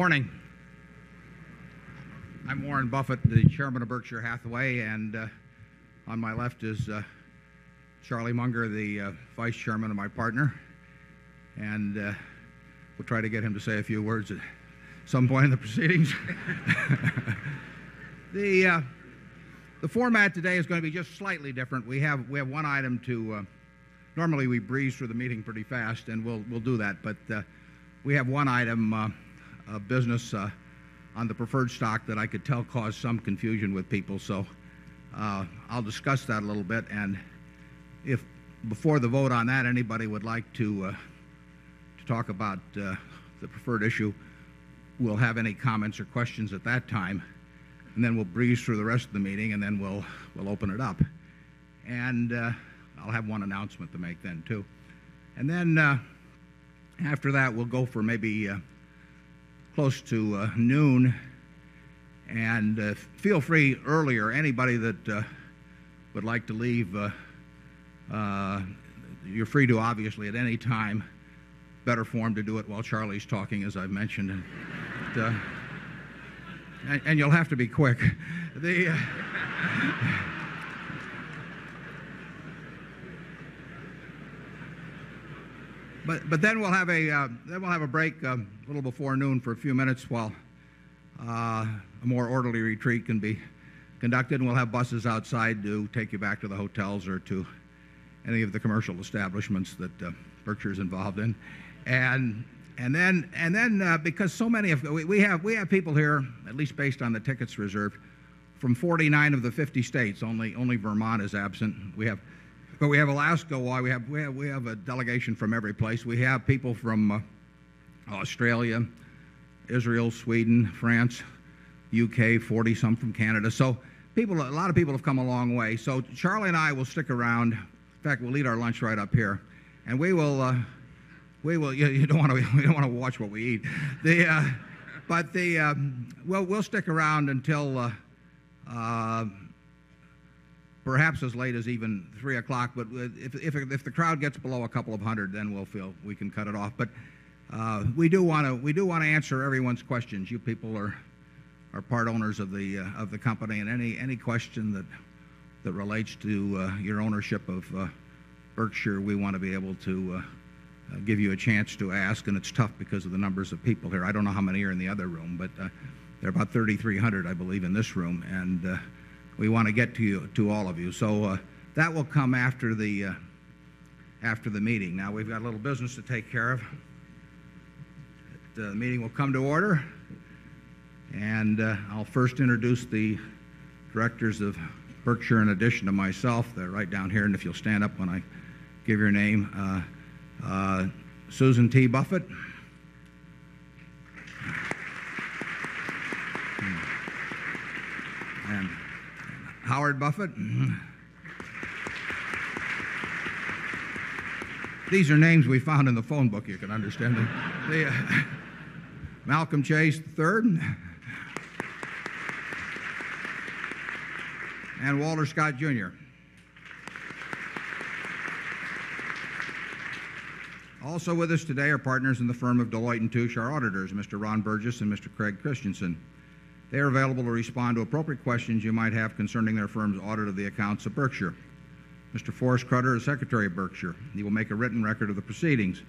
Morning. I'm Warren Buffett, the Chairman of Berkshire Hathaway, and on my left is Charlie Munger, the Vice Chairman of my partner. And we'll try to get him to say a few words at some point in the proceedings. The format today is going to be just slightly different. We have one item to normally we breeze through the meeting pretty fast and we'll do that. But we have one item of business on the preferred stock that I could tell caused some confusion with people. So I'll discuss that a little bit. And if before the vote on that, anybody would like to talk about the preferred issue, We'll have any comments or questions at that time, and then we'll breeze through the rest of the meeting, and then we'll open it up. And I'll have one announcement to make then, too. And then after that, we'll go for maybe close to noon. And feel free early or anybody that would like to leave, you're free to obviously at any time better form to do it while Charlie's talking, as I've mentioned. And you'll have to be quick. But then we'll have a break a little before noon for a few minutes while a more orderly retreat can be conducted. And we'll have buses outside to take you back to the hotels or to any of the commercial establishments that Berkshire is involved in. And then because so many of we have people here, at least based on the tickets reserved, from 49 of the 50 states. Only Vermont is absent. But we have Alaska. We have a delegation from every place. We have people from Australia, Israel, Sweden, France, UK, 40 some from Canada. So a lot of people have come a long way. So Charlie and I will stick around. In fact, we'll eat our lunch right up here. And we will you don't want to watch what we eat. But we'll stick around until perhaps as late as even 3 But if the crowd gets below a couple of 100, then we'll feel we can cut it off. But we do want to answer everyone's questions. You people are part owners of the Company. And any question that relates to your ownership of Berkshire, we want to be able to give you a chance to ask. And it's tough because of the numbers of people here. I don't know how many are in the other room. But there are about 3,300, I believe, in this room. And we want to get to all of you. So, that will come after the meeting. Now, we've got a little business to take care of. The meeting will come to order. And I'll first introduce the directors of Berkshire in addition to myself. They're right down here. And if you'll stand up when I give your name. Susan T. Buffet. Howard Buffet. These are names we found in the phone book. You can understand them. Malcolm Chase III. And Walter Scott Junior. Also with us today are partners in the firm of Deloitte and Touche, our auditors, Mr. Ron Burgess and Mr. Craig Christensen. They are available to respond to appropriate questions you might have concerning their firm's audit of the accounts of Berkshire. Mr. Forrest Croeter is Secretary of Berkshire. He will make a written record of the proceedings.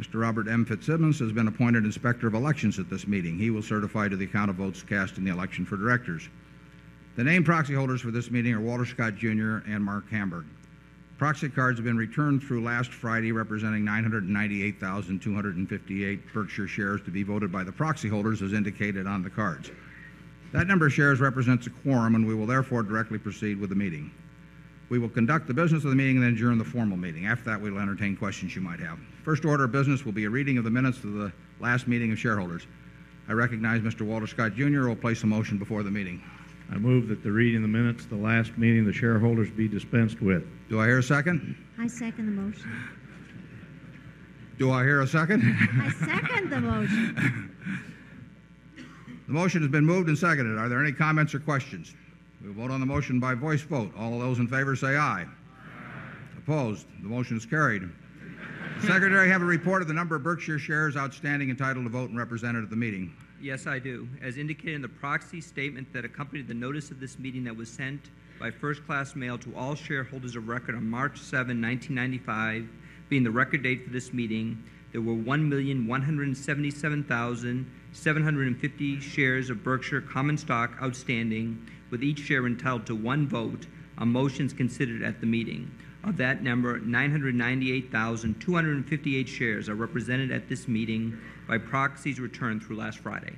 Mr. Robert M. Fitzsimmons has been appointed Inspector of Elections at this meeting. He will certify to the count of votes cast in the election for directors. The name proxy holders for this meeting are Walter Scott, Jr. And Mark Hamburg. Proxy cards have been returned through last Friday, representing 998,200 and 58 Berkshire shares to be voted by the proxy holders as indicated on the cards. That number of shares represents a quorum and we will therefore directly proceed with the meeting. We will conduct the business of the meeting, and then during the formal meeting. After that, we will entertain questions you might have. First order of business will be a reading of the minutes of the last meeting of shareholders. I recognize Mr. Walter Scott, Jr. Will place a motion before the meeting. I move that the reading of the minutes of the last meeting of the shareholders be dispensed with. Do I hear a second? I second the motion. Do I hear a second? I second the motion. The motion has been moved and seconded. Are there any comments or questions? We vote on the motion by voice vote. All those in favor, say aye. Aye. Opposed? The motion is carried. Secretary, have a report of the number of Berkshire shares outstanding entitled to vote and represented at the meeting? Yes, I do. As indicated in the proxy statement that accompanied the notice of this meeting that was sent by First Class Mail to all shareholders of record on March 7, 1995 being the record date for this meeting, there were 1,177,000 750 shares of Berkshire common stock outstanding with each share entitled to one vote. A motion is considered at the meeting. Of that number, 998,258 shares are represented at this meeting by proxies returned through last Friday.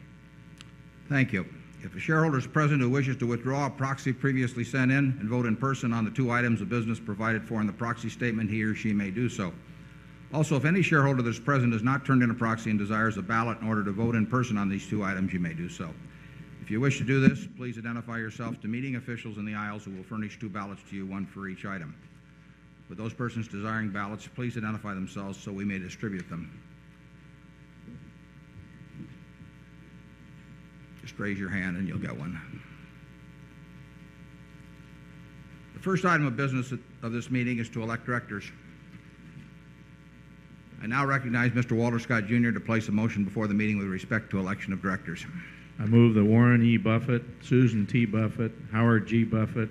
Thank you. If a shareholder is present who wishes to withdraw a proxy previously sent in and vote in person on the 2 items of business provided for in the proxy statement, he or she may do so. Also, if any shareholder that's present has not turned into proxy and desires a ballot in order to vote in person on these two items, you may do so. If you wish to do this, please identify yourself to meeting officials in the aisles who will furnish 2 ballots to you, 1 for each item. With those persons desiring ballots, please identify themselves so we may distribute them. Just raise your hand and you'll get one. The first item of business of this meeting is to elect directors. I now recognize Mr. Walter Scott, Jr. To place a motion before the meeting with respect to election of directors. I move that Warren E. Buffet, Susan T. Buffet, Howard G. Buffet,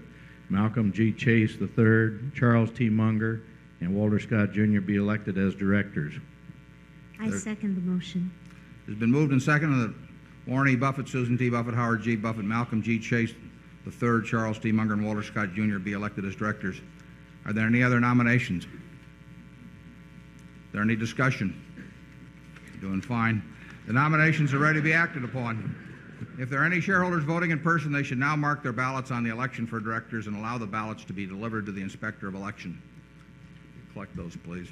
Malcolm G. Chase, III, Charles T. Munger and Walter Scott, Jr. Be elected as directors. I second the motion. It's been moved and seconded that Warren E. Buffet, Susan T. Buffet, Howard G. Buffet, Malcolm G. Chase, the 3rd, Charles D. Munger and Walter Scott, Jr. Be elected as directors. Are there any other nominations? Are there any discussion? Doing fine. The nominations are ready to be acted upon. If there are any shareholders voting in person, they should now mark their ballots on the election for directors and allow the ballots to be delivered to the Inspector of Election. Collect those, please.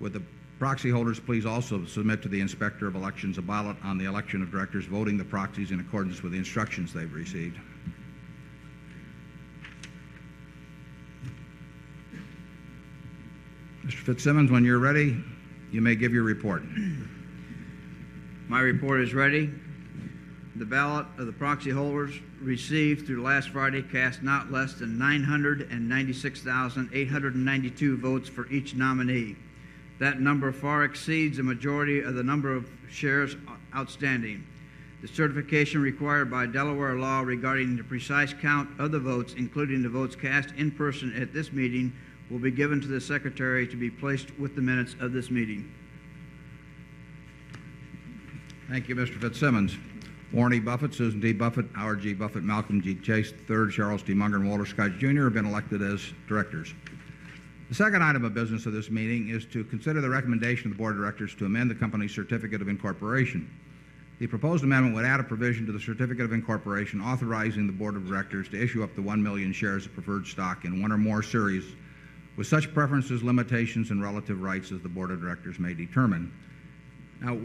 Would the proxy holders please also submit to the Inspector of Elections a ballot on the election of directors voting the proxies in accordance with the instructions they've received. Mr. Fitzsimmons, when you're ready, you may give your report. My report is ready. The ballot of the proxy holders received through last Friday cast not less than 996 1,892 votes for each nominee. That number far exceeds the majority of the number of shares outstanding. The certification required by Delaware law regarding the precise count of the votes, including the votes cast in person at this meeting, will be given to the secretary to be placed with the minutes of this meeting. Thank you, Mr. Fitzsimmons. Warren E. Buffet, Susan D. Buffet, Howard G. Buffet, Malcolm G. Chase, III, Charles D. Munger and Walter Scott, Jr. Have been elected as directors. The second item of business of this meeting is to consider the recommendation of the Board of Directors to amend the company's certificate of incorporation. The proposed amendment would add a provision to the certificate of incorporation authorizing the Board of Directors to issue up to 1,000,000 shares of preferred stock in 1 or more series with such preferences, limitations and relative rights as the Board of Directors may determine. Now,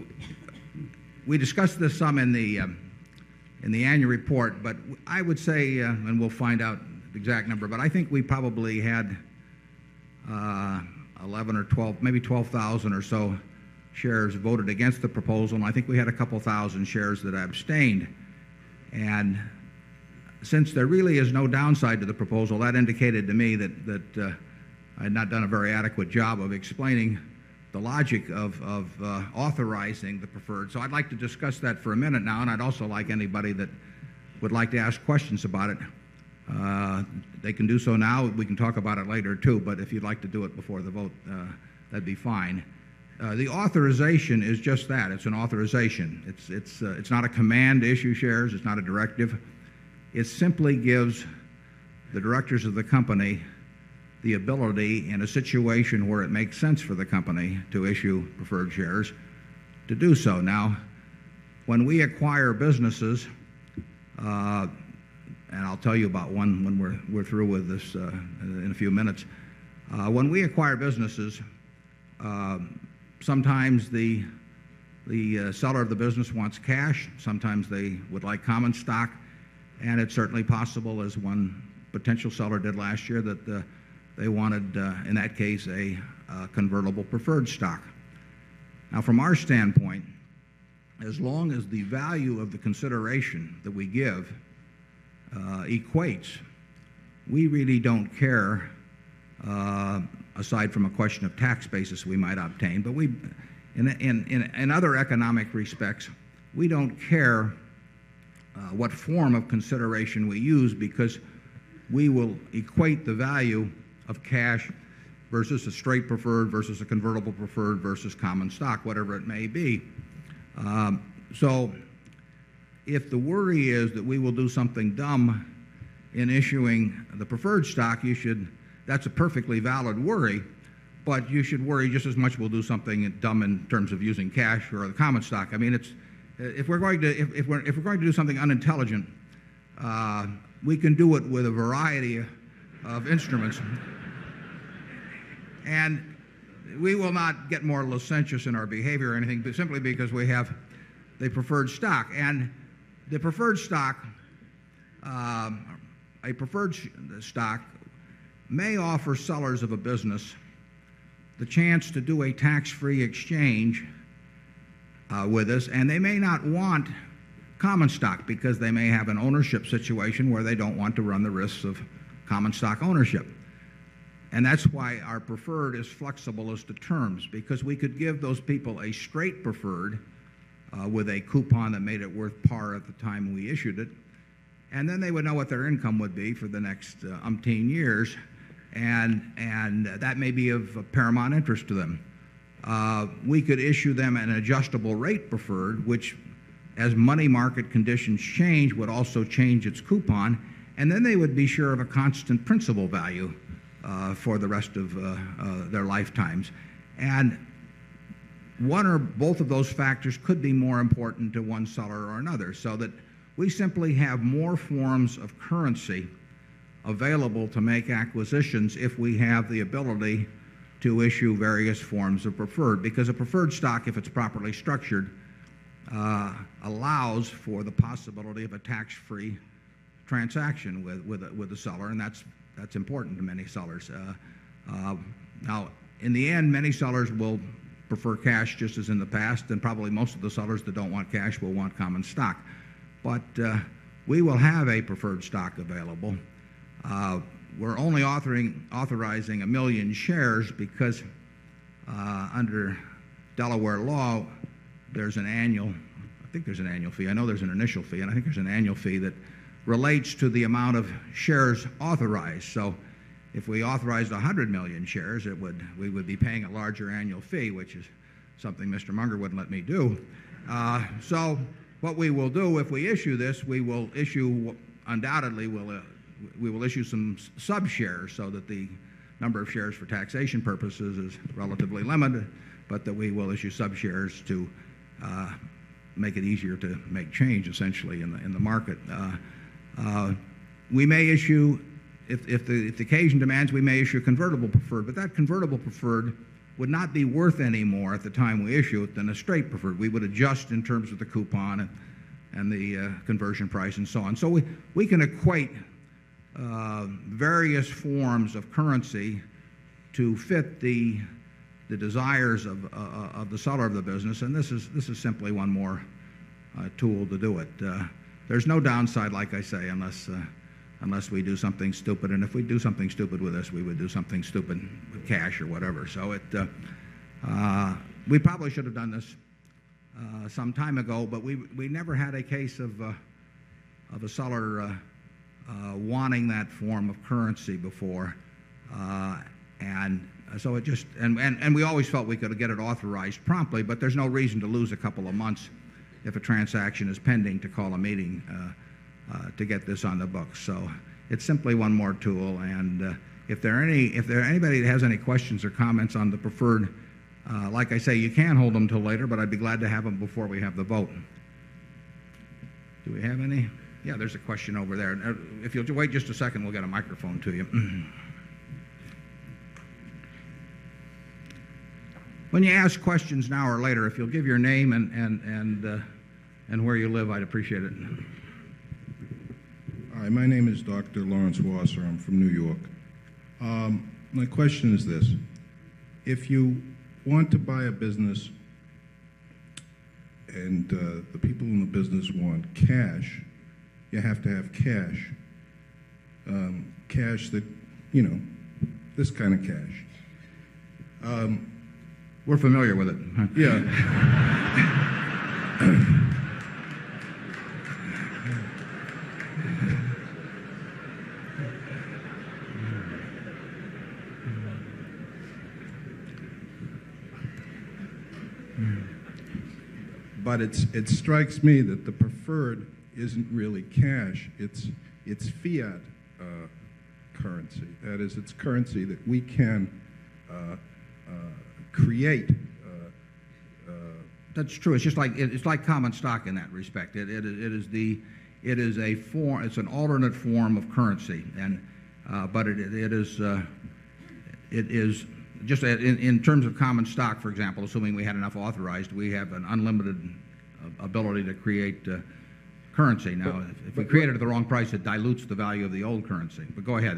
we discussed this some in the annual report, but I would say and we'll find out the exact number, but I think we probably had 11 or 12, maybe 12,000 or so shares voted against the proposal. I think we had a couple of 1,000 shares that I abstained. And since there really is no downside to the proposal, that indicated to me that I had not done a very adequate job of explaining the logic of authorizing the preferred. So I'd like to discuss that for a minute now, and I'd also like anybody that would like to ask questions about it. They can do so now. We can talk about it later too, but if you'd like to do it before the vote, that would be fine. The authorization is just that. It's an authorization. It's not a command issue shares. It's not a directive. It simply gives the directors of the company the ability in a situation where it makes sense for the company to issue preferred shares to do so. Now, when we acquire businesses, and I'll tell you about one when we're through with this in a few minutes. When we acquire businesses, sometimes the seller of the business wants cash, sometimes they would like common stock, And it's certainly possible, as one potential seller did last year, that they wanted, in that case, a convertible preferred stock. Now, from our standpoint, as long as the value of the consideration that we give equates, we really don't care, aside from a question of tax basis we might obtain, but in other economic respects, we don't care what form of consideration we use because we will equate the value of cash versus a straight preferred versus a convertible preferred versus common stock, whatever it may be. So if the worry is that we will do something dumb in issuing the preferred stock, you should that's a perfectly valid worry. But you should worry just as much we'll do something dumb in terms of using cash or other common stock. I mean, if we're going to do something unintelligent, we can do it with a variety of instruments. And we will not get more licentious in our behavior or anything simply because we have the preferred stock. And the preferred stock a preferred stock may offer sellers of a business the chance to do a tax free exchange with us. And they may not want common stock, because they may have an ownership situation where they don't want to run the risk of common stock ownership. And that's why our preferred is flexible as to terms because we could give those people a straight preferred with a coupon that made it worth par at the time we issued it, and then they would know what their income would be for the next umpteen years. And that may be of paramount interest to them. We could issue them an adjustable rate preferred, which as money market conditions change, would also change its coupon, And then they would be sure of a constant principal value for the rest of their lifetimes. And one or both of those factors could be more important to one seller or another, so that we simply have more forms of currency available to make acquisitions if we have the ability to issue various forms of preferred. Because a preferred stock, if it's properly structured, allows for the possibility of a tax free transaction with the seller, and that's important to many sellers. Now in the end, many sellers will prefer cash just as in the past, and probably most of the sellers that don't want cash will want common stock. But we will have a preferred stock available. We're only authorizing 1,000,000 shares because under Delaware law, there's an annual I think there's an annual fee. I know there's an initial fee. And I think there's an annual fee that relates to the amount of shares authorized. So, if we authorized 100,000,000 shares, we would be paying a larger annual fee, which is something Mr. Munger wouldn't let me do. So, what we will do if we issue this, we will issue undoubtedly, we will issue some sub shares so that the number of shares for taxation purposes is relatively limited, but that we will issue sub shares to make it easier to make change essentially in the market. We may issue if the occasion demands, we may issue a convertible preferred. But that convertible preferred would not be worth any more at the time we issue it than a straight preferred. We would adjust in terms of the coupon and the conversion price and so on. So we can equate various forms of currency to fit the desires of the seller of the business, and this is simply one more tool to do it. There's no downside, like I say, unless we do something stupid. And if we do something stupid with us, we would do something stupid with cash or whatever. So, we probably should have done this some time ago, but we never had a case of a seller wanting that form of currency before. And so it just and we always felt we could get it authorized promptly, but there's no reason to lose a couple of months if a transaction is pending to call a meeting to get this on the books. So it's simply one more tool. And if there are anybody that has any questions or comments on the preferred, like I say, you can hold them until later, but I'd be glad to have them before we have the vote. Do we have any? Yeah, there's a question over there. If you have to wait just a second, we'll get a microphone to you. When you ask questions now or later, if you'll give your name and where you live, I'd appreciate it. My name is Doctor. Lawrence Wasser. I'm from New York. My question is this. If you want to buy a business and the people in the business want cash, You have to have cash. Cash that this kind of cash. We're familiar with it. Yeah. But it strikes me that the preferred isn't really cash. It's fiat currency. That is, it's currency that we can create. That's true. It's just like common stock in that respect. It is an alternate form of currency. But it is just in terms of common stock, for example, assuming we had enough authorized, we have an unlimited ability to create currency. Now, if we create it at the wrong price, it dilutes the value of the old currency. But go ahead.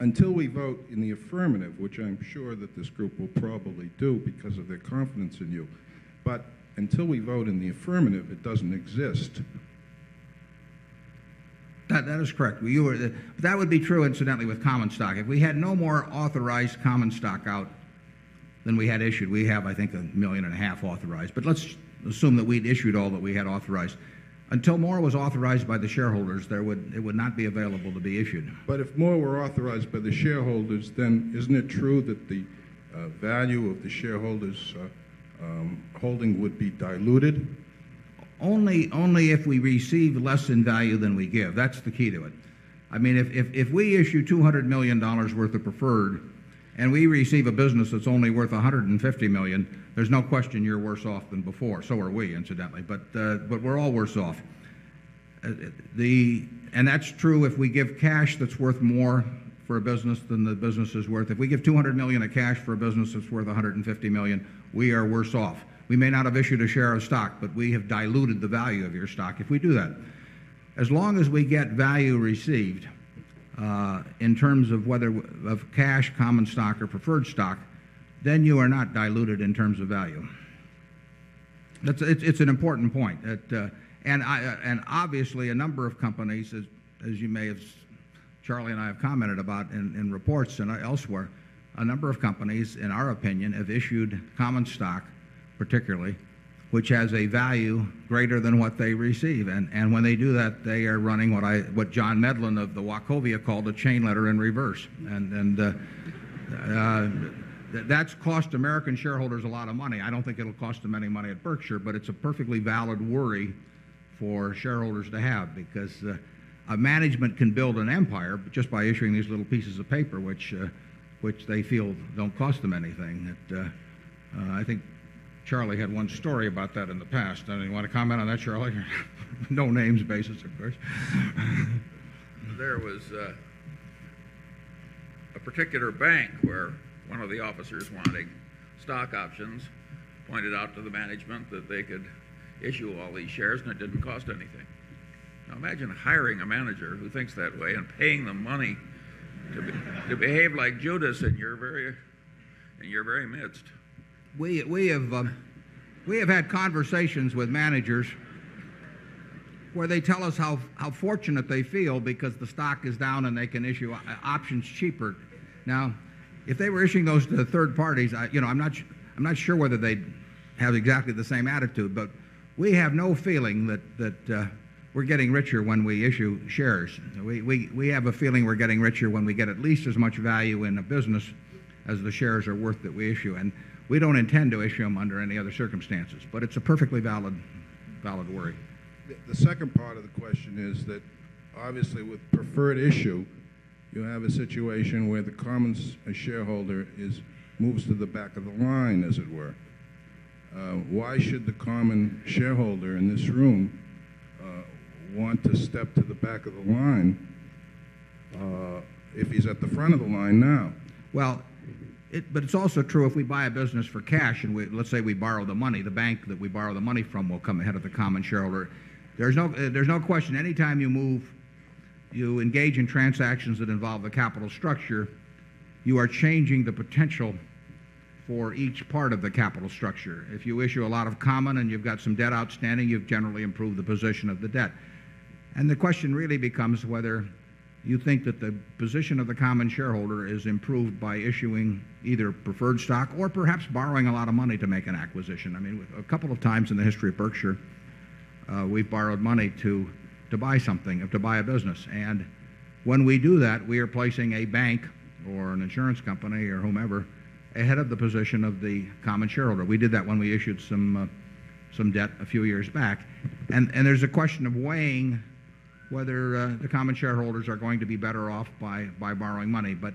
Until we vote in the affirmative, which I'm sure this group will probably do because of their confidence in you, but until we vote in the affirmative, it doesn't exist. That is correct. You are the that would be true incidentally with common stock. If we had no more authorized common stock out than we had issued, we have, I think, $1,500,000 authorized. But let's assume that we'd issued all that we had authorized. Until more was authorized by the shareholders, there would it would not be available to be issued. But if more were authorized by the shareholders, then isn't it true that the value of the shareholders' holding would be diluted? Only if we receive less in value than we give. That's the key to it. I mean, if we issue $200,000,000 worth of preferred and we receive a business that's only worth 150,000,000 dollars there's no question you're worse off than before. So are we, incidentally. But we're all worse off. And that's true if we give cash that's worth more for a business than the business is worth. If we give $200,000,000 of cash for a business that's worth $150,000,000 we are worse off. We may not have issued a share of stock, but we have diluted the value of your stock. If we do that, as long as we get value received, in terms of whether of cash, common stock or preferred stock, then you are not diluted in terms of value. It's an important point. And obviously, a number of companies, as you may have Charlie and I have commented about in reports and elsewhere, a number of companies, in our opinion, have issued common stock, particularly, which has a value greater than what they receive. And when they do that, they are running what John Medlin of the Wachovia called a chain letter in reverse. And that's cost American shareholders a lot of money. I don't think it will cost them any money at Berkshire, but it's a perfectly valid worry for shareholders to have because a management can build an empire just by issuing these little pieces of paper, which they feel don't cost them anything. I think Charlie had one story about that in the past. Don't you want to comment on that, Charlie? No names basis, of course. There was a particular bank where one of the officers wanting stock options pointed out to the management that they could issue all these shares and it didn't cost anything. Now imagine hiring a manager who thinks that way and paying them money to behave like Judas in your very midst. We have had conversations with managers where they tell us how fortunate they feel because the stock is down and they can issue options cheaper. Now, if they were issuing those to the 3rd parties, I'm not sure whether they'd have exactly the same attitude, but we have no feeling that we're getting richer when we issue shares. We have a feeling we're getting richer when we get at least as much value in a business as the shares are worth that we issue. And we don't intend to issue them under any other circumstances, but it's a perfectly valid worry. The second part of the question is that, obviously, with preferred issue, you have a situation where the common shareholder moves to the back of the line, as it were. Why should the common shareholder in this room want to step to the back of the line if he's at the front of the line now? Well, but it's also true if we buy a business for cash and let's say we borrow the money, the bank that we borrow the money from will come ahead of the common shareholder. There's no question, any time you move, you engage in transactions that involve the capital structure, you are changing the potential for each part of the capital structure. If you issue a lot of common and you've got some debt outstanding, you've generally improved the position of the debt. And the question really becomes whether you think that the position of the common shareholder is improved by issuing either preferred stock or perhaps borrowing a lot of money to make an acquisition. I mean, a couple of times in the history of Berkshire, we borrowed money to buy something, to buy a business. And when we do that, we are placing a bank or an insurance company or whomever ahead of the position of the common shareholder. We did that when we issued some debt a few years back. And there's a question of weighing whether the common shareholders are going to be better off by borrowing money. But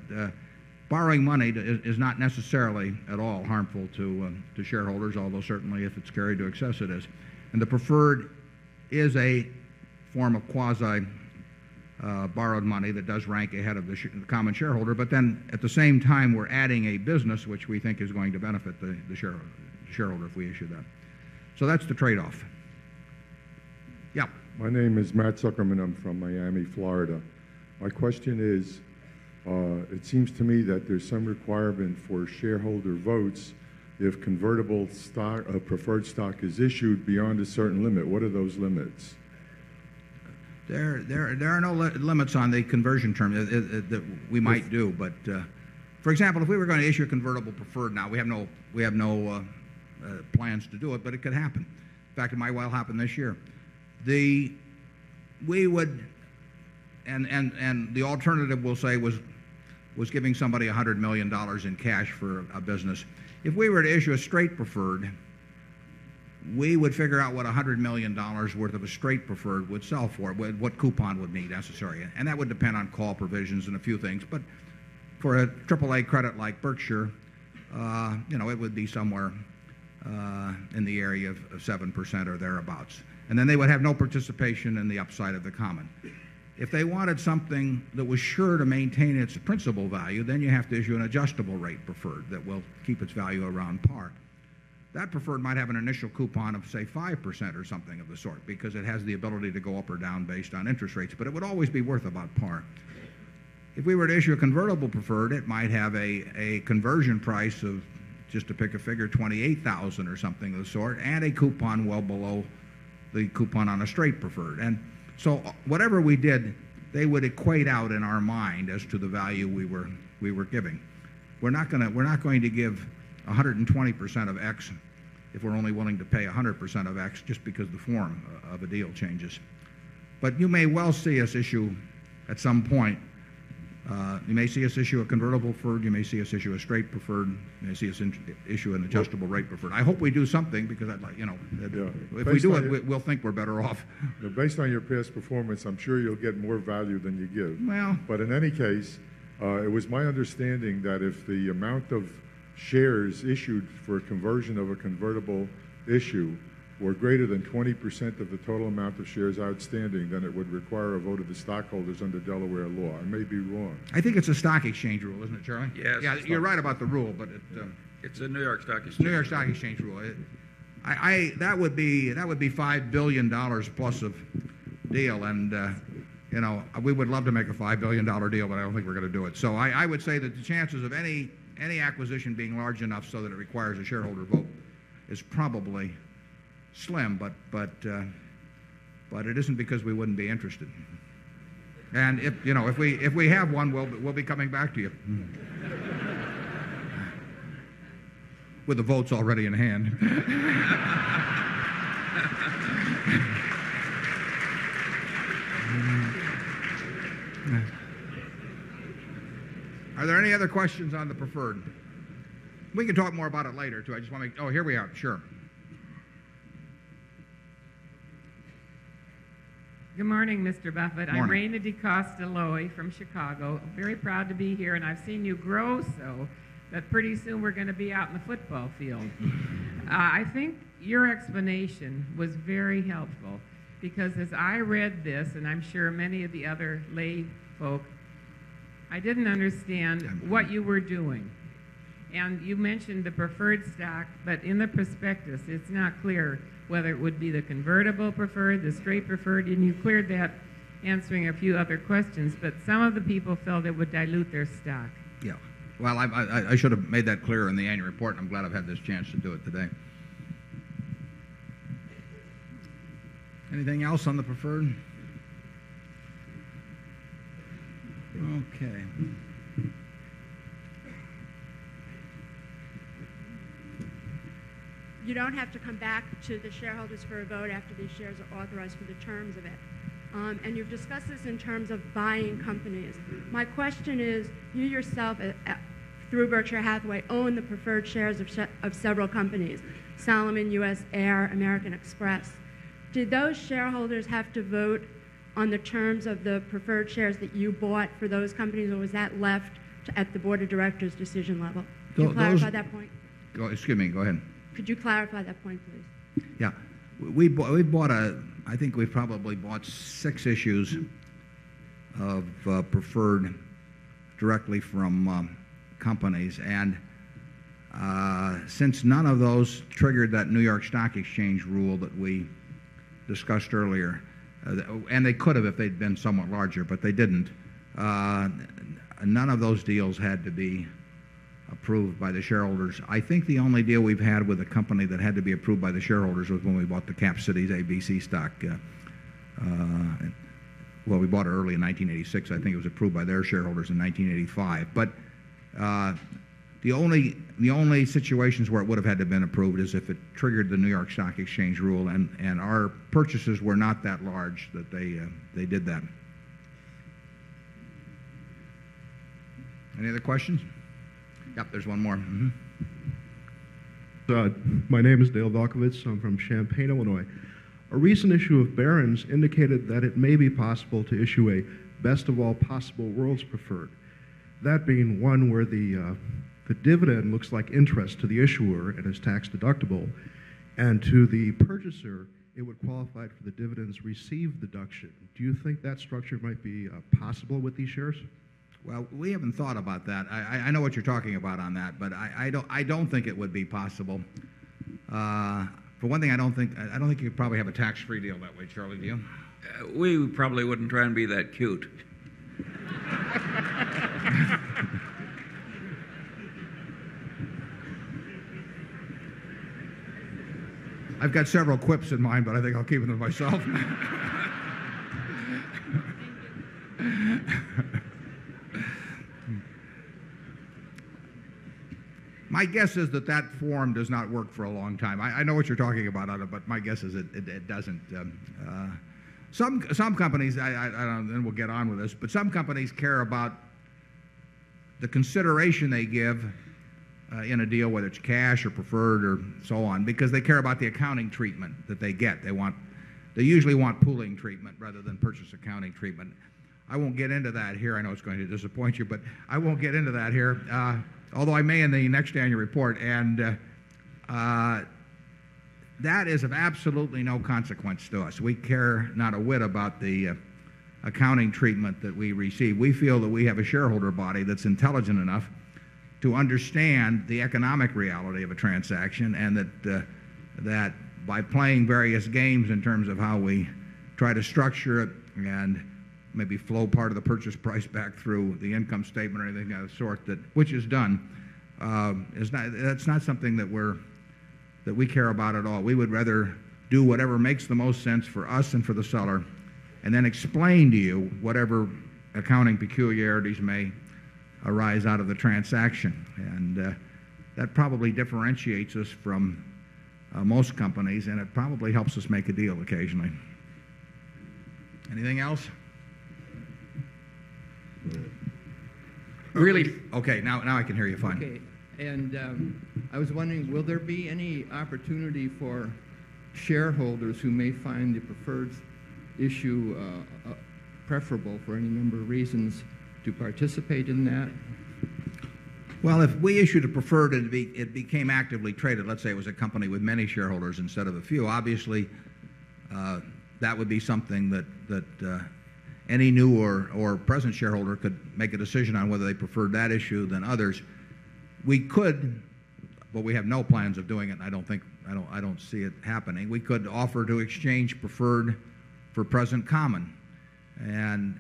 borrowing money is not necessarily at all harmful to shareholders, although certainly if it's carried to excess, it is. And the preferred is a form of quasi borrowed money that does rank ahead of the common shareholder. But then at the same time, we're adding a business which we think is going to benefit the shareholder if we issue that. So that's the trade off. Yeah. My name is Matt Zuckerman. I'm from Miami, Florida. My question is, it seems to me that there's some requirement for shareholder votes if convertible stock preferred stock is issued beyond a certain limit? What are those limits? There are no limits on the conversion term that we might do. But for example, if we were going to issue a convertible preferred now, we have no plans to do it, but it could happen. In fact, it might well happen this year. The we would and the alternative, we'll say, was giving somebody $100,000,000 in cash for a business. If we were to issue a straight preferred, we would figure out what $100,000,000 worth of a straight preferred would sell for, what coupon would be somewhere in the area of 7% or thereabouts. And then they would have no participation in the upside of the common. If they wanted something that was sure to maintain its principal value, then you have to issue an adjustable rate preferred that will keep its value around par. That preferred might have an initial coupon of, say, 5% or something of the sort because it has the ability to go up or down based on interest rates, but it would always be worth about par. If we were to issue a convertible preferred, it might have a conversion price of, just to pick a figure, dollars 28,000 or something of the sort and a coupon well below the coupon on a straight preferred. And so whatever we did, they would equate out in our mind as to the value we were giving. We're not going to give 120 percent of X if we're only willing to pay 100 percent of X just because the form of a deal changes. But you may well see us issue at some point, you may see us issue a convertible preferred, you may see us issue a straight preferred, you may see us issue an adjustable rate preferred. I hope we do something because that's like, you know, if we do it, we'll think we're better off. Based on your past performance, I'm sure you'll get more value than you give. But in any case, it was my understanding that if the amount of shares issued for conversion of a convertible issue were greater than 20% of the total amount of shares outstanding, then it would require a vote of the stockholders under Delaware law. I may be wrong. I think it's a stock exchange rule, isn't it, Chairman? Yes. Yes, you're right about the rule, but it's a New York Stock Exchange. New York Stock Exchange rule. That would be $5,000,000,000 plus of deal. And we would love to make a $5,000,000,000 deal, but I don't think we're going to do it. So I would say that chances of any acquisition being large enough so that it requires a shareholder vote is probably slim. But it isn't because we wouldn't be interested. And if we have one, we'll be coming back to you. With the votes already in hand. Are there any other questions on the preferred? We can talk more about it later. I just want to oh, here we are. Sure. Good morning, Mr. Buffet. I'm Rayna DeCosta Loi from Chicago. Very proud to be here. And I've seen you grow so that pretty soon we're going to be out in the football field. I think your explanation was very helpful because as I read this, and I'm sure many of the other lay folk, I didn't understand what you were doing. And you mentioned the preferred stock, but in the prospectus, it's not clear whether it would be the convertible preferred, the straight preferred. And you cleared that answering a few other questions. But some of the people felt it would dilute their stock. Yeah. Well, I should have made that clear in the annual report. I'm glad I've had this chance to do it today. Anything else on the preferred? Okay. You don't have to come back to the shareholders for a vote after these shares are authorized for the terms of it. And you've discussed this in terms of buying companies. My question is you yourself through Berkshire Hathaway own the preferred shares of several companies, Solomon, U. S. Air, American Express. Did those shareholders have to vote on the terms of the preferred shares that you bought for those companies? Or was that left at the Board of Directors decision level? Could you clarify that point? Excuse me. Go ahead. Could you clarify that point, please? Yes. We bought a I think we probably bought 6 issues of preferred directly from companies. And since none of those triggered that New York Stock Exchange rule that we discussed earlier, and they could have if they'd been somewhat larger, but they didn't, none of those deals had to be approved by the shareholders. I think the only deal we've had with a company that had to be approved by the shareholders was when we bought the Cap Cities ABC stock. Well, we bought it early in 1986. I think it was approved by their shareholders in 1985. But the only situations where it would have had to have been approved is if it triggered the New York Stock Exchange rule, and our purchases were not that large that they did that. Any other questions? Yes, there's one more. My name is Dale Volkowitz. I'm from Champaign, Illinois. A recent issue of Barron's indicated that it may be possible to issue a best of all possible worlds preferred, that being one where the dividend looks like interest to the issuer and is tax deductible. And to the purchaser, it would qualify for the dividends received deduction. Do you think that structure might be possible with these shares? Well, we haven't thought about that. I know what you're talking about on that, but I don't think it would be possible. For one thing, I don't think you probably have a tax free deal that way, Charlie. Do you? We probably wouldn't try and be that cute. I've got several quips in mind, but I think I'll keep them to myself. My guess is that that form does not work for a long time. I know what you're talking about, but my guess is it doesn't. Some companies, and then we'll get on with this, but some companies care about the consideration they give in a deal, whether it's cash or preferred or so on, because they care about the accounting treatment that they get. They usually want pooling treatment rather than purchase accounting treatment. I won't get into that here. I know it's going to disappoint you, but I won't get into that here, although I may in the next annual report. And that is of absolutely no consequence to us. We care not a whit about the accounting treatment that we receive. We feel that we have a shareholder body that's intelligent enough to understand the economic reality of a transaction and that by playing various games in terms of how we try to structure it and maybe flow part of the purchase price back through the income statement or anything of that sort, which is done. That's not something that we care about at all. We would rather do whatever makes the most sense for us and for the seller and then explain to you whatever accounting peculiarities may arise out of the transaction. And that probably differentiates us from most companies, and it probably helps us make a deal occasionally. Anything else? Really? Okay. Now I can hear you fine. And I was wondering, will there be any opportunity for shareholders who may find the preferred issue preferable for any number of reasons to participate in that? Well, if we issued a preferred and it became actively traded, let's say it was a company with many shareholders instead of a few, obviously that would be something that any new or present shareholder could make a decision on whether they prefer that issue than others. We could, but we have no plans of doing it. I don't think I don't see it happening. We could offer to exchange preferred for present common. And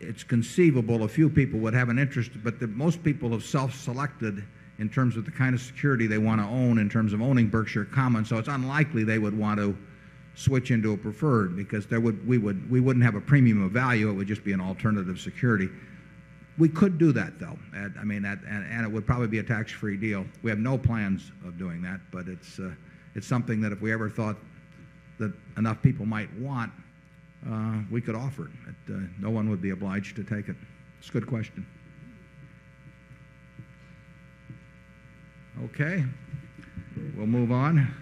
it's conceivable a few people would have an interest, but most people have self selected in terms of the kind of security they want to own in terms of owning Berkshire Common. So it's unlikely they would want to switch into a preferred because we wouldn't have a premium of value, just be an alternative security. We could do that though. I mean, and it would probably be a tax free deal. We have no plans of doing that, but it's something that if we ever thought that enough people might want, we could offer it. But no one would be obliged to take it. It's a good question. Okay. We'll move on.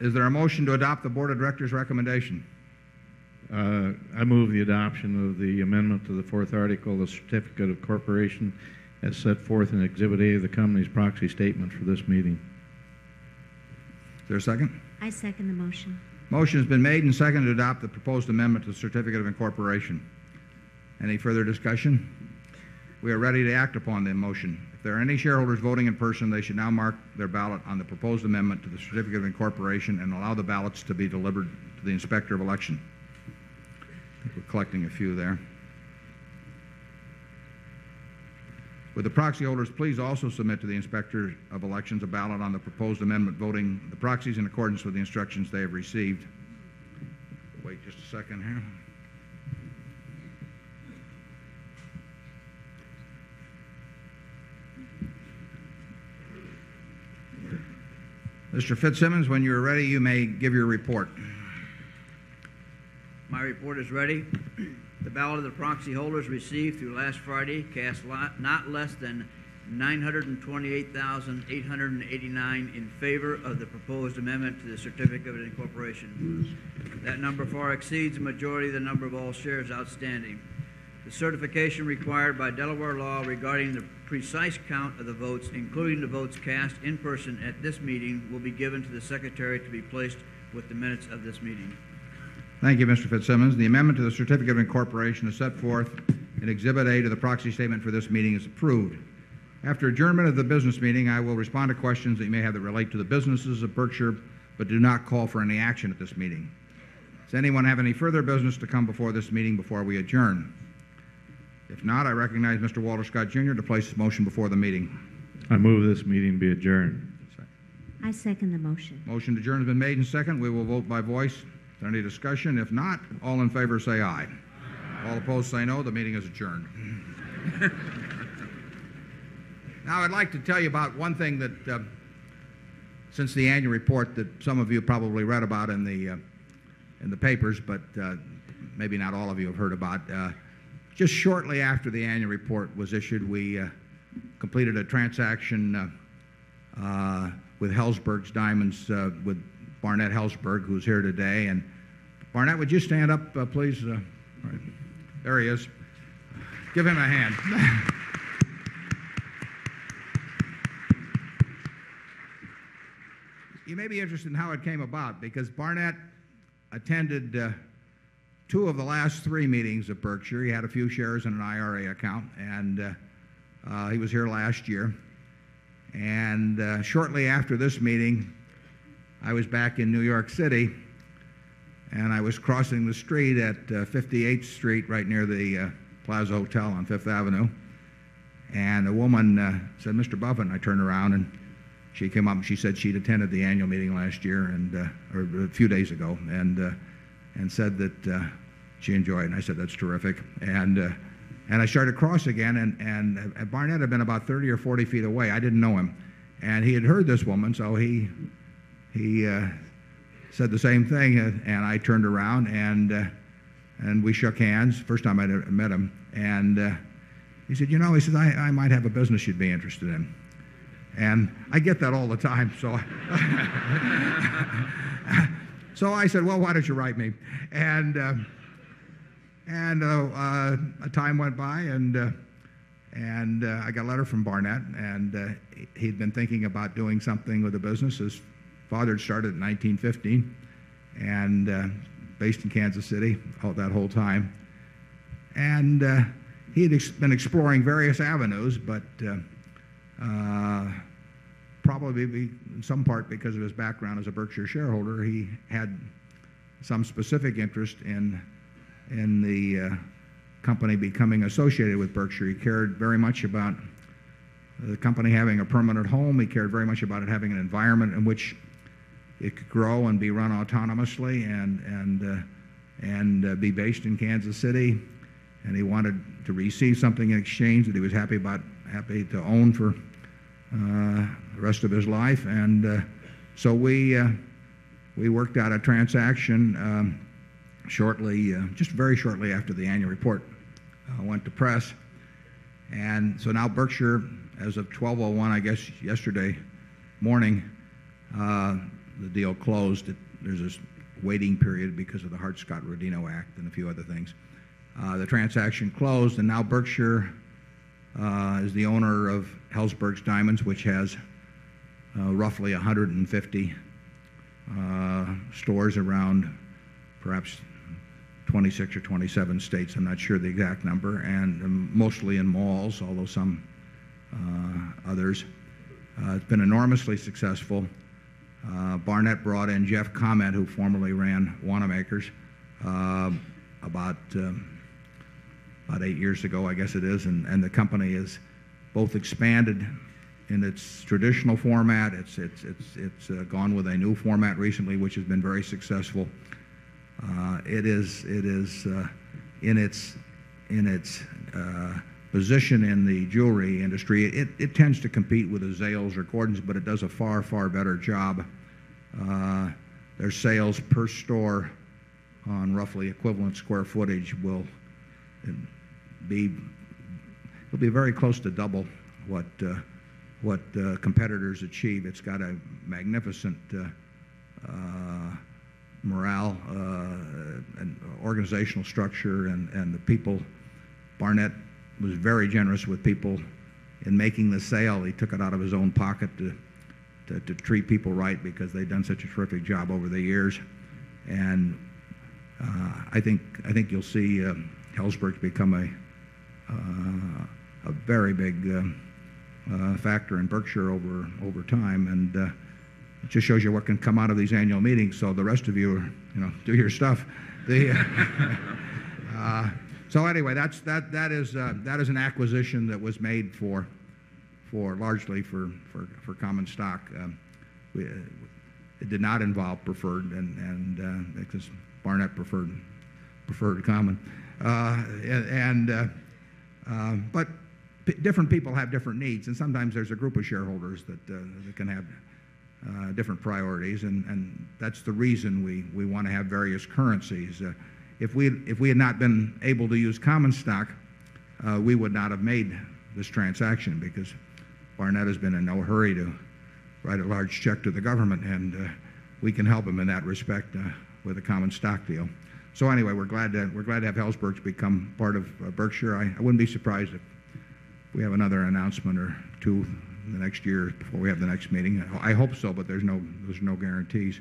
Is there a motion to adopt the Board of Directors' recommendation? I move the adoption of the amendment to the 4th article, the Certificate of Corporation as set forth in Exhibit A of the Company's proxy statement for this meeting. Is there a second? I second the motion. Motion has been made and seconded to adopt the proposed amendment to the Certificate of Incorporation. Any further discussion? We are ready to act upon the motion. If there are any shareholders voting in person, they should now mark their ballot on the proposed amendment to the Certificate of Incorporation and allow the ballots to be delivered to the Inspector of Election. We're collecting a few there. Would the proxy holders please also submit to the Inspector of Elections a ballot on the proposed amendment voting the proxies in accordance with the instructions they have received? Wait just a second here. Mr. Fitzsimmons, when you are ready, you may give your report. My report is ready. The ballot of the proxy holders received through last Friday cast not less than 928,889 in favor of the proposed amendment to the certificate of incorporation. That number far exceeds the majority of the number of all shares outstanding. The certification required by Delaware Law regarding the precise count of the votes, including the votes cast in person at this meeting will be given to the secretary to be placed with the minutes of this meeting. Thank you, Mr. Fitzsimmons. The amendment to the certificate of incorporation is set forth and Exhibit A to the proxy statement for this meeting approved. After adjournment of the business meeting, I will respond to questions that you may have that relate to the businesses of Berkshire, but do not call for any action at this meeting. Does anyone have any further business to come before this meeting before we adjourn? If not, I recognize Mr. Walter Scott, Jr. To place this motion before the meeting. I move this meeting be adjourned. I second the motion. Motion to adjourn has been made and seconded. We will vote by voice. Any discussion? If not, all in favor, say aye. All opposed, say no. The meeting is adjourned. Now, I'd like to tell you about one thing that since the annual report that some of you probably read about in the papers, but maybe not all of you have heard about. Just shortly after the annual report was issued, we completed a transaction with Helzberg's Diamonds with Barnett Helzberg, who is here today. And Barnett, would you stand up, please? There he is. Give him a hand. You may be interested in how it came about because Barnett attended 2 of the last three meetings of Berkshire. He had a few shares and an IRA account, and he was here last year. And shortly after this meeting, I was back in New York City, and I was crossing the street at 58th Street, right near the Plaza Hotel on Fifth Avenue. And a woman said, Mr. Buffen. I turned around and she came up and she said she'd attended the annual meeting last year a few days ago and said that she enjoyed it. And I said, That's terrific. And And I started to cross again, and Barnett had been about 30 or 40 feet away. I didn't know him. And he had heard this woman, so he said the same thing. And I turned around and we shook hands, the first time I'd ever met him. And he said, you know, I might have a business you'd be interested in. And I get that all the time. So I said, well, why don't you write me? And a time went by, and I got a letter from Barnett, and he'd been thinking about doing something with the business. His father had started in 19 15, and based in Kansas City, called that whole time. And he had been exploring various avenues, but probably in some part because of his background as a Berkshire shareholder, he had some specific interest in the company becoming associated with Berkshire. He cared very much about the company having a permanent home. He cared very much about it having an environment in which it could grow and be run autonomously and be based in Kansas City. And he wanted to receive something in exchange that he was happy to own for the rest of his life. So we worked out a transaction shortly, just very shortly after the annual report went to press. And so now Berkshire, as of 1201, I guess yesterday morning, the deal closed. There's this waiting period because of the Hart Scott Rodino Act and a few other things. The transaction closed, and now Berkshire is the owner of Helzberg's Diamonds, which has roughly 150 stores around perhaps 26 or 27 states, I'm not sure the exact number, and mostly in malls, although some others. It's been enormously successful. Barnett brought in Jeff Comett, who formerly ran Wanamakers about 8 years ago, I guess it is. And the company has both expanded in its traditional format. It's gone with a new format recently, which has been very successful. It is in its position in the jewelry industry. It tends to compete with the Zales Accordants, but it does a far, far better job. Their sales per store on roughly equivalent square footage will be very close to double what competitors achieve. It's got a magnificent morale and organizational structure and the people. Barnett was very generous with people in making the sale. He took it out of his own pocket to treat people right because they'd done such a terrific job over the years. And I think you'll see Helzberg become a very big factor in Berkshire over time. And it just shows you what can come out of these annual meetings so the rest of you do your stuff. So anyway, that is an acquisition that was made for largely for common stock. It did not involve preferred, because Barnett preferred common. But different people have different needs. And sometimes there's a group of shareholders that can have different priorities, and that's the reason we want to have various currencies. If we had not been able to use common stock, we would not have made this transaction, because Barnett has been in no hurry to write a large check to the government, and we can help him in that respect with a common stock deal. So anyway, we're glad to have Ellsberg become part of Berkshire. I wouldn't be surprised if we have another announcement or 2 in the next year before we have the next meeting. I hope so, but there's no guarantees.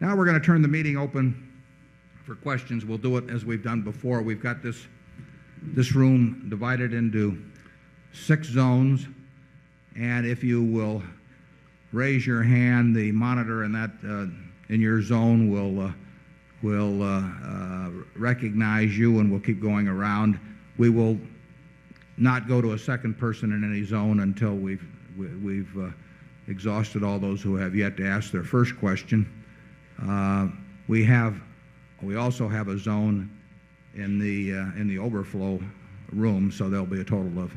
Now we're going to turn the meeting open for questions. We'll do it as we've done before. We've got this room divided into 6 zones. And if you will raise your hand, the monitor in your zone will recognize you and will keep going around. We will not go to a second person in any zone until we've exhausted all those who have yet to ask their first question. We also have a zone in the overflow room, so there will be a total of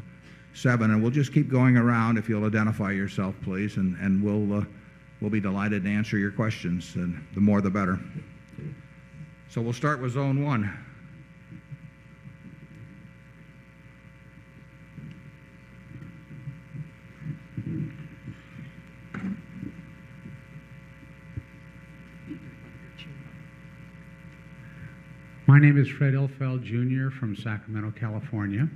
7. And we'll just keep going around if you'll identify yourself, please, and we'll be delighted to answer your questions. The more, the better. So we'll start with Zone 1. My name is Fred Ilfeld Jr. From Sacramento, California.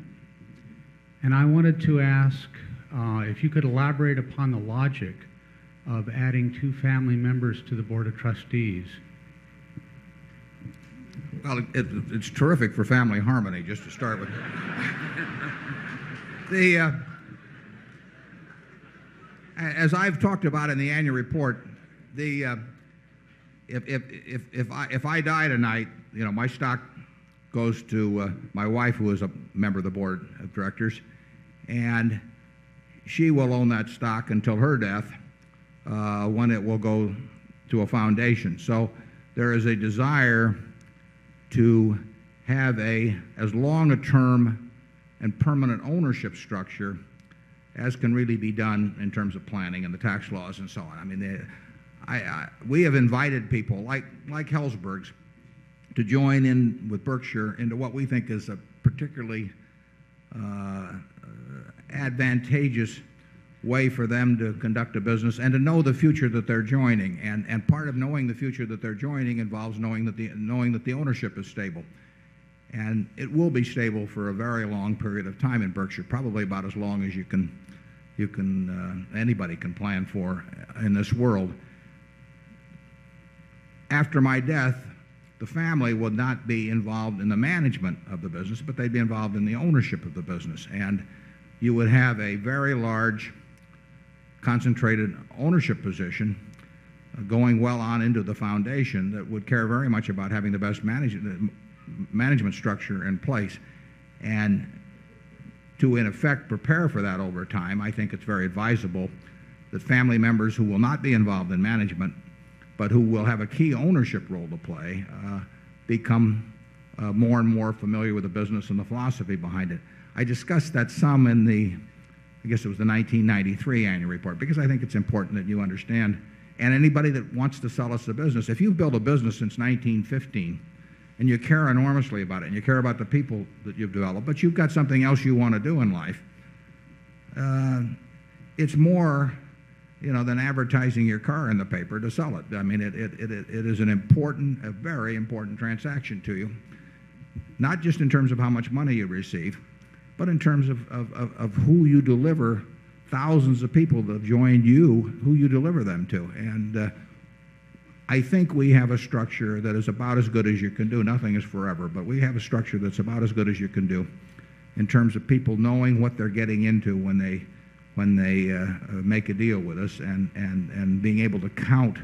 And I wanted to ask, if you could elaborate upon the logic of adding 2 family members to the Board of Trustees. It's terrific for family harmony, just to start with. As I've talked about in the annual report, if I die tonight, my stock goes to my wife, who is a member of the Board of Directors, and she will own that stock until her death, when it will go to a foundation. So there is a desire to have as long a term and permanent ownership structure as can really be done in terms of planning and the tax laws. I mean, we have invited people like Helzbergs to join in with Berkshire into what we think is a particularly advantageous way for them to conduct a business and to know the future that they're joining. And part of knowing that they're joining involves knowing that the ownership is stable. And it will be stable for a very long period of time in Berkshire, probably about as long as you can, anybody can plan for in this world. After my death, the family would not be involved in the management of the business, but they'd be involved in the ownership of the business. And you would have a very large, concentrated ownership position going well on into the foundation that would care very much about having the best management structure in place And to, in effect, prepare for that over time, I think it's very advisable that family members who will not be involved in management, but who will have a key ownership role to play, become more and more familiar with the business and the philosophy behind it. I discussed that some in the I guess it was the 1993 annual report, because I think it's important that you understand. And anybody that wants to sell us a business, if you've built a business since 1915 and you care enormously about it, and you care about the people that you've developed, but you've got something else you want to do in life, it's more than advertising your car in the paper to sell it. It is an important, a very important transaction to you, not just in terms of how much money you receive, but in terms of who you deliver. Thousands of people that have joined you, who you deliver them to. And I think we have a structure that is about as good as you can do. Nothing is forever, but we have a structure that's about as good as you can do in terms of people knowing what they're getting into when they make a deal with us and being able to count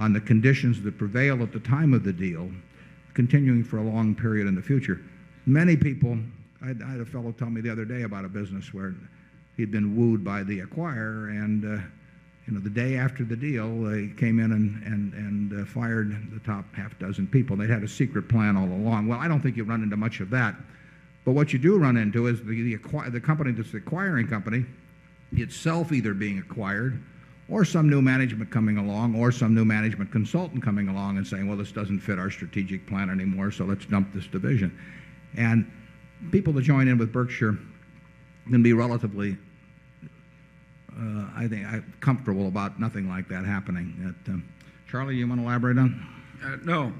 on the conditions that prevailed at the time of the deal, continuing for a long period in the future. Many people I had a fellow tell me the other day about a business where he'd been wooed by the acquirer, and the day after the deal, they came in and fired the top half dozen people. They had a secret plan all along. Well, I don't think you run into much of that. But what you do run into is the company that's the acquiring company itself either being acquired or some new management coming along or some new management consultant coming along and saying, well, this doesn't fit our strategic plan anymore, so let's dump this division. And people to join in with Berkshire are going to be relatively, comfortable about nothing like that happening. Charlie, you want to elaborate on it? No.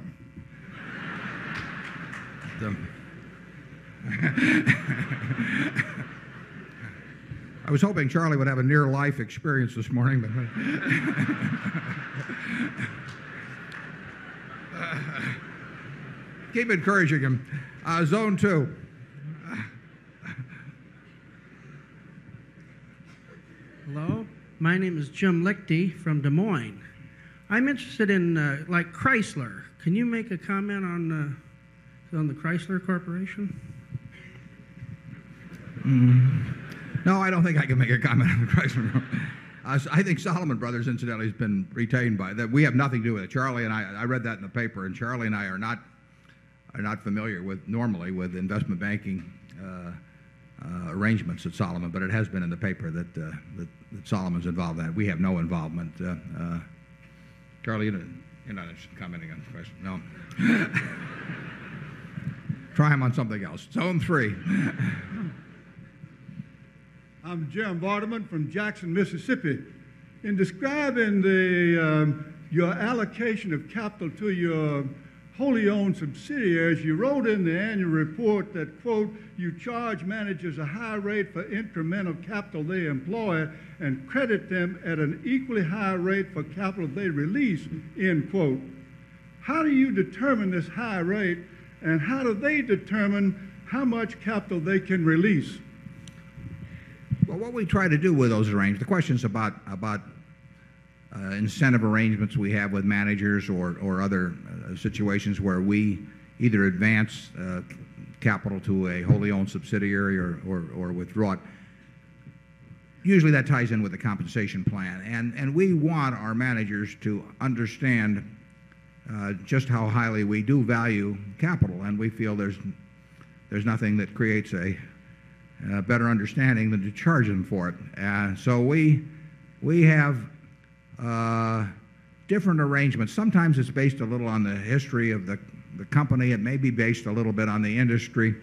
I was hoping Charlie would have a near life experience this morning. Keep encouraging him. Zone 2. Hello. My name is Jim Lichty from Des Moines. I'm interested in, like Chrysler. Can you make a comment on the Chrysler Corporation? No, I don't think I can make a comment on the Chrysler. I think Solomon Brothers incidentally has been retained by that. We have nothing to do with it. Charlie and I I read that in the paper, and Charlie and I are not familiar with normally with investment banking arrangements at Solomon, but it has been in the paper that Solomon is involved in that. We have no involvement. Charlie, you're not commenting on the question. No. Try him on something else. Zone 3. I'm Jim Vardaman from Jackson, Mississippi. In describing your allocation of capital to your wholly owned subsidiaries, you wrote in the annual report that, you charge managers a high rate for incremental capital they employ and credit them at an equally high rate for capital they release end quote. How do you determine this high rate? And how do they determine how much capital they can release? Well, what we try to do with those arrangements, the question is about incentive arrangements we have with managers or other situations where we either advance capital to a wholly owned subsidiary or withdraw it, usually that ties in with the compensation plan. And we want our managers to understand just how highly we do value capital, and we feel there's nothing that creates a better understanding than to charge them for it. So we have different arrangements. Sometimes it's based a little on the history of the company. It may be based a little bit on the industry.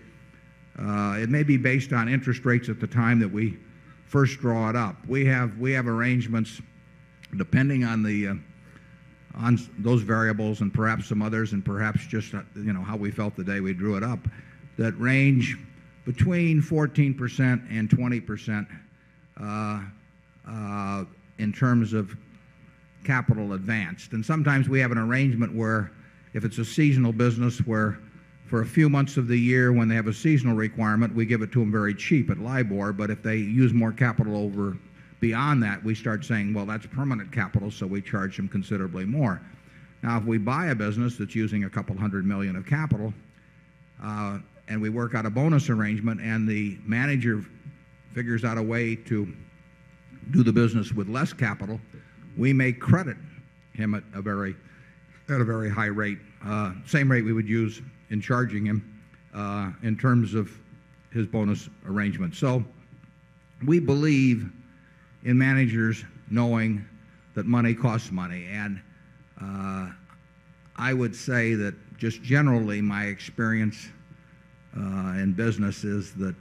It may be based on interest rates at the time that we first draw it up. We have arrangements depending on those variables and perhaps some others and perhaps just how we felt the day we drew it up that range between 14% 20% in terms of capital advanced. And sometimes we have an arrangement where, if it's a seasonal business, where for a few months of the year when they have a seasonal requirement, we give it to them very cheap at LIBOR, but if they use more capital over beyond that, we start saying, well, that's permanent capital, so charge them considerably more. Now, if we buy a business that's using a couple 100,000,000 of capital, and we work out a bonus arrangement and the manager figures out a way to do the business with less capital, we may credit him at a very high rate, same rate we would use in charging him in terms of his bonus arrangements. So we believe in managers knowing that money costs money. And I would say that just generally, my experience in business is that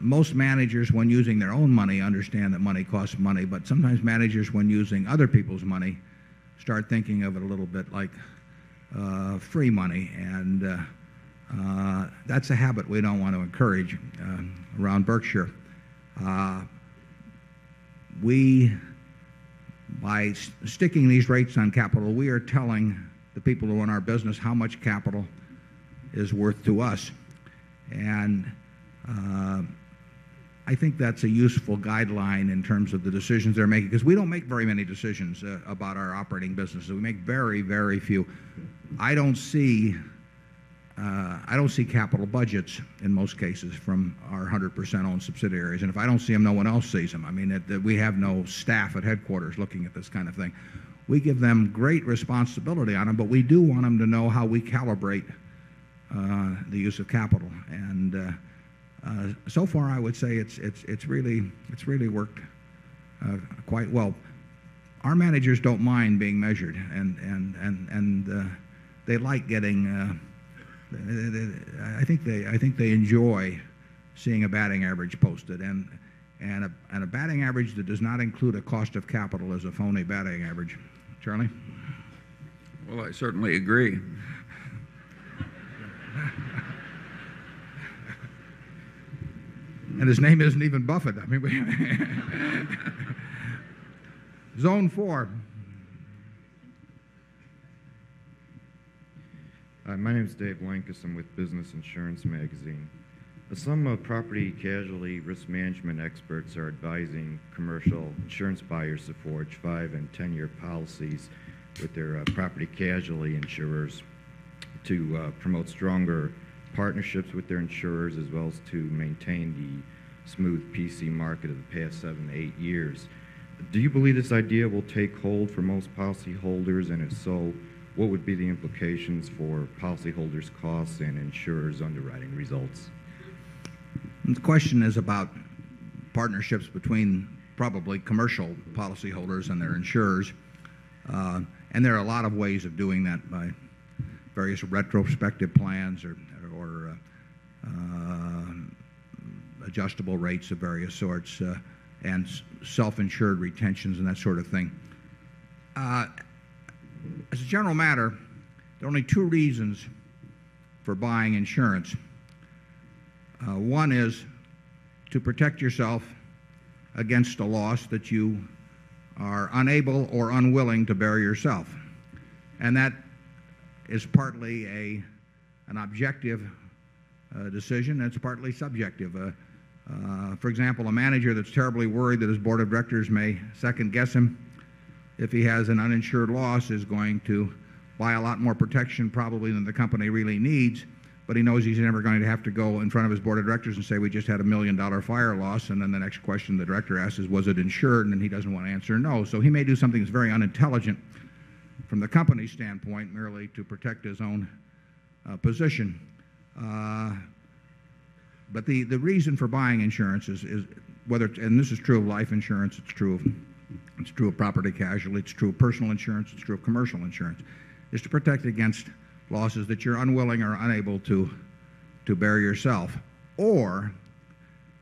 most managers, when using their own money, understand that money costs money, but sometimes managers, when using other people's money, start thinking of it a little bit like free money. That's a habit we don't want to encourage around Berkshire. We, by sticking these rates on capital, we are telling the people who own our business how much capital is worth to us. And I think that's a useful guideline in terms of the decisions they're making, because we don't make very many decisions about our operating business. We make very, very few. I don't see capital budgets in most cases, from our 100 percent owned subsidiaries. And if I don't see them, no one else sees them. I mean, we have no staff at headquarters looking at this kind of thing. We give them great responsibility on them, but we do want them to know how we calibrate the use of capital. And so far, I would say it's really worked quite well. Our managers don't mind being measured. And they like getting I think they enjoy seeing a batting average posted. And a batting average that does not include a cost of capital is a phony batting average. Charlie? Well, I certainly agree. And his name isn't even Buffet. Zone 4. My name is Dave Lankes. I'm with Business Insurance Magazine. Some property casualty risk management experts are advising commercial insurance buyers to forge 5 10 year policies with their property casualty insurers to promote stronger partnerships with their insurers as well as to maintain the smooth PC market of the past 7 to 8 years. Do you believe this idea will take hold for most policyholders? And if so, what would be the implications for policyholders' costs and insurers' underwriting results? The question is about partnerships between probably commercial policyholders and their insurers. And there are a lot of ways of doing that by various retrospective plans or adjustable rates of various sorts and self insured retentions and that sort of thing. As a general matter, there are only two reasons for buying insurance. 1 is to protect yourself against a loss that you are unable or unwilling to bear yourself. And that is partly an objective decision that's partly subjective. For example, a manager that's terribly worried that his Board of Directors may second guess him if he has an uninsured loss, is going to buy a lot more protection probably than the company really needs, but he knows he's never going to have to go in front of his Board of Directors and say, We just had a $1,000,000 fire loss, and then the next question the Director asks is, was it insured? And he doesn't want to answer no. So, he may do something that's very unintelligent from the company standpoint merely to protect his own position. But the reason for buying insurance is whether it's and this is true of life insurance, it's true of property casualty, it's true of personal insurance, it's true of commercial insurance is to protect against losses that you're unwilling or unable to bury yourself. Or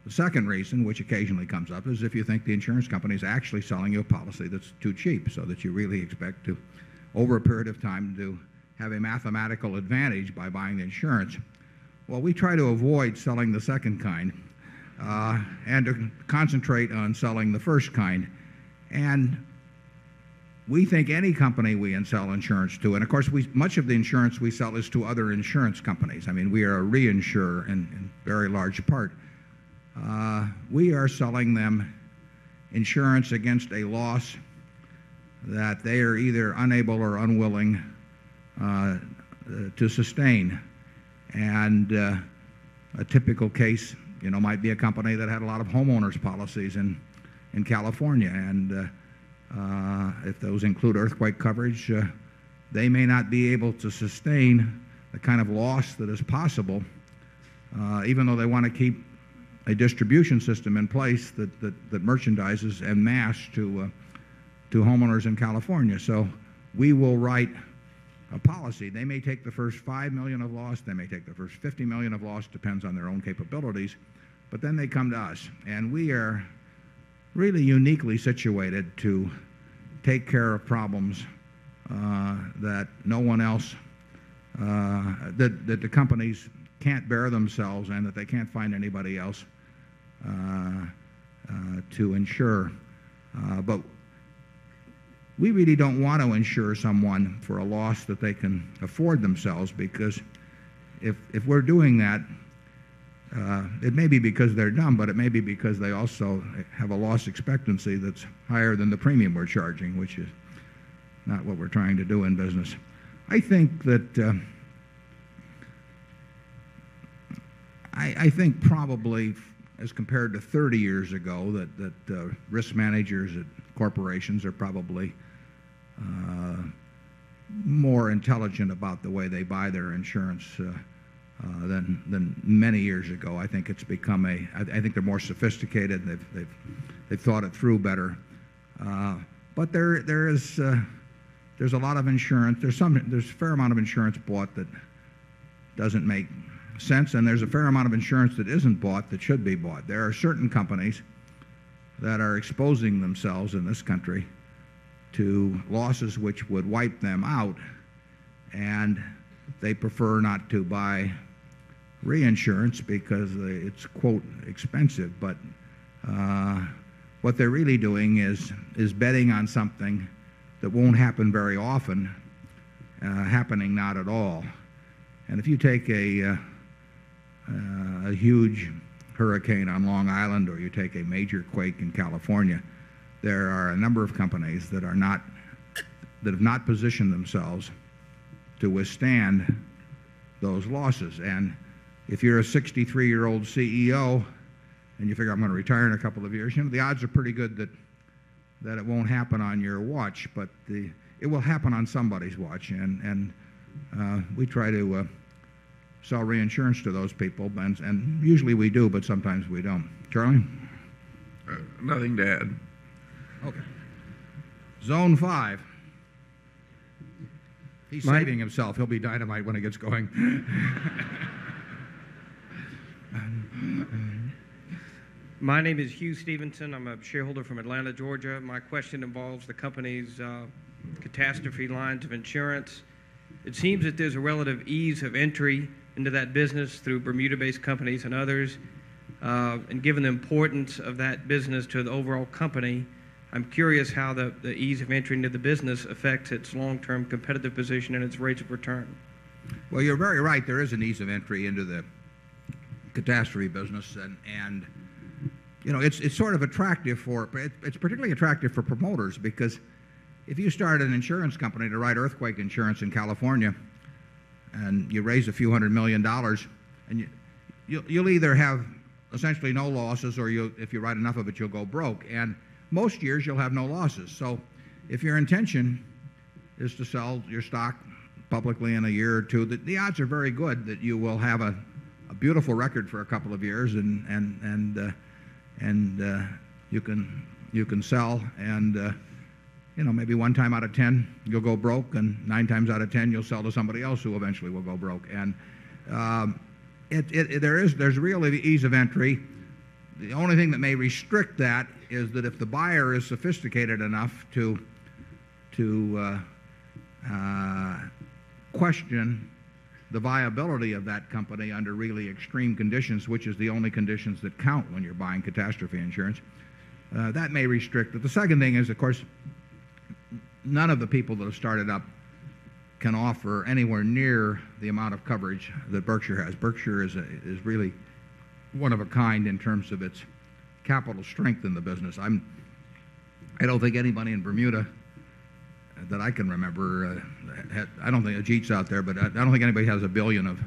the second reason, which occasionally comes up, is if you think the insurance company is actually selling you a policy that's too cheap, so that you really expect to, over a period of time, do have a mathematical advantage by buying insurance. Well, we try to avoid selling the second kind, and to concentrate on selling the first kind. And we think any company we sell insurance to and of course, much of the insurance we sell is to other insurance companies. I mean, we are a reinsurer in a very large part. We are selling them insurance against a loss that they are either unable or unwilling to sustain. And a typical case might be a company that had a lot of homeowners policies in California. And if those include earthquake coverage, they may not be able to sustain the kind of loss that is possible. Even though they want to keep a distribution system in place that merchandises en masse to homeowners in California. So we will write a policy. They may take the first 5,000,000 of loss, they may take the first 50,000,000 of loss, depends on their own capabilities, but then they come to us. And we are really uniquely situated to take care of problems that no one else that the companies can't bear themselves and that they can't find anybody else to insure. But we really don't want to insure someone for a loss that they can afford themselves, because if we're doing that, it may be because they're dumb, but it may be because they also have a loss expectancy that's higher than the premium we're charging, which is not what we're trying to do in business. I think probably as compared to 30 years ago, that risk managers at corporations are probably more intelligent about the way they buy their insurance than many years ago. I think it's become a I think they're more sophisticated and they've thought it through better. But there's a lot of insurance. There's a fair amount of insurance bought that doesn't make sense, and there's a fair amount of insurance that isn't bought that should be bought. There are certain companies that are exposing themselves in this country to losses which would wipe them out. And they prefer not to buy reinsurance because it's expensive. But what they're really doing is betting on something that won't happen very often, happening not at all. And if you take a huge hurricane on Long Island or you take a major quake in California, there are a number of companies that are not that have not positioned themselves to withstand those losses. And if you're a 63 year old CEO and you figure I'm going to retire in a couple of years, the odds are pretty good that it won't happen on your watch, but it will happen on somebody's watch. And we try to sell reinsurance to those people. And usually we do, but sometimes we don't. Charlie? Nothing to add. Zone 5. He's biting himself. He'll be dynamite when he gets going. My name is Hugh Stevenson. I'm a shareholder from Atlanta, Georgia. My question involves the company's catastrophe lines of insurance. It seems that there's a relative ease of entry into that business through Bermuda based companies and others. And given the importance of that business to the overall company, I'm curious how the ease of entry into the business affects its long term competitive position and its rates of return. Well, you're very right. There is an ease of entry into the catastrophe business. And it's sort of attractive for particularly attractive for promoters because if you start an insurance company to write earthquake insurance in California, and you raise a few $100,000,000 and you'll either have essentially no losses or if you write enough of it, you'll go broke. And most years, you'll have no losses. So if your intention is to sell your stock publicly in a year or 2, the odds are very good that you will have a beautiful record for a couple of years and you can sell. And maybe one time out of 10, you'll go broke. And 9 times out of 10, you'll sell to somebody else who eventually will go broke. And there's really the ease of entry. The only thing that may restrict that is that if the buyer is sophisticated enough to question the viability of that company under really extreme conditions, which the only conditions that count when you're buying catastrophe insurance, that may restrict. But the second thing is, of course, none of the people that have started up can offer anywhere near the amount of coverage that Berkshire has. Berkshire is really one of a kind in terms of its capital strength in the business. I don't think anybody in Bermuda that I can remember, I don't think Ajit's out there, but I don't think anybody has $1,000,000,000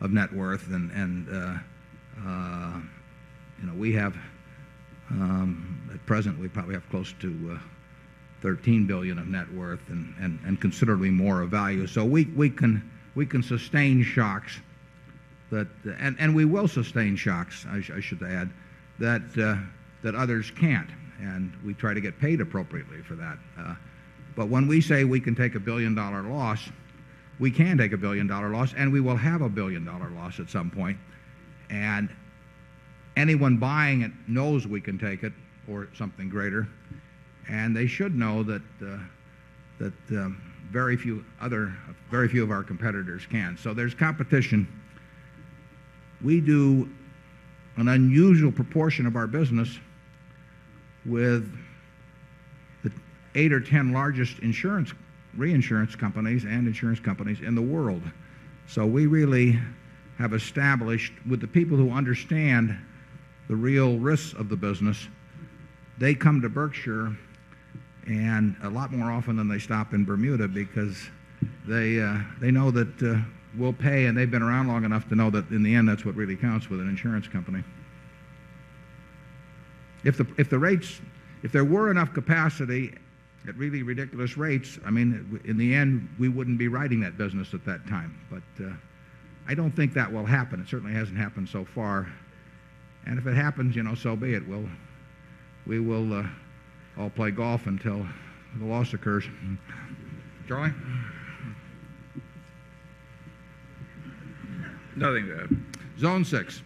of net worth. And we have at present, we probably have close to $13,000,000,000 of net worth and considerably more of value. So we can sustain shocks that and we will sustain shocks, I should add, that others can't. And we try to get paid appropriately for that. But when we say we can take a $1,000,000,000 loss, we can take a $1,000,000,000 loss and we will have a $1,000,000,000 loss at some point. And anyone buying it knows we can take it or something greater. And they should know that very few other very few of our competitors can. So there's competition. We do an unusual proportion of our business with the 8 or 10 largest insurance reinsurance companies and insurance companies in the world. So we really have established with the people who understand the real risks of the business, they come to Berkshire and a lot more often than they stop in Bermuda because they know that we'll pay and they've been around long enough to know that in the end that's what really counts with an insurance company. If the rates if there were enough capacity at really ridiculous rates, I mean, in the end we wouldn't be writing that business at that time. But I don't think that will happen. It certainly hasn't happened so far. And if it happens, so be it. We will all play golf until the loss occurs. Charlie? Nothing there. Zone 6.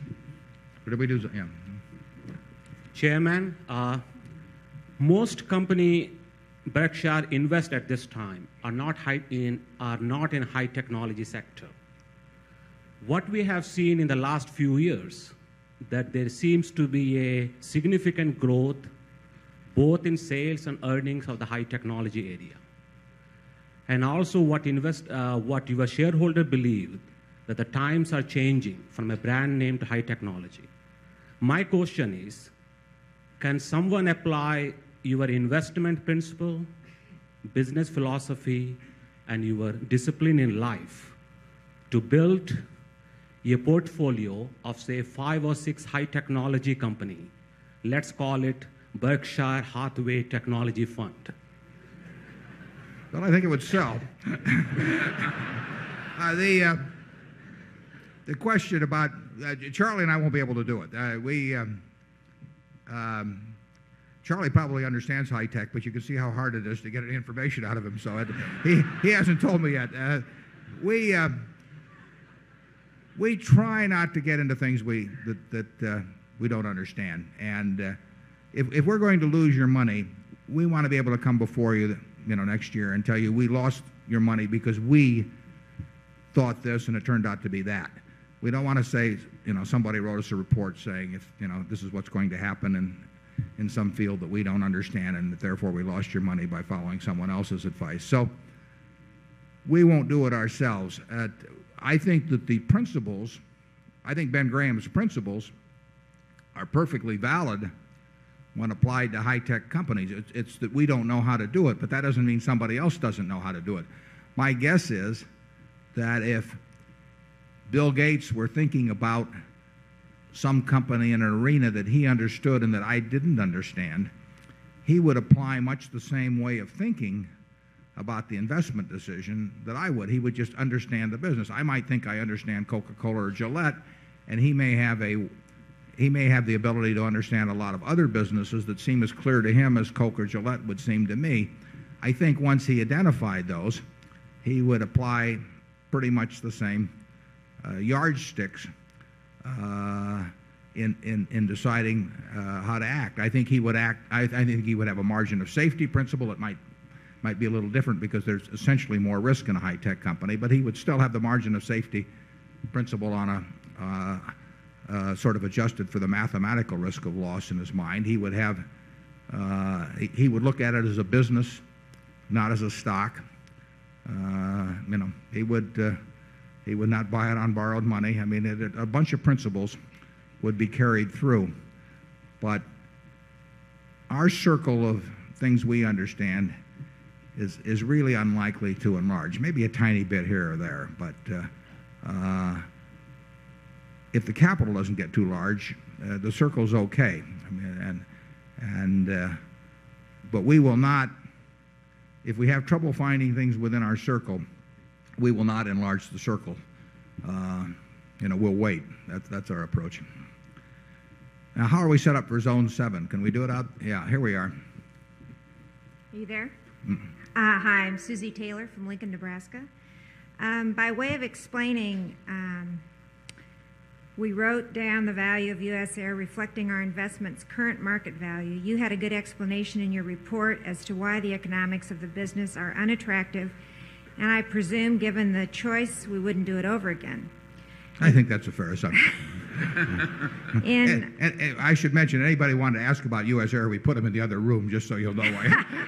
Chairman, most company Berkshire invest at this time are not in high technology sector. What we have seen in the last few years that there seems to be a significant growth both in sales and earnings of the high technology area And also what you are shareholder believe that the times are changing from a brand name to high technology. My question is, can someone apply your investment principle, business philosophy and your discipline in life to build your portfolio of say 5 or 6 high technology company, let's call it Berkshire Hathaway Technology Fund? Well, I think it would sell. The question about Charlie and I won't be able to do it. We Charlie probably understands high-tech, but you can see how hard it is to get information out of himself. He hasn't told me yet. We try not to get into things that we don't understand. And if we're going to lose your money, we want to be able to come before you next year and tell you we lost your money because we thought this and it turned out to be that. We don't want to say somebody wrote us a report saying this is what's going to happen in some field that we don't understand and therefore we lost your money by following someone else's advice. So, we won't do it ourselves. I think that the principles I think Ben Graham's principles are perfectly valid when applied to high-tech companies. It's that we don't know how to do it, but that doesn't mean somebody else doesn't know how to do it. My guess is that if Bill Gates were thinking about some company in an arena that he understood and that I didn't understand, he would apply much the same way of thinking about the investment decision that I would. He would just understand the business. I might think I understand Coca Cola or Gillette, and he may have the ability to understand a lot of other businesses that seem as clear to him as Coke or Gillette would seem to me. I think once he identified those, he would apply pretty much the same yardsticks in deciding how to act. I think he would have a margin of safety principle. It might be a little different because there's essentially more risk in a high-tech company. But he would still have the margin of safety principle on a sort of adjusted for the mathematical risk of loss in his mind. He would have he would look at it as a business, not as a stock. He would not buy it on borrowed money. A bunch of principles would be carried through. But our circle of things we understand is really unlikely to enlarge. Maybe a tiny bit here or there. But if the capital doesn't get too large, the circle's okay. But we will not if we have trouble finding things within our circle, we will not enlarge the circle. We'll wait. That's our approach. Now how are we set up for Zone 7? Can we do it out? Yes, here we are. Are you there? Hi, I'm Susie Taylor from Lincoln, Nebraska. By way of explaining, we wrote down the value of U. S. Air reflecting our investment's current market value. You had a good explanation in your report as to why the economics of the business are unattractive. And I presume, given the choice, we wouldn't do it over again. I think that's a fair assumption. And I should mention, anybody wanted to ask about U. S. Air, we put them in the other room just so you'll know. And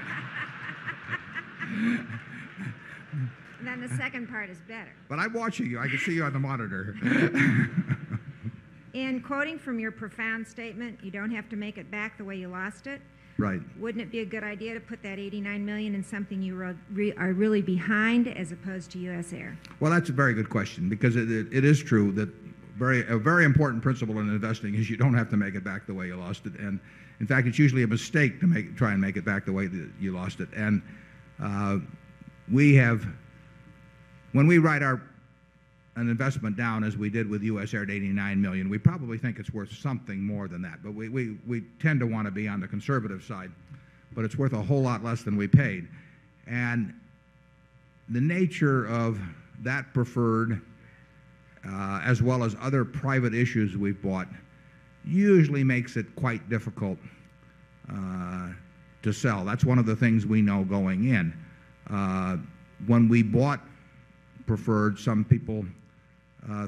then the second part is better. But I'm watching you. I can see you on the monitor. And quoting from your profound statement, you don't have to make it back the way you lost it. Right. Wouldn't it be a good idea to put that $89,000,000 in something you are really behind as opposed to U. S. Air? Well, that's a very good question because it is true that a very important principle in investing is you don't have to make it the way you lost it. In fact, it's usually a mistake to try and make it back the way you lost it. When we write an investment down as we did with U. S. Air at $89,000,000 we probably think it's worth something more than that. But we tend to want to be on the conservative side, but it's worth a whole lot less than we paid. And the nature of that preferred as well as other private issues we've bought, usually makes it quite difficult to sell. That's one of the things we know going in. When we bought Preferred, some people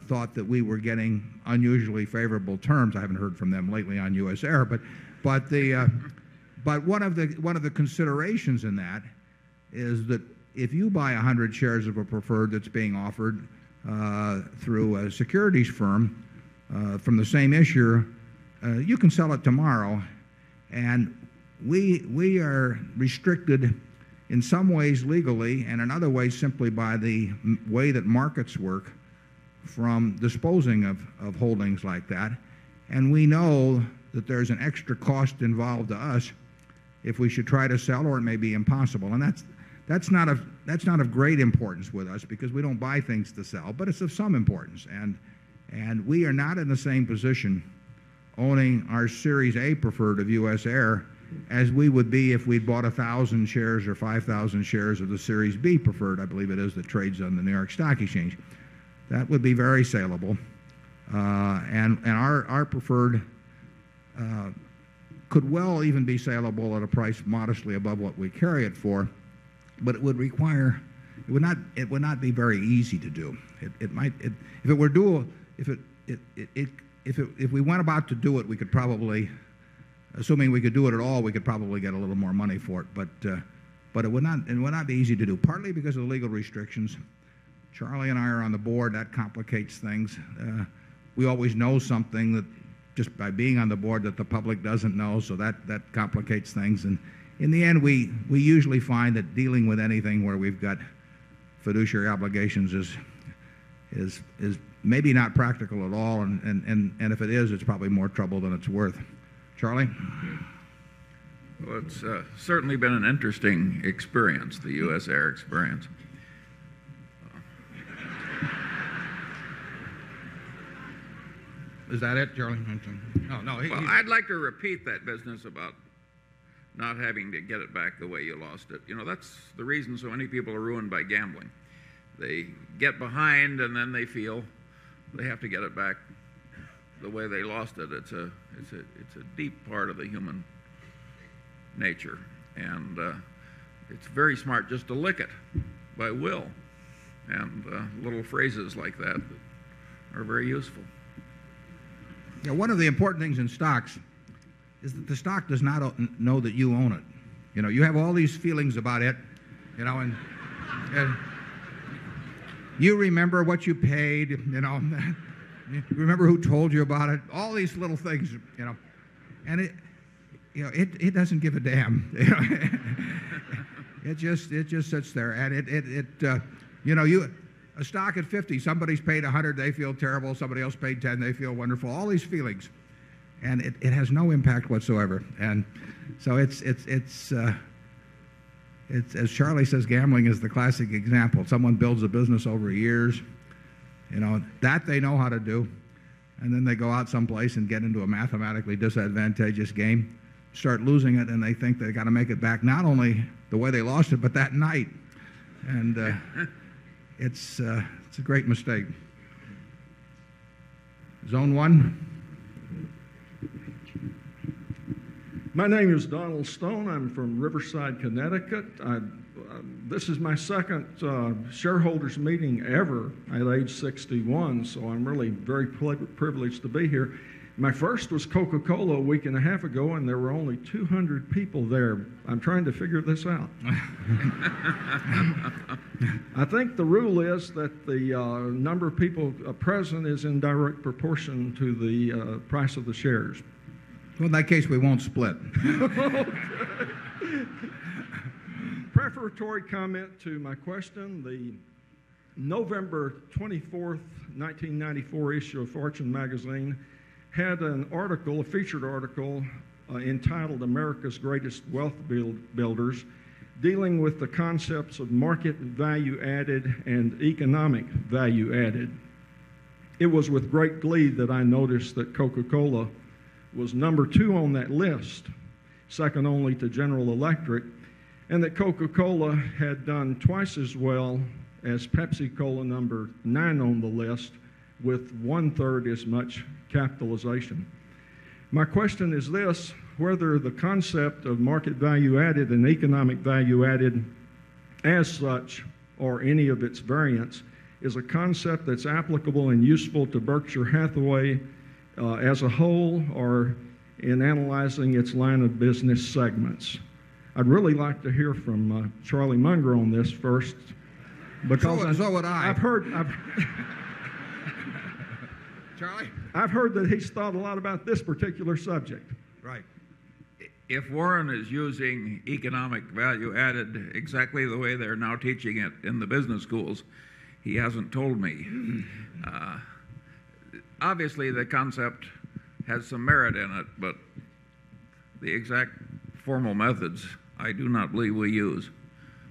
thought that we were getting unusually favorable terms. I haven't heard from them lately on U. S. Air. But one of the considerations in that is that if you buy 100 shares of a preferred that's being offered through a securities firm from the same issuer, you can sell it tomorrow. And we are restricted in some ways legally, and in other ways simply by the way that markets work from disposing of holdings like that. And we know that there's an extra cost involved to us if we should try to sell, or it may be impossible. And that's not of great importance with us because we don't buy things to sell, but it's of some importance. And we are not in the same position owning our Series A preferred of US Air as we would be if we bought 1,000 shares or 5,000 shares of the Series B Preferred, I believe it is that trades on the New York Stock Exchange. That would be very salable. And our preferred could well even be saleable at a price modestly above what we carry it for, but it would require it would not be very easy to do. If we went about to do it, we could probably assuming we could do it at all, we could probably get a little more money for it. But it would not be easy to do, partly because of the legal restrictions. Charlie and I are on the Board. That complicates things. We always know something just by being on the Board that the public doesn't know, so that complicates things. In the end, we usually find that dealing with anything where we've got fiduciary obligations is maybe not practical at all. And if it is, it's probably more trouble than it's worth. Charlie? Well, it's certainly been an interesting experience, the U. S. Air experience. Is that it, Geraldine? No. No. I'd like to repeat that business about not having to get it back the way you lost it. That's the reason so many people are ruined by gambling. They get behind and then they feel they have to get it back the way they lost it. It's a deep part of the human nature. And it's very smart just to lick it by will. And little phrases like that are very useful. One of the important things in stocks is that the stock does not know that you own it. You have all these feelings about it. You remember what you paid. You remember who told you about it. All these little things. And it doesn't give a damn. It just sits there. And it, you know, a stock at 50. Somebody has paid 100. They feel terrible. Somebody else paid 10. They feel wonderful. All these feelings. And it has no impact whatsoever. And So it's, as Charlie says, gambling is the classic example. Someone builds a business over years. That they know how to do, and then they go out someplace and get into a mathematically disadvantageous game, start losing it, and they think they've got to make it back not only the way they lost it, but that night. And it's a great mistake. Zone 1. My name is Donald Stone. I'm from Riverside, Connecticut. This is my 2nd shareholders meeting ever at age 61. So I'm really very privileged to be here. My first was Coca Cola a week and a half ago, and there were only 200 people there. I'm trying to figure this out. I think the rule is that the number of people present is in direct proportion to the price of the shares. In that case, we won't split. Preferatory comment to my question, the November 24, 1994 issue of Fortune Magazine had an article, a featured article, entitled America's Greatest Wealth Builders, dealing with the concepts of market value added and economic value added. It was with great glee that I noticed that Coca Cola was number 2 on that list, second only to General Electric, and that Coca Cola had done twice as well as Pepsi Cola 9 on the list with 1 third as much capitalization. My question is this, whether the concept of market value added and economic value added as such or any of its variance is a concept that's applicable and useful to Berkshire Hathaway as a whole or in analyzing its line of business segments. I'd really like to hear from Charlie Munger on this first, because Charlie? I've heard that he's thought a lot about this particular subject. Right. If Warren is using economic value added exactly the way they're now teaching it in the business schools, he hasn't told me. Obviously, the concept has some merit in it, but the exact formal methods I do not believe we use.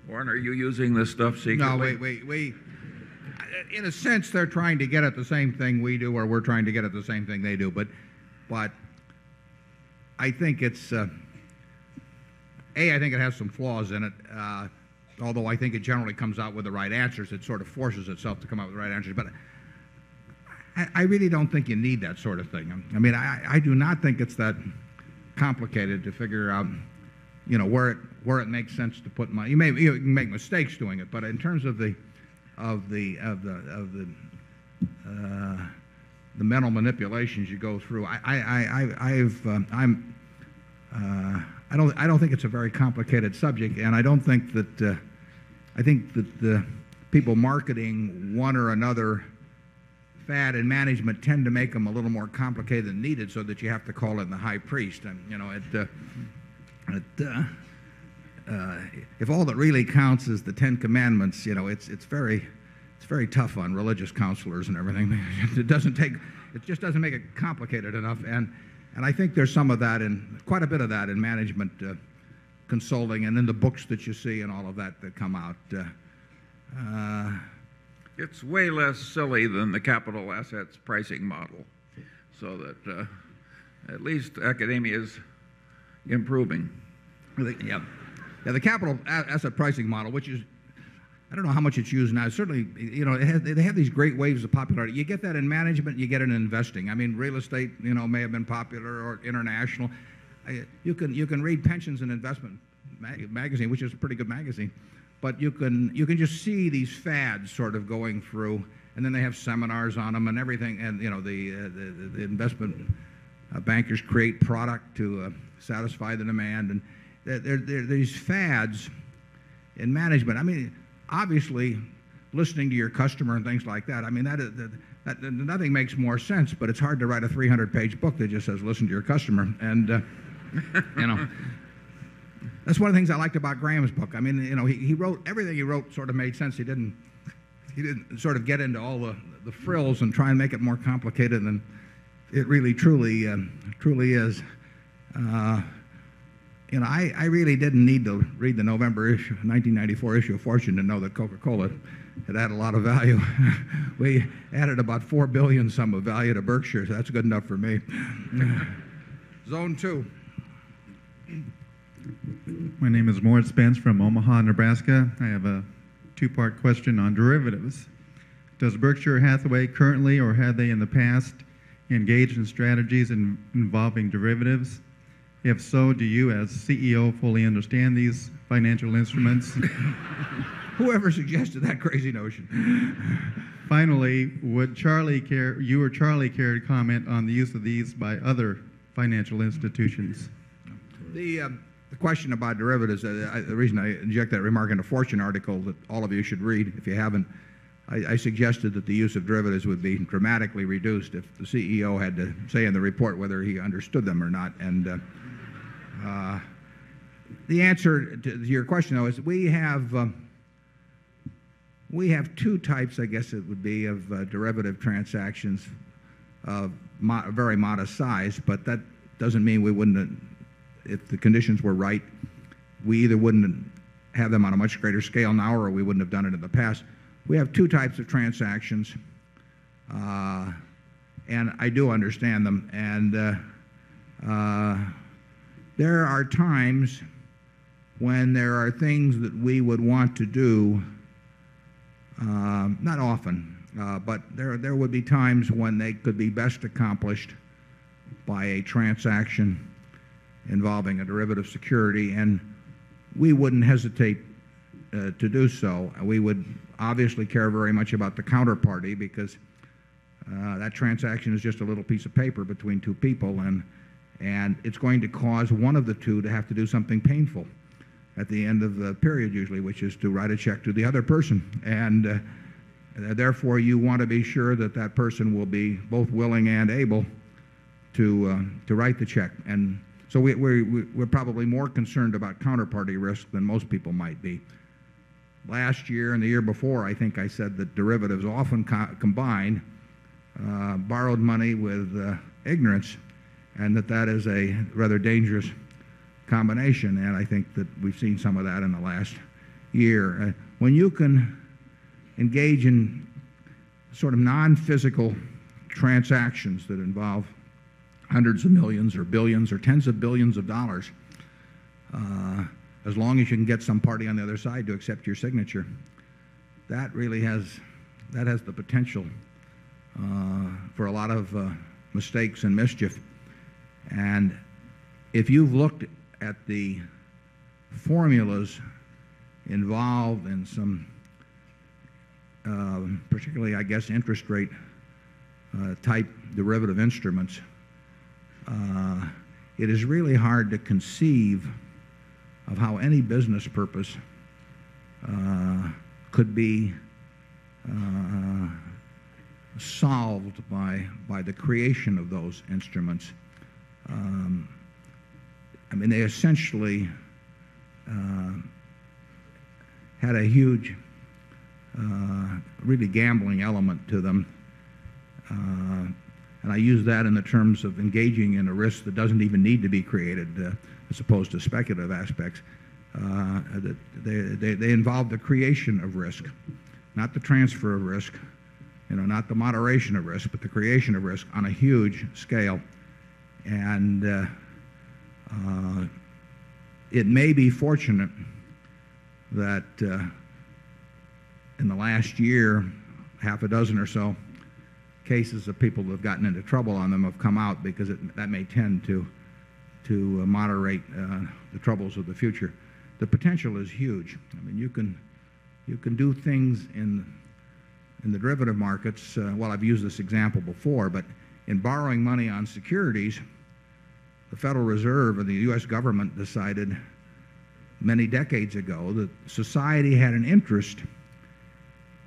Warren, are you using this stuff secretly? No, we in a sense, they're trying to get at the same thing we do or we're trying to get at the same thing they do. But I think it's A, I think it has some flaws in it. Although I think it generally comes out with the right answers, it sort forces itself to come out with the right answers. But I really don't think you need that sort of thing. I mean, I do not think it's that complicated to figure out where it makes sense to put money. You may even make mistakes doing it, but in terms of the mental manipulations you go through, I don't think it's a very complicated subject. And I don't think that I think that the people marketing 1 or another fad in management tend to make them a little more complicated than needed so that you have to call in the High Priest. If all that really counts is the Ten Commandments, it's very tough on religious counselors and everything. It doesn't take it just doesn't make it complicated enough. And I think there's some of that, quite a bit of that in management consulting and in the books that you see and all of that that come out. It's way less silly than the capital assets pricing model. So that at least academia is improving. The capital asset pricing model, which is I don't know how much it's used now. Certainly, they have these great waves of popularity. You get that in management, you get it in investing. I mean, real estate may have been popular or international. You can read pensions and investment magazine, which is a pretty good magazine, but you can just see these fads sort of going through. Then they have seminars on them and everything. The investment bankers create product to satisfy the demand. These fads in management, I mean, obviously, listening to your customer and things like that, I mean, nothing makes more sense, but it's hard to write a 300 page book that just says, listen to your customer. And that's one of the things I liked about Graham's book. I mean, everything he wrote sort of made sense. He didn't sort of get into all the frills and try and make it more complicated than it really truly is. I really didn't need to read the November issue, 1994 issue. Fortunate to know that Coca Cola had added a lot of value. We added about $4,000,000,000 some of value to Berkshire. That's good enough for me. Zone 2. My name is Morris Spence from Omaha, Nebraska. I have a 2 part question on derivatives. Does Berkshire Hathaway currently or have they in the past engaged in strategies involving derivatives? If so, do you, as CEO, fully understand these financial instruments? Whoever suggested that crazy notion? Finally, would you or Charlie care to comment on the use of these by other financial institutions? The question about derivatives, the reason I inject that remark in a Fortune article that all of you should read, if you haven't, I suggested that the use of derivatives would be dramatically reduced if the CEO had to say in the report whether he understood them or not. The answer to your question, though, is we have 2 types, I guess it would be, of derivative transactions of a very modest size, but that doesn't mean we wouldn't if the conditions were right, we either wouldn't have them on a much greater scale now or we wouldn't have done it in the past. We have 2 types of transactions, and I do understand them. And there are times when there are things that we would want to do, not often, but there would be times when they could be best accomplished by a transaction involving a derivative security. And we wouldn't hesitate to do so. We would obviously care very much about the counterparty because that transaction is just a little piece of paper between 2 people, and it's going to cause 1 of the 2 to have to do something painful at the end of the period usually, which is to write a check to the other person. And therefore, you want to be sure that that person will be both willing and able to write the check. And so we're probably more concerned about counterparty risk than most people might be. Last year and the year before, I think I said that derivatives often combined borrowed money with ignorance and that that is a rather dangerous combination. And I think that we've seen some of that in the last year. When you can engage in sort of non physical transactions that involve 100 of 1,000,000 or 1,000,000,000 or tens of 1,000,000,000 of dollars, as long as you can get some party on the other side to accept your signature, that really has the potential for a lot of mistakes and mischief. And if you've looked at the formulas involved in some, particularly I guess, interest rate type derivative instruments, it is really hard to conceive of how any business purpose could be solved by the creation of those instruments. I mean, they essentially had a huge really gambling element to them. And I use that in the terms of engaging in a risk that doesn't even need to be created as opposed to speculative aspects. They involve the creation of risk, not the transfer of risk, not the moderation of risk, but the creation of risk on a huge scale. And it may be fortunate that in the last year, half a dozen or so, cases of people who have gotten into trouble on them have come out because that may tend to moderate the troubles of the future. The potential is huge. You can do things in the derivative markets. Well, I've used this example before. But in borrowing money on securities, the Federal Reserve and the U. S. Government decided many decades ago that society had an interest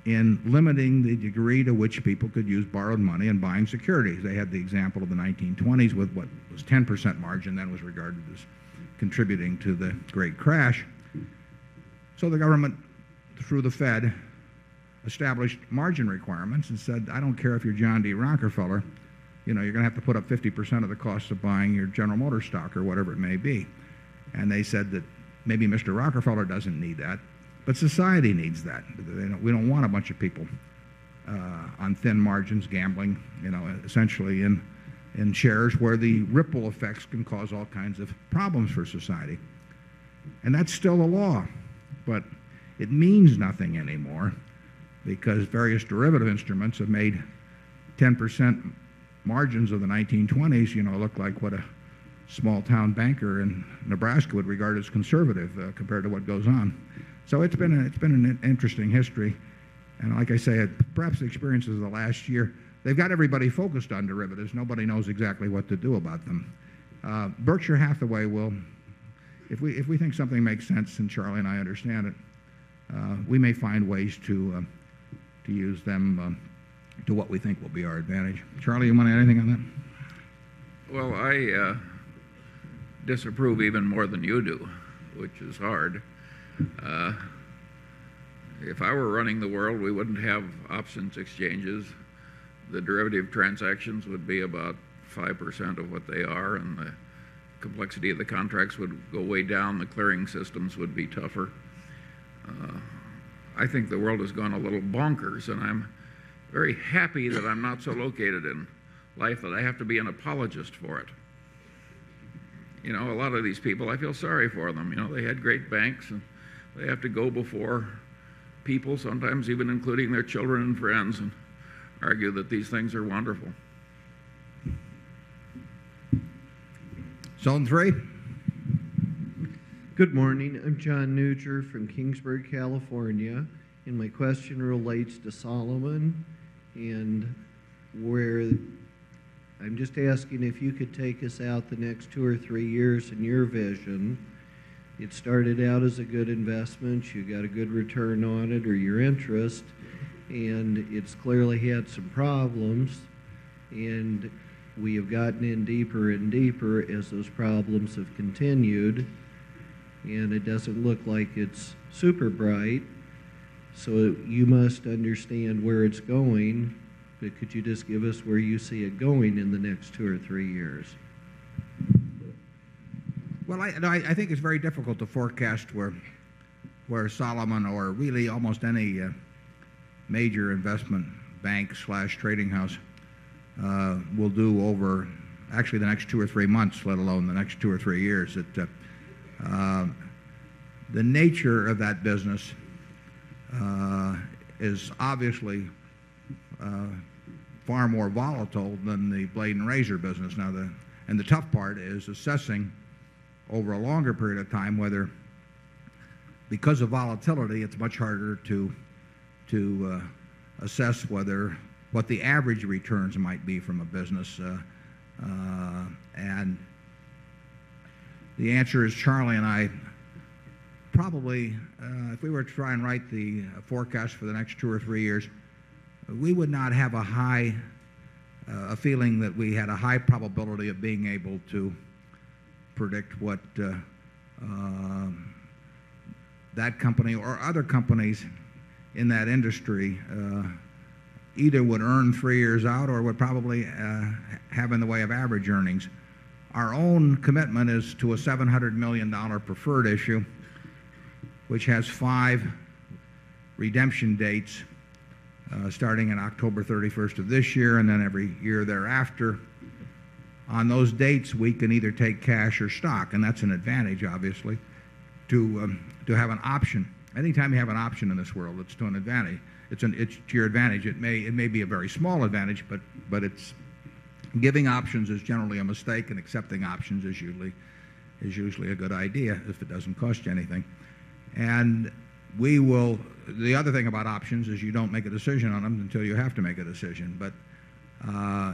in limiting the degree to which people could use borrowed money and buying securities. They had the example of the 1920s with what was 10% margin that was regarded as contributing to the Great Crash. So the government, through the Fed, established margin Rockefeller doesn't need that. But since the And they said that maybe Mr. Rockefeller doesn't need that, but society needs that. We don't want a bunch of people on thin margins gambling, essentially in shares where the ripple effects can cause all kinds of problems for society. And that's still a law, but it means nothing anymore because various derivative instruments have made 10% margins of the 1920s look like what a small town banker in Nebraska would regard as conservative compared to what goes on. So it's been an interesting history. And like I say, perhaps the experiences of the last year, they've got everybody focused on derivatives. Nobody knows exactly what to do about them. Berkshire Hathaway will, if we think something makes sense, and Charlie and I understand it, we may find ways to use them to what we think will be our advantage. Charlie, do you want to add anything on that? Well, I disapprove even more than you do, which is hard. If I were running the world, we wouldn't have options exchanges. The derivative transactions would be about 5% of what they are and the complexity of the contracts would go way down, the clearing systems would be tougher. I think the world has gone a little bonkers and I'm very happy that I'm not so located in life that I have to be an apologist for it. A lot of these people, I feel sorry for them. They had great banks and they have to go before people, sometimes even including their children and friends, and argue that these things are wonderful. John Neutier from Kingsburg, California. And my question relates to Solomon and where I'm just asking if you could take us out the next 2 or 3 years in your vision. It started out as a good investment. You got a good return on it or your interest, and it's clearly had some problems and we have gotten in deeper and deeper as those problems have continued And it doesn't look like it's super bright. So, you must understand where it's going. But could you just give us where you see it going in the next 2 or 3 years? Well, I think it's very difficult to forecast where Solomon or really almost any major investment banktrading house will do over actually the next 2 or 3 months, let alone the next 2 or 3 years. The nature of that business is obviously far more volatile than the blade and razor business. And the tough part is assessing over a longer period of time whether because of volatility, it's much harder to assess whether what the average returns might be from a business. And the answer is, Charlie and I probably, if we were to try and write the forecast for the next 2 or 3 years, we would not have a high a feeling that we had a high probability of being able to predict what that company or other companies in that industry either would earn 3 years out or would probably have in the way of average earnings. Our own commitment is to a $700,000,000 preferred issue, which has 5 redemption dates starting in October 31st this year and then every year thereafter. On those dates, we can either take cash or stock, and that's an advantage, obviously, to have an option. Any time you have an option in this world, it's to an advantage. It's to your advantage. It may be a very small advantage, but it's giving options is generally a mistake, and accepting options is usually a good idea if it doesn't cost you anything. And we will the other thing about options is you don't make a decision on them until you have to make a decision.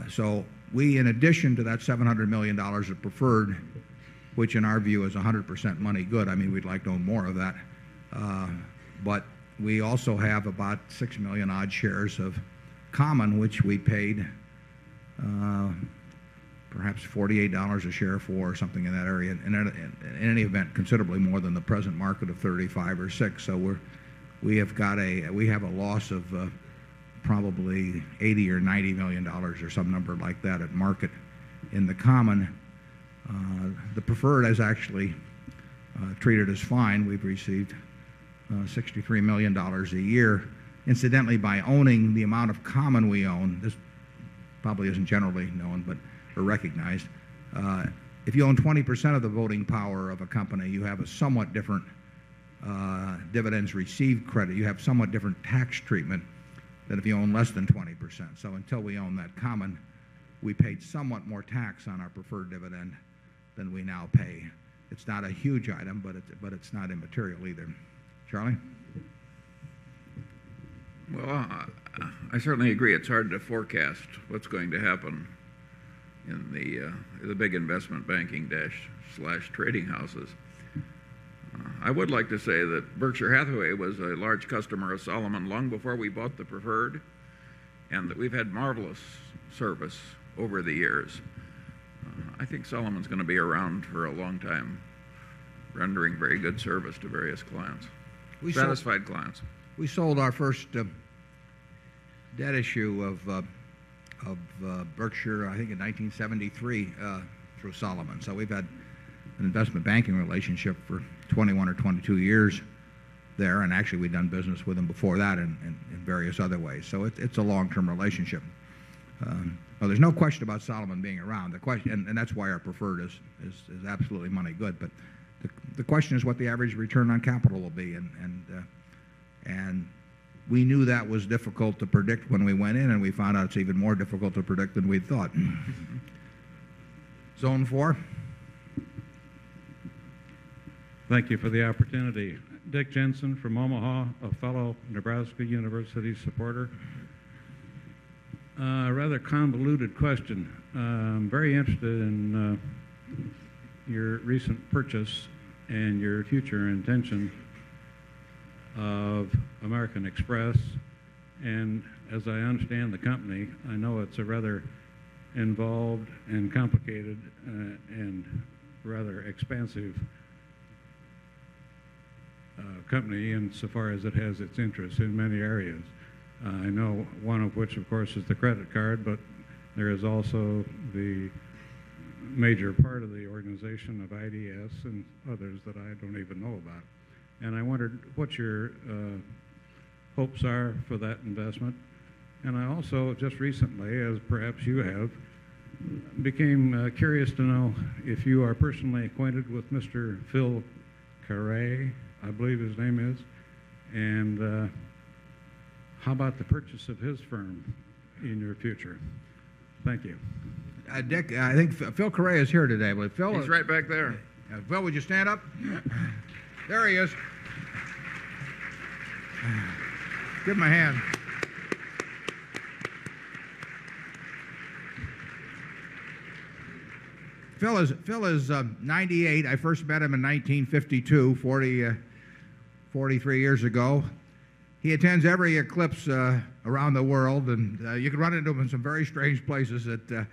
So we, in addition to that $700,000,000 of preferred, which in our view is 100% money good, I mean, we'd like to own more of that. But we also have about 6,000,000 odd shares of common, which we paid perhaps $48 a share for or something in that area. In any event, considerably more than the present market of $35 or $6. So we have got a we have a loss of probably $80,000,000 or $90,000,000 or some number like that at market in the common. The preferred is actually treated as fine. We've received $63,000,000 a year. Incidentally, by owning the amount of common we own, this probably isn't generally known or recognized, you own 20% of the voting power of a company, you have a somewhat different dividends received credit. You have somewhat different tax treatment than if you own less than 20%. So until we own that common, we paid somewhat more tax on our preferred dividend than we now pay. It's not a huge item, but it's not immaterial either. Charlie? Well, I certainly agree it's hard to forecast what's going to happen in the big investment banking dashtrading houses. I would like to say that Berkshire Hathaway was a large customer of Solomon long before we bought the preferred And we've had marvelous service over the years. I think Solomon's going to be around for a long time, rendering very good service to various clients, satisfied clients. We sold our first debt issue of Berkshire, I think in 1973 through Solomon. So we've had an investment banking relationship for 21 or 22 years there, and actually we've done business with them before that in various other ways. So it's a long term relationship. Now, there's no question about Solomon being around. The question and that's why our preferred is absolutely money good. But the question is what the average return on capital will be. And we knew that was difficult to predict when we went in and we found out it's even more difficult to predict than we'd thought. Zone 4. Thank you for the opportunity. Dick Jensen from Omaha, a fellow Nebraska University supporter. A rather convoluted question. I'm very interested in your recent purchase and your future intention of American Express. And as I understand the company, I know it's a rather involved and complicated and rather expensive company insofar as it has its interest in many areas. I know one of which of course is the credit card, but there is also the major part of the organization of IDS and others that I don't even know about. And I wondered what your hopes are for that investment. And I also just recently, as perhaps you have, became curious to know if you are personally acquainted with Mr. Phil Carre, I believe his name is. And how about the purchase of his firm in your future? Thank you. Dick, I think Phil Correa is here today. Phil is He's right back there. Phil, would you stand up? There he is. Give him a hand. Phil is 98. I first met him in 1952, 43 years ago. He attends every eclipse around the world, and you could run into him in some very strange places that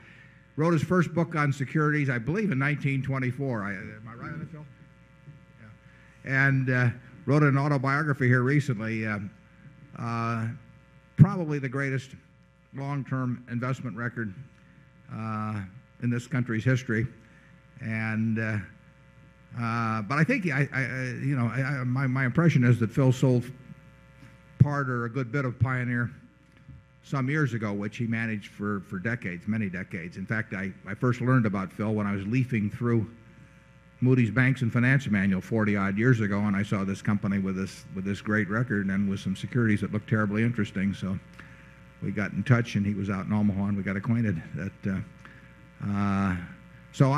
wrote his first book on securities, I believe, in 1924. Am I right on it, Phil? Yes. And wrote an autobiography here recently. Probably the greatest long term investment record in this country's history. And but I think my impression is that Phil sold part or a good bit of Pioneer some years ago, which he managed for decades, many decades. In fact, I first learned about Phil when I was leafing through Moody's Banks and Finance Manual 40 odd years ago, and I saw this company with this great record and with some securities that looked terribly interesting. So we got in touch and he was out in Omaha and we got acquainted. So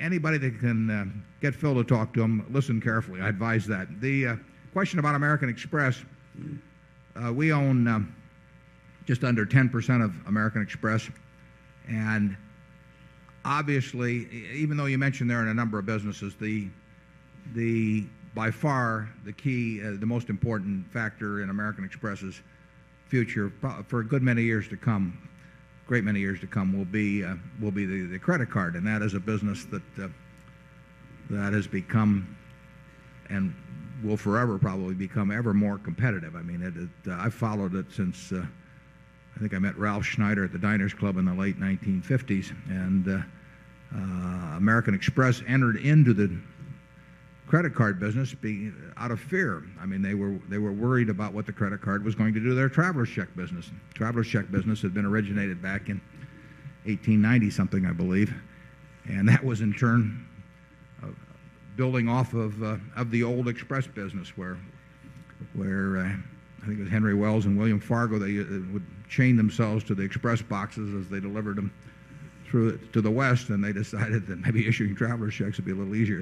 anybody that can get Phil to talk to him, listen carefully. I advise that. The question about American Express, we own just under 10% of American Express. And obviously, even though you mentioned they're in a number of businesses, the by far the key, the most important factor in American Express's future for a good many years to come, great many years to come, will be the credit card. And that is a business that has become and will forever probably become ever more competitive. I mean, I've followed it since I think I met Ralph Schneider at the Diners Club in the late 1950s. And American Express entered into the credit card business out of fear. I mean, they were worried about what the credit card was going to do to their traveler's check business. Travel's check business had been originated back in 18/90 something, I believe. And that was in turn building off of the old Express business where I think it was Henry Wells and William Fargo, they would chain themselves to the Express boxes as they delivered them through to the West, and they decided that maybe issuing Travelers checks would be a little easier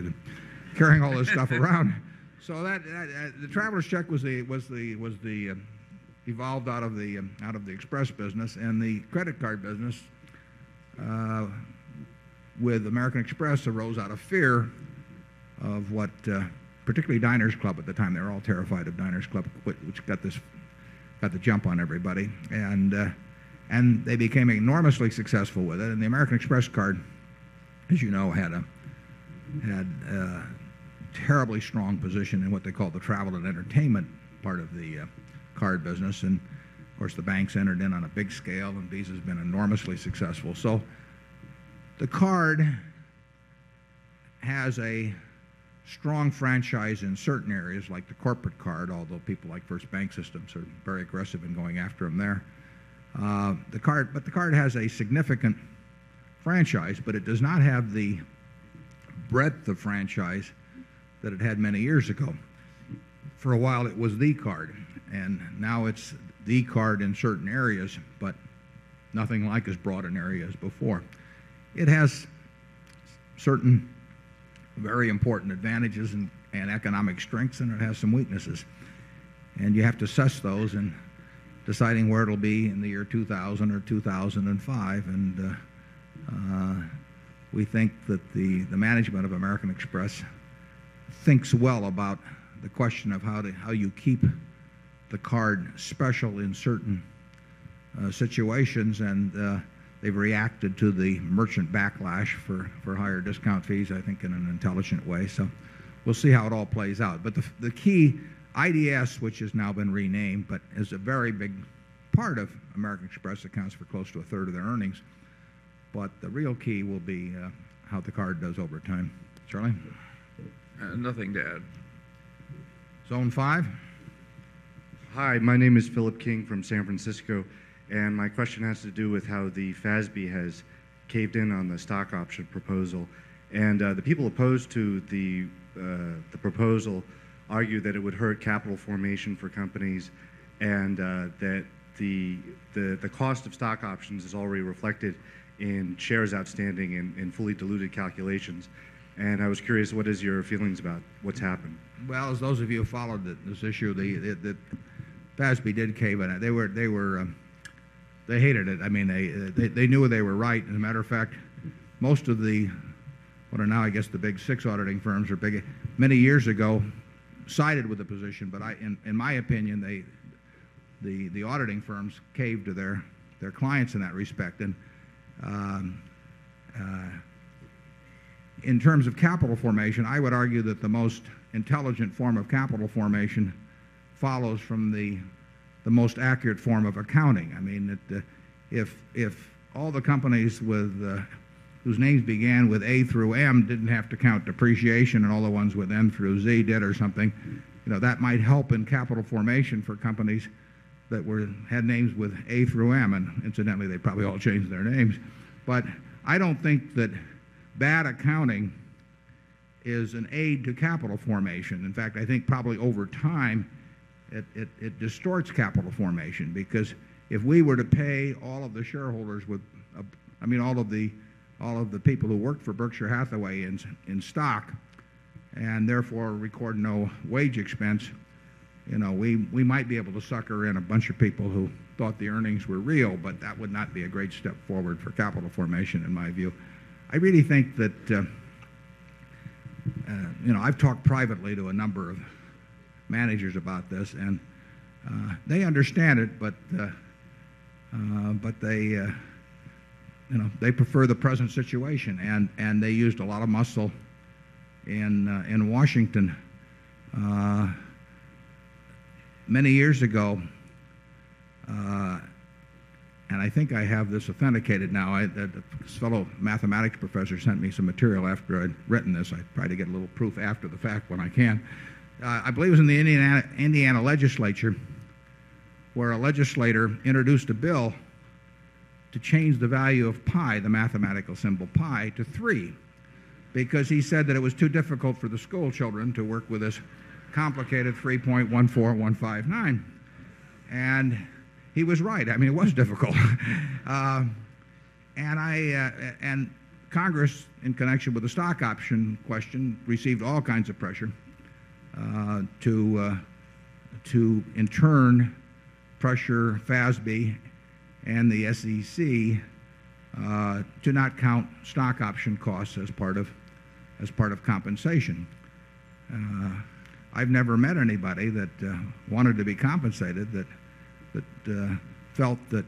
than carrying all this stuff around. So the Travelers check evolved out of the Express business. And the credit card business with American Express arose out of fear of what particularly Diner's Club at the time. They were all terrified of Diner's Club, which got this got the jump on everybody. And they became enormously successful with it. And the American Express card, as you know, had a a terribly strong position in what they call the travel and entertainment part of the card business. And of course, the banks entered in on a big scale and Visa's been enormously successful. So the card has a strong franchise in certain areas like the corporate card, although people like First Bank Systems are very aggressive in going after them there. But the card has a significant franchise, but it does not have the breadth of franchise that it had many years ago. For a while, it was the card. And now it's the card in certain areas, but nothing like as broad an area as before. It has certain very important advantages and economic strengths, and it has some weaknesses. And you have to assess those and deciding where it will be in the year 2000 or 2,005. And we think that the management of American Express thinks well about the question of how you keep the card special in certain situations. And they've reacted to the merchant backlash for higher discount fees, I think, in an intelligent way. So we'll see how it all plays out. But the key IDS, which has now been renamed, but is a very big part of American Express, accounts for close to a third of their earnings. But the real key will be how the card does over time. Charlie? Nothing to add. Zone 5. Hi. My name is Philip King from San Francisco. And my question has to do with how the FASB has caved in on the stock option proposal. And the people opposed to the proposal argue that it would hurt capital formation for companies and that the cost of stock options is already reflected in shares outstanding and fully diluted calculations. And I was curious, what is your feelings about what's happened? Well, as those of you who followed this issue, the FASB didn't cave on it. They were they hated it. I mean, they knew they were right. As a matter of fact, most of the what are now, I guess, the big six auditing firms are big many years ago sided with the position. But in my opinion, the auditing firms caved to their clients in that respect. In terms of capital formation, I would argue that the most intelligent form of capital formation follows from the most accurate form of accounting. I mean, if all the companies whose names began with A through M didn't have to count depreciation, and all the ones with M through Z did or something. That might help in capital formation for companies that had names with A through M, and incidentally, they probably all changed their names. But I don't think that bad accounting is an aid to capital formation. In fact, I think probably over time, it distorts capital formation because if we were to pay all of the shareholders with I mean, all of the people who worked for Berkshire Hathaway in stock and therefore record no wage expense, we might be able to sucker in a bunch of people who thought the earnings were real, but that would not be a great step forward for capital formation in my view. I really think that I've talked privately to a number of managers about this. And they understand it, but they prefer the present situation. And they used a lot of muscle in Washington many years ago. And I think I have this authenticated now. A This fellow mathematics professor sent me some material after I'd written this. I try to get a little proof after the fact when I can. I believe it was in the Indiana legislature where a legislator introduced a bill to change the value of pi, the mathematical symbol pi, to 3, because he said that it was too difficult for the schoolchildren to work with this complicated 3.14159. And he was right. I mean, it was difficult. And Congress, in connection with the stock option question, received all kinds of pressure to, in turn, pressure FASB and the SEC to not count stock option costs as part of compensation. I've never met anybody that wanted to be compensated that felt that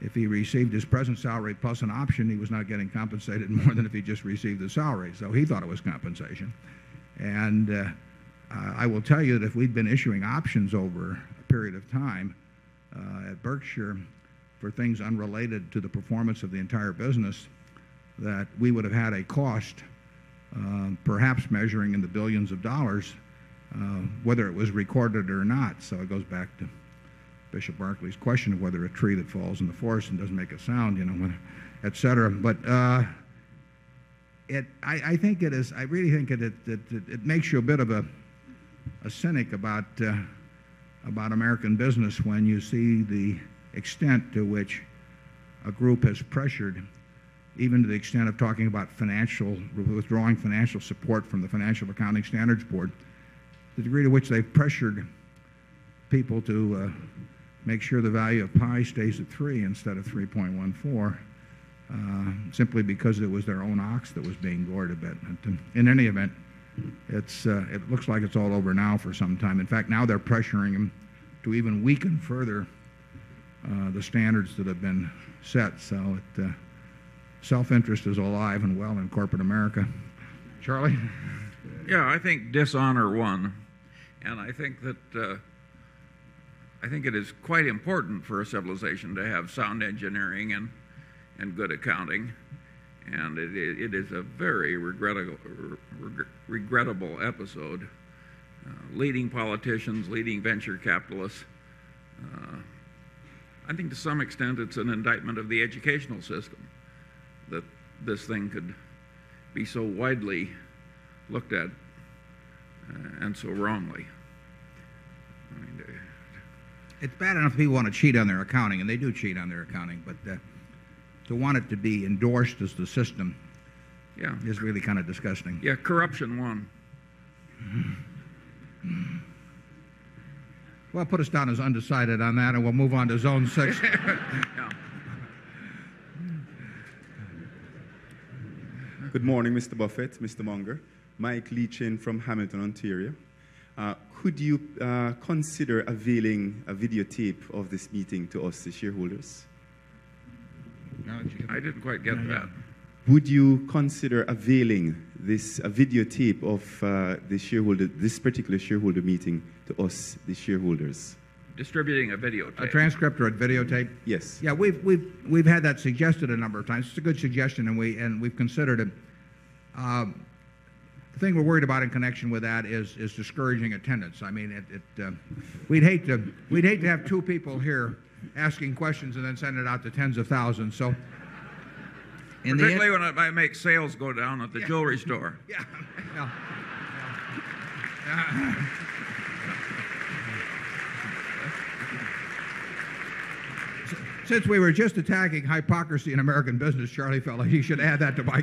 if he received his present salary plus an option, he was not getting compensated more than if he just received his salary. So he thought it was compensation. And I will tell you that if we've been issuing options over a period of time at Berkshire for things unrelated to the performance of the entire business that we would have had a cost, perhaps measuring in the 1,000,000,000 of dollars, whether it was recorded or not. So it goes back to Bishop Berkeley's question of whether a tree that falls in the forest and doesn't make a sound, etcetera. But I think it is I really think it makes you a bit of a cynic about American business when you see the extent to which a group has pressured even to the extent of talking financial withdrawing financial support from the Financial Accounting Standards Board, the degree to which they pressured people to make sure the value of pi stays at 3 instead of 3.14, simply because it was their own ox that was being gored a bit. In any event, it looks like it's all over now for some time. In fact, now they're pressuring them to even weaken further the standards that have been set. So self interest is alive and well in corporate America. Charlie? Yes, I think dishonor 1. And I think it is quite important for a civilization to have engineering and good accounting, and it is a very regrettable episode. Leading politicians, leading venture capitalists. I think to some extent, it's an indictment of the educational system that this thing could be so widely looked at and so wrongly. It's bad enough people want to cheat on their accounting, and they do cheat on their accounting. But to want it to be endorsed as the system is really kind of disgusting. Yeah. Corruption won. Well, put us down as undecided on that, and we'll move on to zone 6. Good morning, Mr. Buffet, Mr. Munger. Mike Leachin from Hamilton, Ontario. Could you consider availing a videotape of this meeting to us, the shareholders? No, I didn't quite get that. Would you consider availing this videotape of this particular shareholder meeting to us, the shareholders? Distributing a videotape. A transcript or a videotape? Yes. Yes. We've had that suggested a number of times. It's a good suggestion, and we've considered it. The thing we're worried about in connection with that is discouraging attendance. I mean, we'd hate to have 2 people here asking questions and then send it out to tens of 1,000. So And then If I make sales go down at the jewelry store. Yeah. Yeah. Since we were just attacking hypocrisy in American business, Charlie fella, he should add that to my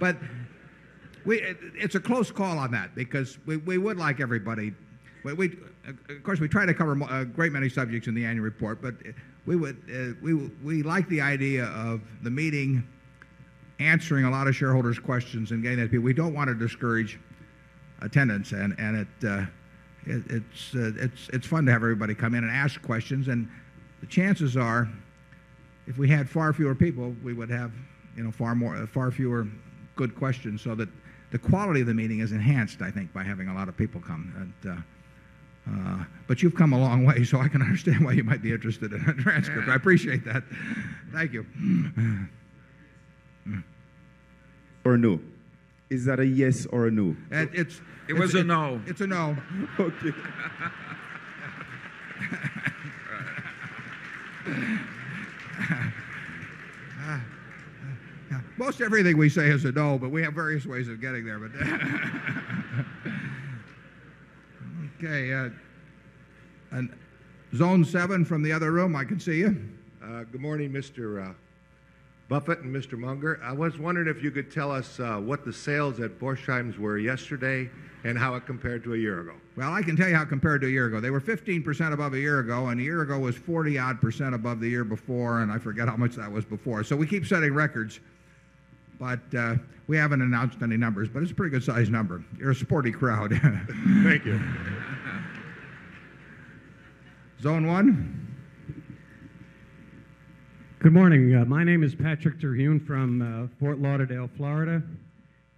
But it's a close call on that because we would like everybody of course, we try to cover a great many subjects in the annual report, but we like the idea of the meeting answering a lot of shareholders' questions and getting that feedback. We don't want to discourage attendance, and it's fun to have everybody come in and ask questions. And the chances are if we had far fewer people, we would have far fewer good questions. So that the quality of the meeting is enhanced, I think, by having a lot of people come. But you've come a long way, so I can understand why you might be interested in a in a transcript. I appreciate that. Thank you. Or a no? Is that a yes or a no? It was a no. It's a no. Most everything we say is a dull, but we have various ways of getting there. Okay. Zone 7 from the other room. I can see you. Good morning, Mr. Buffet and Mr. Munger. I was wondering if you could tell us what the sales at Borsheims were yesterday and how it compared to a year ago? Well, I can tell you how it compared to a year ago. They were 15% above a year ago, and a year ago was 40 odd percent above the year before, and I forget how much that was before. So we keep setting records. But we haven't announced any numbers, but it's a pretty good sized number. You're a supportive crowd. Thank you. Zone 1. Good morning. My name is Patrick Terhune from Fort Lauderdale, Florida.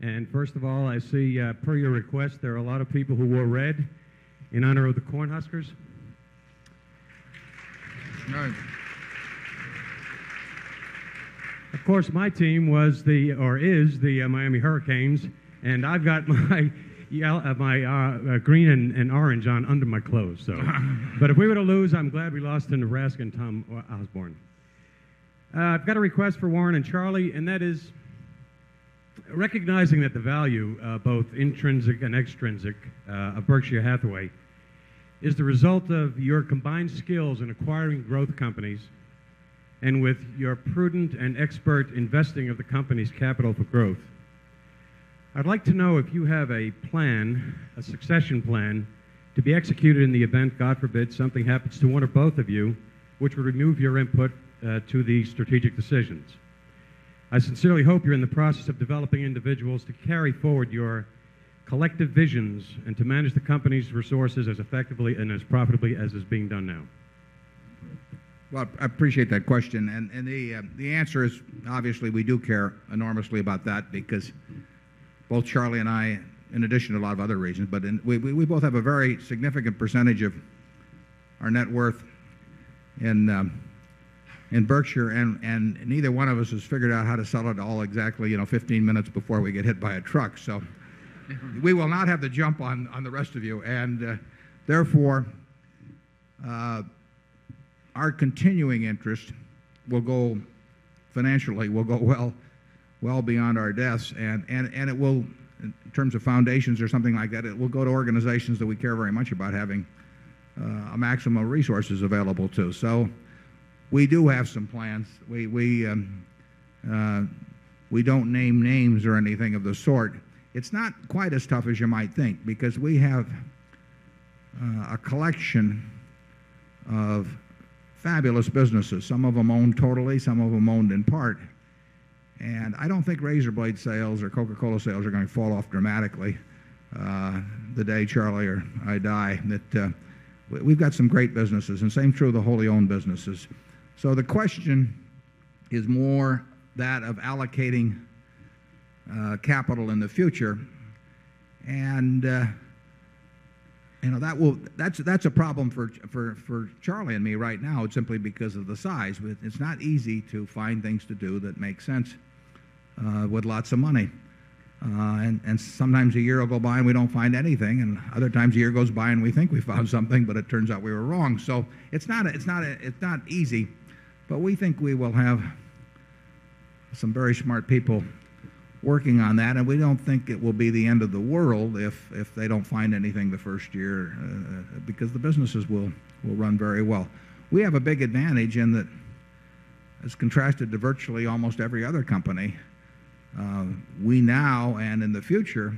And first of all, I see, per your request, there are a lot of people who wore red in honor of the Cornhuskers. Of course, my team was the or is the Miami Hurricanes. And I've got my green and orange on under my clothes. But if we were to lose, I'm glad we lost in Nebraska and Tom Osborne. I've got a request for Warren and Charlie, and that is recognizing that the value, both intrinsic and extrinsic, of Berkshire Hathaway is the result of your combined skills in acquiring growth companies and with your prudent and expert investing of the company's capital for growth. I'd like to know if you have a plan, a succession plan, to be executed in the event, God forbid, something happens to 1 or both of you, which will remove your input to the strategic decisions. I sincerely hope you're in the process of developing individuals to carry forward your collective visions and to manage the Company's resources as effectively and as profitably as is being done now. Well, I appreciate that question. And the answer is, obviously, we do care enormously about that because both Charlie and I, addition to a lot of other regions, but we both have a very significant percentage of our net worth in Berkshire, and neither one of us has figured out how to sell it all exactly 15 minutes before we get hit by a truck. So we will not have to jump on the rest of you. And therefore, our continuing interest will go financially, will go well beyond our debts. And it will in terms of foundations or something like that, will go to organizations that we care very much about having maximum resources available to. So we do have some plans. We don't name names or anything of the sort. It's not quite as tough as you might think because we have a collection of fabulous businesses. Some of them owned totally, some of them owned in part. And I don't think razor blade sales or Coca Cola sales are going to fall off dramatically the day Charlie or I die. We've got some great businesses. And same true of the wholly owned businesses. So the question is more that of allocating capital in the future. And that's a problem for Charlie and me right now. It's simply because of the size. It's not easy to find things to do that make sense with lots of money. And sometimes a year will go by and we don't find anything. And other times, a year goes by and we think we found something, but it turns out we were wrong. So it's not easy, But we think we will have some very smart people working on that, and we don't think it will be the end of the world if they don't find anything the 1st year because the businesses will run very well. We have a big advantage in that it's contrasted to virtually almost every other company. We now and in the future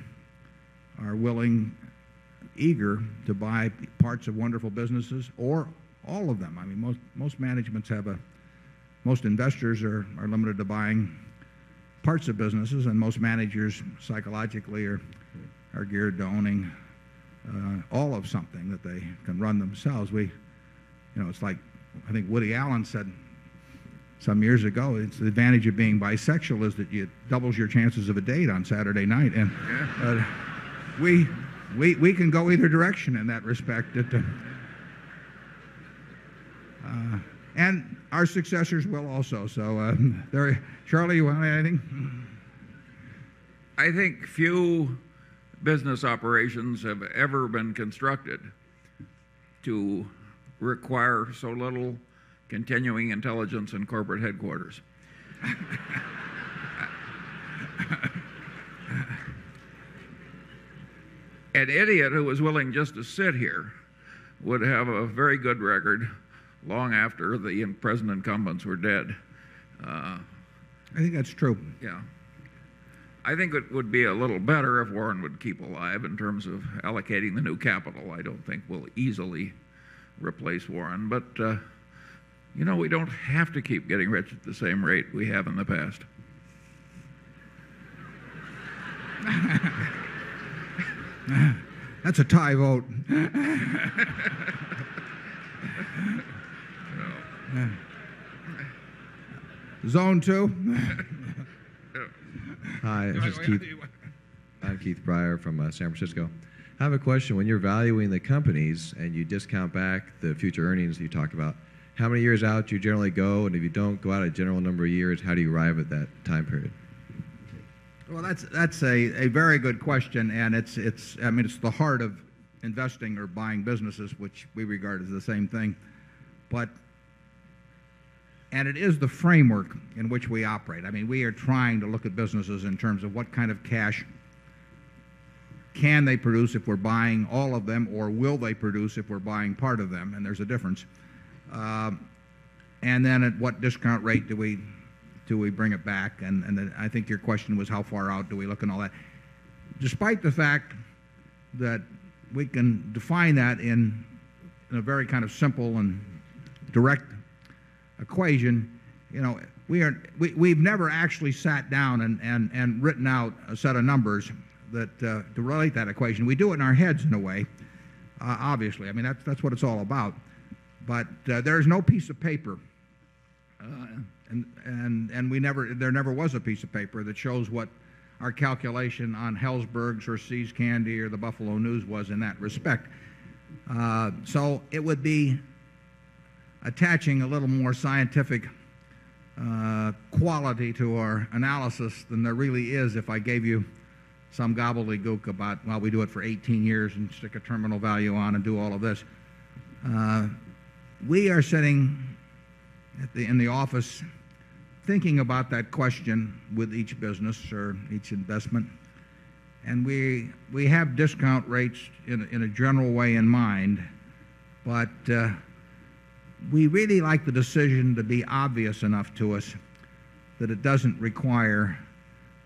are willing, eager to buy parts of wonderful businesses or all of them. Most managers have a most investors are limited to buying parts of businesses and most managers psychologically are geared to owning all of something that they can run themselves. It's like I think Woody Allen said some years ago, it's the advantage of being bisexual is that it doubles your chances of a date on Saturday night. And We can go either direction in that respect. And our successors will also. So Charlie, you want to add anything? I think few business operations have ever been constructed to require so little continuing intelligence in corporate headquarters. An idiot who was willing just to sit here would have a very good record long after the present incumbents were dead. I think that's true. Yes. I think it would be a little better if Warren would keep alive in terms of allocating the new capital. I don't think we'll easily replace Warren. But you know, we don't have to keep getting rich at the same rate we have in the past. That's a tie vote. Zone 2. Hi. I'm Keith Briar from San Francisco. I time period? Well, that's a very good question. And it's the heart of investing or buying businesses, which we regard as the same thing. And it is the framework in which we operate. We are trying to look at businesses in terms of what kind of cash can they produce if we're buying all of them or will they produce if we're buying part of them, and there's a difference. And then at what discount rate do we bring it back? And I think your question was how far out do we look and all that. Despite the fact that we can define that in a very kind of simple and direct equation, you know, we've never actually sat down and written out a set of numbers that relate that equation. We do it in our heads in a way, obviously. I mean, that's what it's all about. But there is no piece of paper, and we never there never was a piece of paper that shows what our calculation on Helzberg's or See's Candy or the Buffalo News was in that respect. So it would be attaching a little more scientific quality to our analysis than there really is if I gave you some gobbledygook about why we do it for 18 years and stick a terminal value on and do all of this. We are sitting in the office thinking about that question with each business or each investment. And we have discount rates in a general way in mind, but we really like the decision to be obvious enough to us that it doesn't require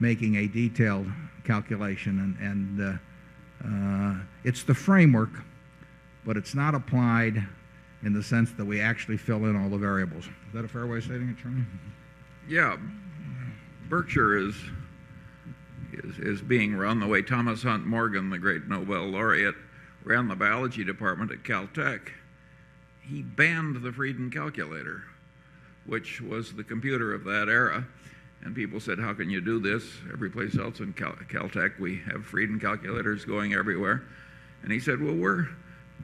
making a detailed calculation. And it's the framework, but it's not applied in the sense that we actually fill in all the variables. Is that a fair way of stating it, Charlie? Yes. Berkshire is being run the way Thomas Hunt Morgan, the great Nobel Laureate, ran the biology department at Caltech. He banned the freedom calculator, which was the computer of that era. And people said, how can you do this? Every place else in Caltech, we have Frieden calculators going everywhere. And he said, well, we're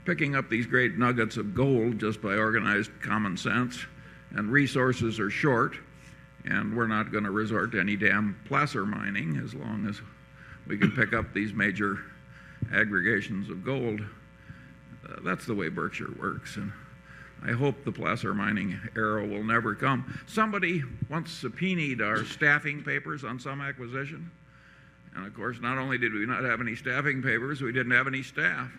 picking up these great nuggets of gold just by organized common sense and resources are short and we're not going to resort to any damn placer mining as long as we can pick up these major aggregations of gold. That's the way Berkshire works. And I hope the Placer mining era will never come. Somebody once subpoenaed our staffing papers on some acquisition. And of course not only did we not have any staffing papers, we didn't have any staff.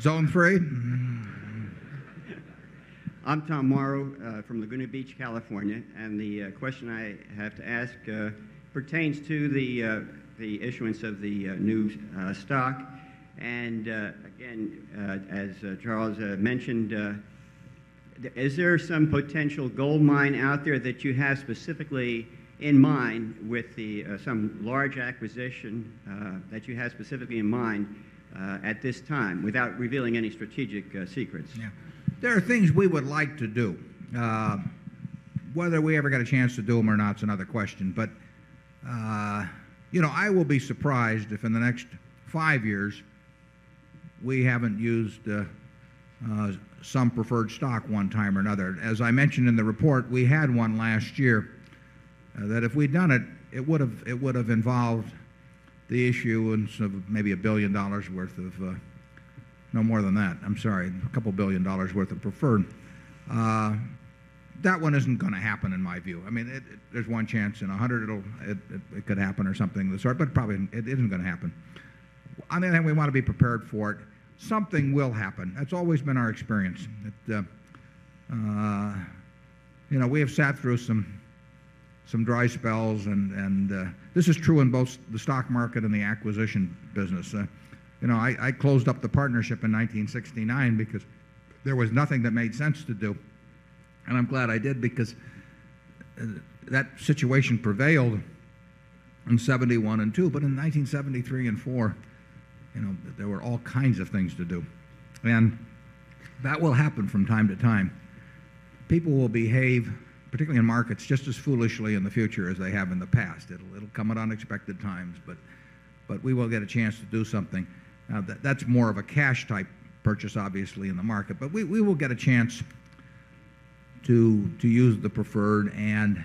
Zone 3. I'm Tom Morrow from Laguna Beach, California. And the question I have to ask pertains to the issuance of the new stock. And again, as Charles mentioned, is there some potential gold mine out there that you have specifically in mind with the some large acquisition that you have specifically in mind at this time without revealing any strategic secrets? Yes. There are things we would like to do. Whether we ever get a chance to do them or not is another question. But I will be surprised if in the next 5 years, we haven't used some preferred stock one time or another. As I mentioned in the report, we had one last year that if we'd done it, it would have involved the issue of maybe $1,000,000,000 worth of no more than that, I'm sorry, a couple of $1,000,000,000 worth of preferred. That one isn't going to happen in my view. I mean, there's one chance in 100 it could happen or something of this sort, but probably it isn't going to happen. And then we want to be prepared for it. Something will happen. That's always been our experience. We have sat through some dry spells. And this is true in both the stock market and the acquisition business. I closed up the partnership in 1969 because there was nothing that made sense to do. And I'm glad I did because that situation prevailed in 'seventy one and 'two. But in 1973 'four, there were all kinds of things to do. And that will happen from time to time. People will behave, particularly in markets, just as foolishly in the future as they have in the past. It will come at unexpected times, but we will get a chance to do something. That's more of a cash type purchase obviously in the market. But we will get a chance to use the preferred and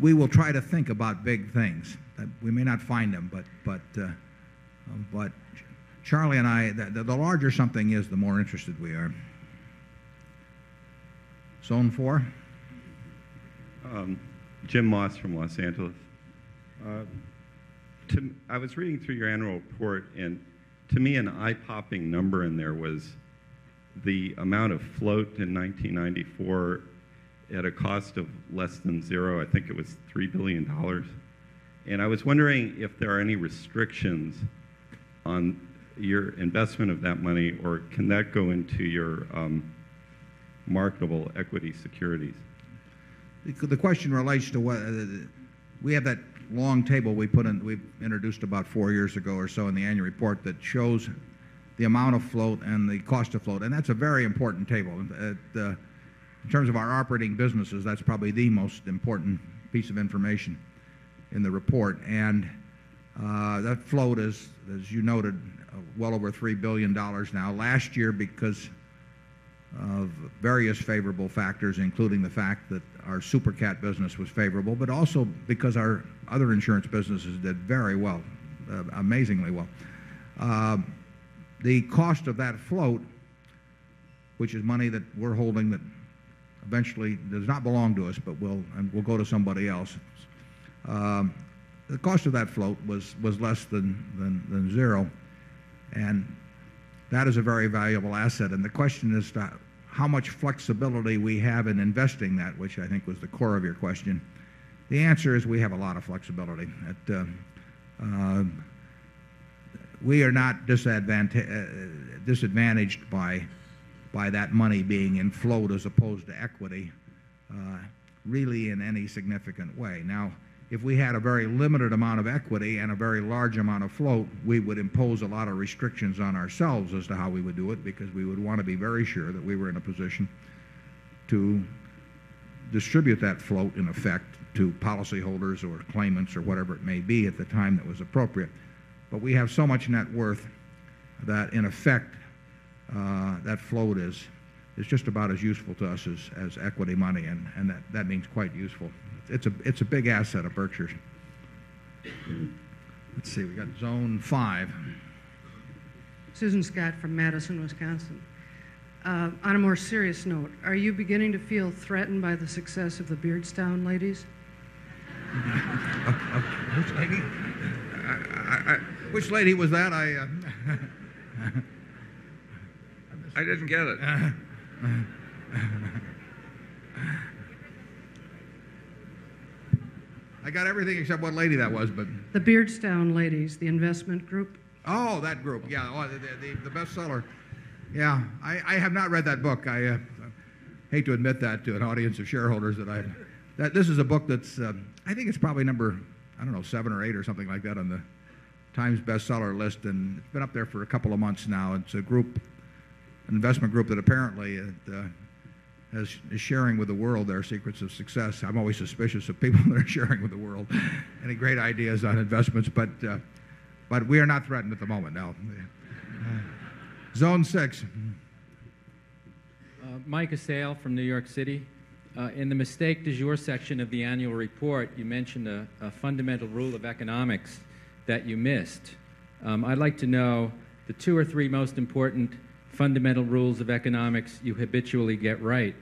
we will try to think about big things. We may not find them, but Charlie and I the larger something is, the more interested we are. Zone 4. Jim Moss from Los Angeles. I was reading through your annual report and to me an eye popping number in there was the amount of float in 1994 at a cost of less than 0, I think it was $3,000,000,000 And I was wondering if there are any restrictions on your investment of that money or can that go into your marketable equity securities? The question relates to we have that long table we introduced about 4 years ago or so in the annual report that shows the amount of float and the cost of float. And that's a very important table. In terms of our operating businesses, that's probably the most important piece of information in the report. And that flowed, as you noted, well over $3,000,000,000 now last year because of various favorable factors, including the fact that our Super Cat business was favorable, but also because our other insurance businesses did very well, amazingly well. The cost of that float, which is money that we're holding that eventually does not belong to us, but will go to somebody else, the cost of that float was less than 0. And that is a very valuable asset. And the question is how much flexibility we have in investing that, which I think was the core of your question. The answer is we have a lot of flexibility. We are not disadvantaged by that money being in float as opposed to equity really in any significant way. Now, if we had a very limited amount of equity and a very large amount of float, we would impose a lot of restrictions on ourselves as to how we would do it because we would want to be very sure that we were in a position to distribute that float in effect to policyholders or claimants or whatever it may be at the time that was appropriate. But we have so much net worth that in effect, that float is just about as useful to us as equity money, and that means quite useful. It's a big asset of Berkshire's. Let's see. We've got zone 5. Susan Scott from Madison, Wisconsin. On a more serious note, are you beginning to feel threatened by the success of the Beardstown ladies? Which lady was that? I didn't get it. I got everything except what lady that was. The Beardstown Ladies. The Investment Group. Oh, that group. The best seller. Yes. I have not read that book. I hate to admit that to an audience of shareholders that I this is a book that's I think it's probably number, I 7 or 8 or something like that on the Times Best Seller list, and it's been up there for a couple of months now. It's a group, an investment group that apparently is sharing with the world their secrets of success. I'm always suspicious of people that are sharing with the world any great ideas on investments, but we are not threatened at the moment now. Zone 6. Mike Asail from New York City. In the Mistake Dujour section of the annual report, you mentioned a fundamental rule of economics that you missed. I'd like to know the 2 or 3 most important fundamental rules of economics you habitually get right.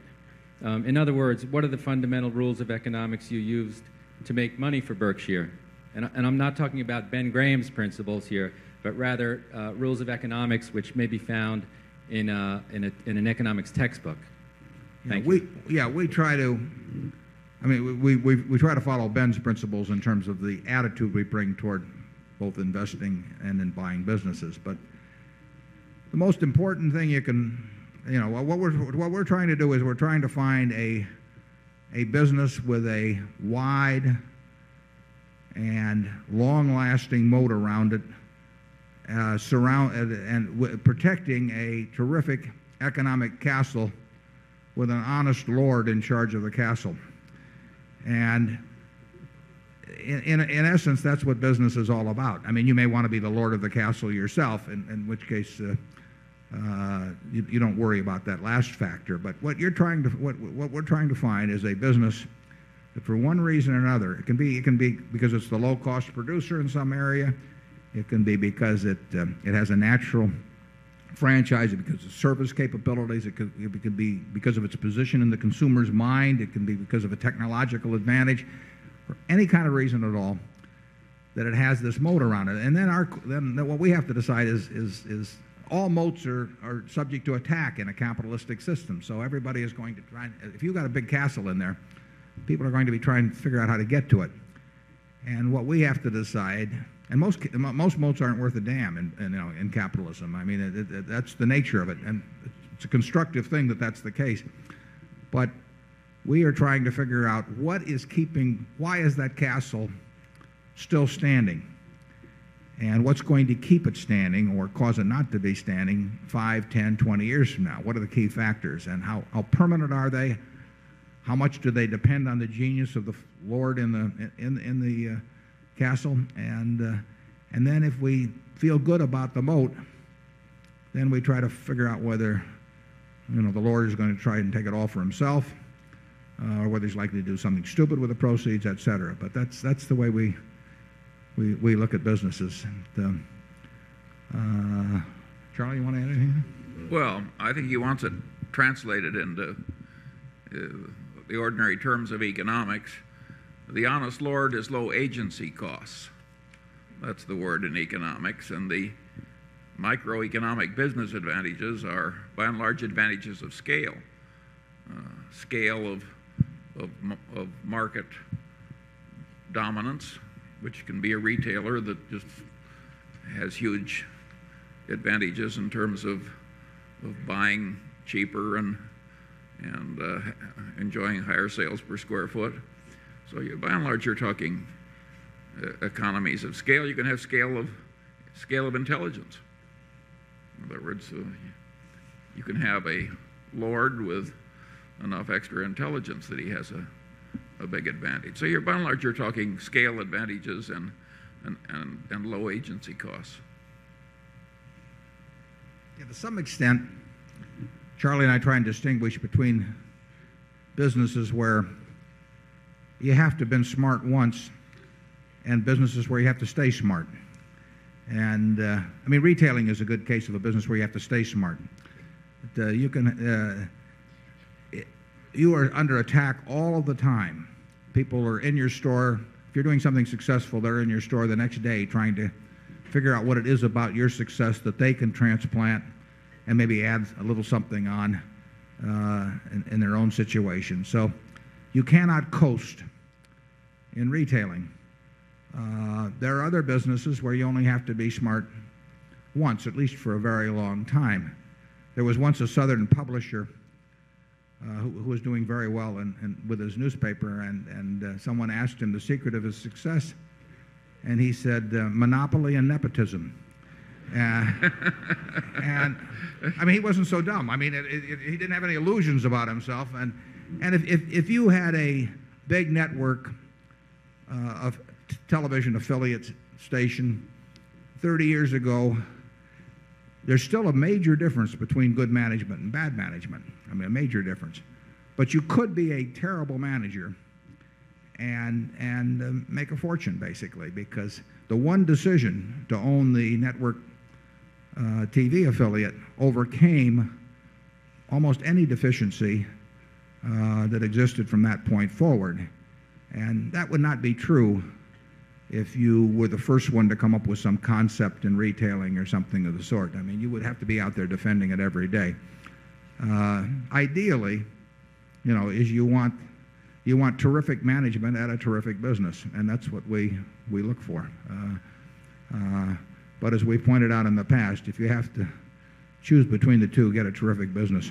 In other words, what are the fundamental rules of economics you used to make money for Berkshire? And I'm not talking about Ben Graham's principles here, but rather rules of economics which may be found in an economics textbook. Thank you. Yes. We try to I mean, we try to follow Ben's principles in terms of the attitude we bring toward both investing and then buying businesses. But the most important thing you can what we're trying to do is we're trying to find a business with a wide and long lasting moat around it, protecting a terrific economic castle with an honest lord in charge of the castle. And in essence, that's what business is all about. I mean, you may want to be the lord of the castle yourself, in which case, you don't worry about that last factor. But what we're trying to find is a business that for one reason or another, it can be because it's the low cost producer in some area, it can be because it has a natural franchise. It can be because of service capabilities. It can be because of its position in the consumer's mind. It can be because of a technological advantage for any kind of reason at all that it has this moat around it. And then what we have to decide is all moats are subject to attack in a capitalistic system. So everybody is going try if you've got a big castle in there, people are going to be trying to figure out how to get to it. And what we have to decide and most moats aren't worth a damn in capitalism. I mean, that's the nature of it. It's a constructive thing that that's the case. But we are trying to figure out what is keeping why is that castle still standing? And what's going to keep it standing or cause it not to be standing 5, 10, 20 years from now? What are the key factors? And how permanent are they? How much do they depend on the genius of the Lord in the castle. And then if we feel good about the moat, then we try to figure out whether the Lord is going to try and take it all for himself or whether he's likely to do something stupid with the proceeds, etcetera. But that's the way we look at businesses. Charlie, you want to add anything? Well, I think he wants to translate it into the ordinary terms of economics. The honest Lord is low agency costs. That's the word in economics. And the microeconomic business advantages are by and large advantages of scale. Scale of market dominance, which can be a retailer that just has huge advantages in terms of buying cheaper and enjoying higher sales per square foot. So by and large, you're talking economies of scale. You can have scale of intelligence. In other words, you can have a lord with enough extra intelligence that he has a big advantage. So by and large, you're talking scale advantages and low agency costs. To some extent, Charlie and I try and distinguish between businesses where you have to have been smart once and businesses where you have to stay smart. And I mean, retailing is a good case of a business where you have to stay smart. You are under attack all the time. People are in your store. If you're doing something successful, they're in your store the next day trying to figure out what it is about your success that they can transplant and maybe add a little something on in their own situation. So you cannot coast in retailing. There are other businesses where you only have to be smart once, at least for a very long time. There was once a Southern publisher who was doing very well with his newspaper. And someone asked him the secret of his success. And he said, Monopoly and nepotism. And I mean, he wasn't so dumb. He didn't have any illusions about himself. And if you had a big network of television affiliate station 30 years ago, there's still a major difference between good management and bad management. A major difference. But you could be a terrible manager and make a fortune, because the one decision to own the network TV affiliate overcame almost any deficiency that existed from that point forward. And that would not be true if you were the first one to come up with some concept in retailing or something of the sort. I mean, you would have to be out there defending it every day. Ideally, you want terrific management at a terrific business, and that's what we look for. But as we pointed out in the past, if you have to choose between the 2, get a terrific business.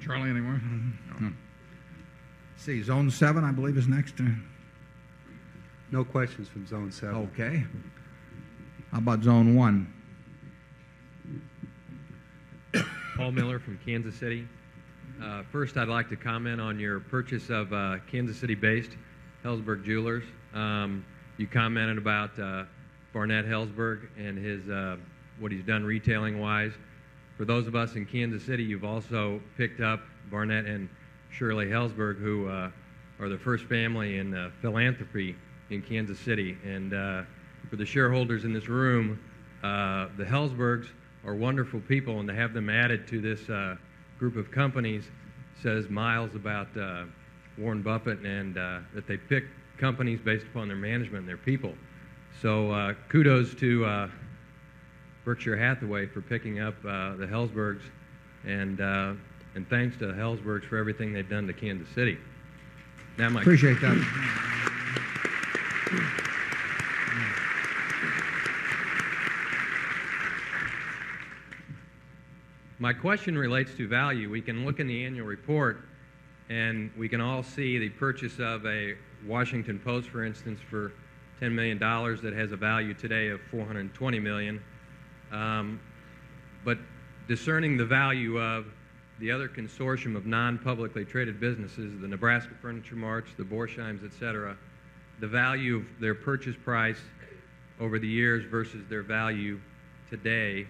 Charlie, anyone? Let's see. Zone 7, I believe, is next. No questions from Zone 7. Okay. How about Zone 1? Paul Miller from Kansas City. First, I'd like to comment on your purchase of Kansas City based Helzberg Jewelers. You commented about Barnett Helzberg and his what he's done retailing wise. For those of us in Kansas City, you've also picked up Barnett and Shirley Helzberg, who are the first family in philanthropy in Kansas City. And for the shareholders in this room, the Helzbergs are wonderful people, and they have them added to this group of companies, says Miles about Warren Buffett and that they pick companies based upon their management and their people. So kudos to Berkshire Hathaway for picking up the Helzbergs. And thanks to Helzbergs for everything they've done to Kansas City. Appreciate that. My question relates to value. We can look in the annual report and we can all see the purchase of a Washington Post, for instance, for $10,000,000 that has a value today of 420,000,000 dollars But discerning the value of the other consortium of non publicly traded businesses, the Nebraska Furniture Marts, the Borsheims, etcetera, the value of their purchase price over the years versus their value today,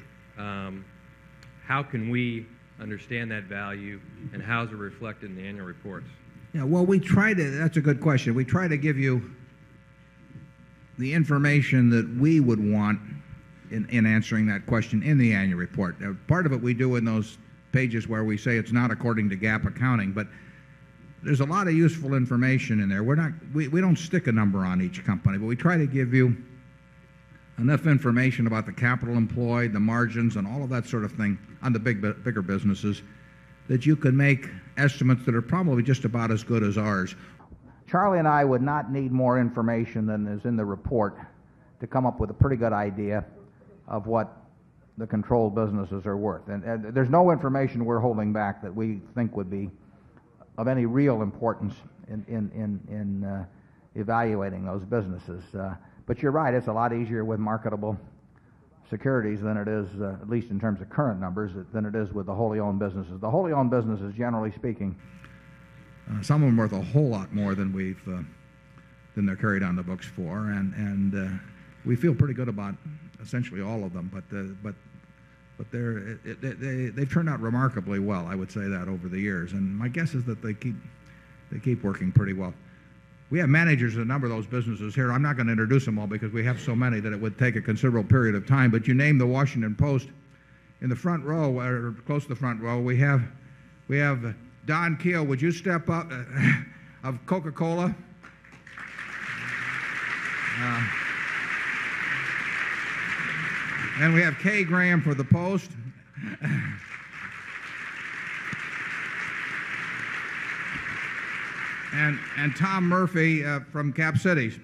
how can we understand that value and how is it reflected in the Annual Reports? Well, we try to that's a good question. We try to give you the information that we would want in answering that question in the annual report. Part of what we do in those pages where we say it's not according to GAAP accounting, but there's a lot of useful information in there. We don't stick a number on each company, but we try to give you enough information about the capital employed, the margins, and all of that sort of thing on the bigger businesses that you can make estimates that are probably just about as good as ours. Charlie and I would not need more information than is in the report to come up with a pretty good idea of what the control businesses are worth. And there's no information we're holding back that we think would be of any real importance in evaluating those businesses. But you're right, it's a lot easier with marketable securities than it is at least in terms of current numbers, than it is with the wholly owned businesses. The wholly owned businesses, generally speaking, some of them worth a whole lot more than we've carried on the books for. And we feel pretty good about essentially all of them. But they've turned out remarkably well, I would say that, over the years. And my guess is that they keep working pretty well. We have managers of a number of those businesses here. I'm not going to introduce them all because we have so many that it would take a considerable period of time. But you name the Washington Post. In the front row or close to the front row. We have Don Kiel, would you step up, of Coca Cola? And we have Kay Graham for the Post. And Tom Murphy from Cap Cities. Is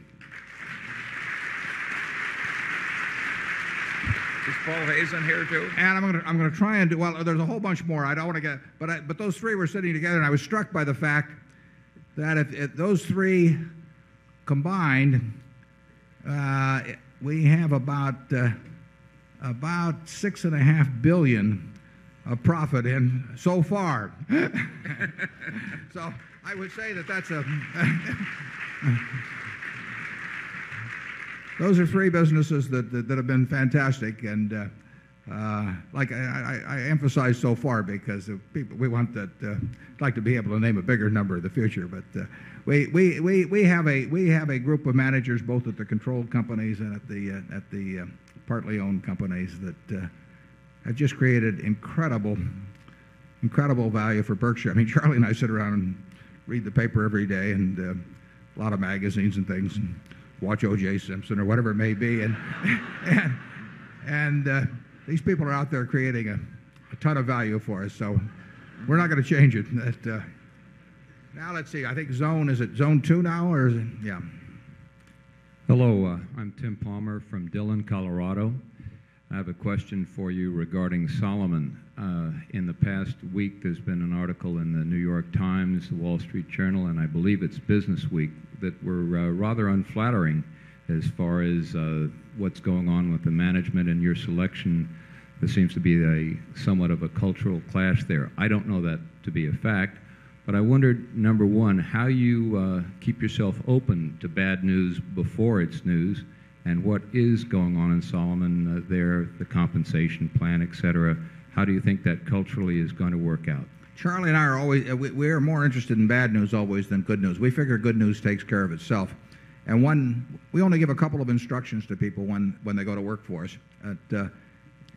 Paul Hazen here, too? And I'm going to try and do well, there's a whole bunch more. I don't want to get but those 3 were sitting together, and I was struck by the fact that if those 3 combined, we have about $6,500,000,000 of profit in so far. So I would say that that's a those are 3 businesses that have been fantastic. And like I emphasized so far because we want that we'd like to be able to name a bigger number in the future. But we have a group of managers, both at the controlled companies and at the partly owned companies that had just created incredible, incredible value for Berkshire. I mean, Charlie and I sit around and read the paper every day, and a lot of magazines and things, watch O. J. Simpson or whatever it may be. And these people are out there creating a ton of value for us. So, we're not going to change it. Now, let's see. I think zone, is it zone 2 now? Or is it, yeah. Hello. I'm Tim Palmer from Dillon, Colorado. I have a question for you regarding Solomon. In the past week, there's been an article in the New York Times, the Wall Street Journal, and I believe it's Business Week that were rather unflattering as far as what's going on with the management and your selection. There seems to be somewhat of a cultural clash there. I don't know that to be a fact, but I wondered, number 1, how do you keep yourself open to bad news before it's news and what is going on in Solomon there, the compensation plan, etcetera? How do you think that culturally is going to work out? Charlie and I are always we are more interested in bad news always than good news. We figure good news takes care of itself. And one we only give a couple of instructions to people when they go to work for us.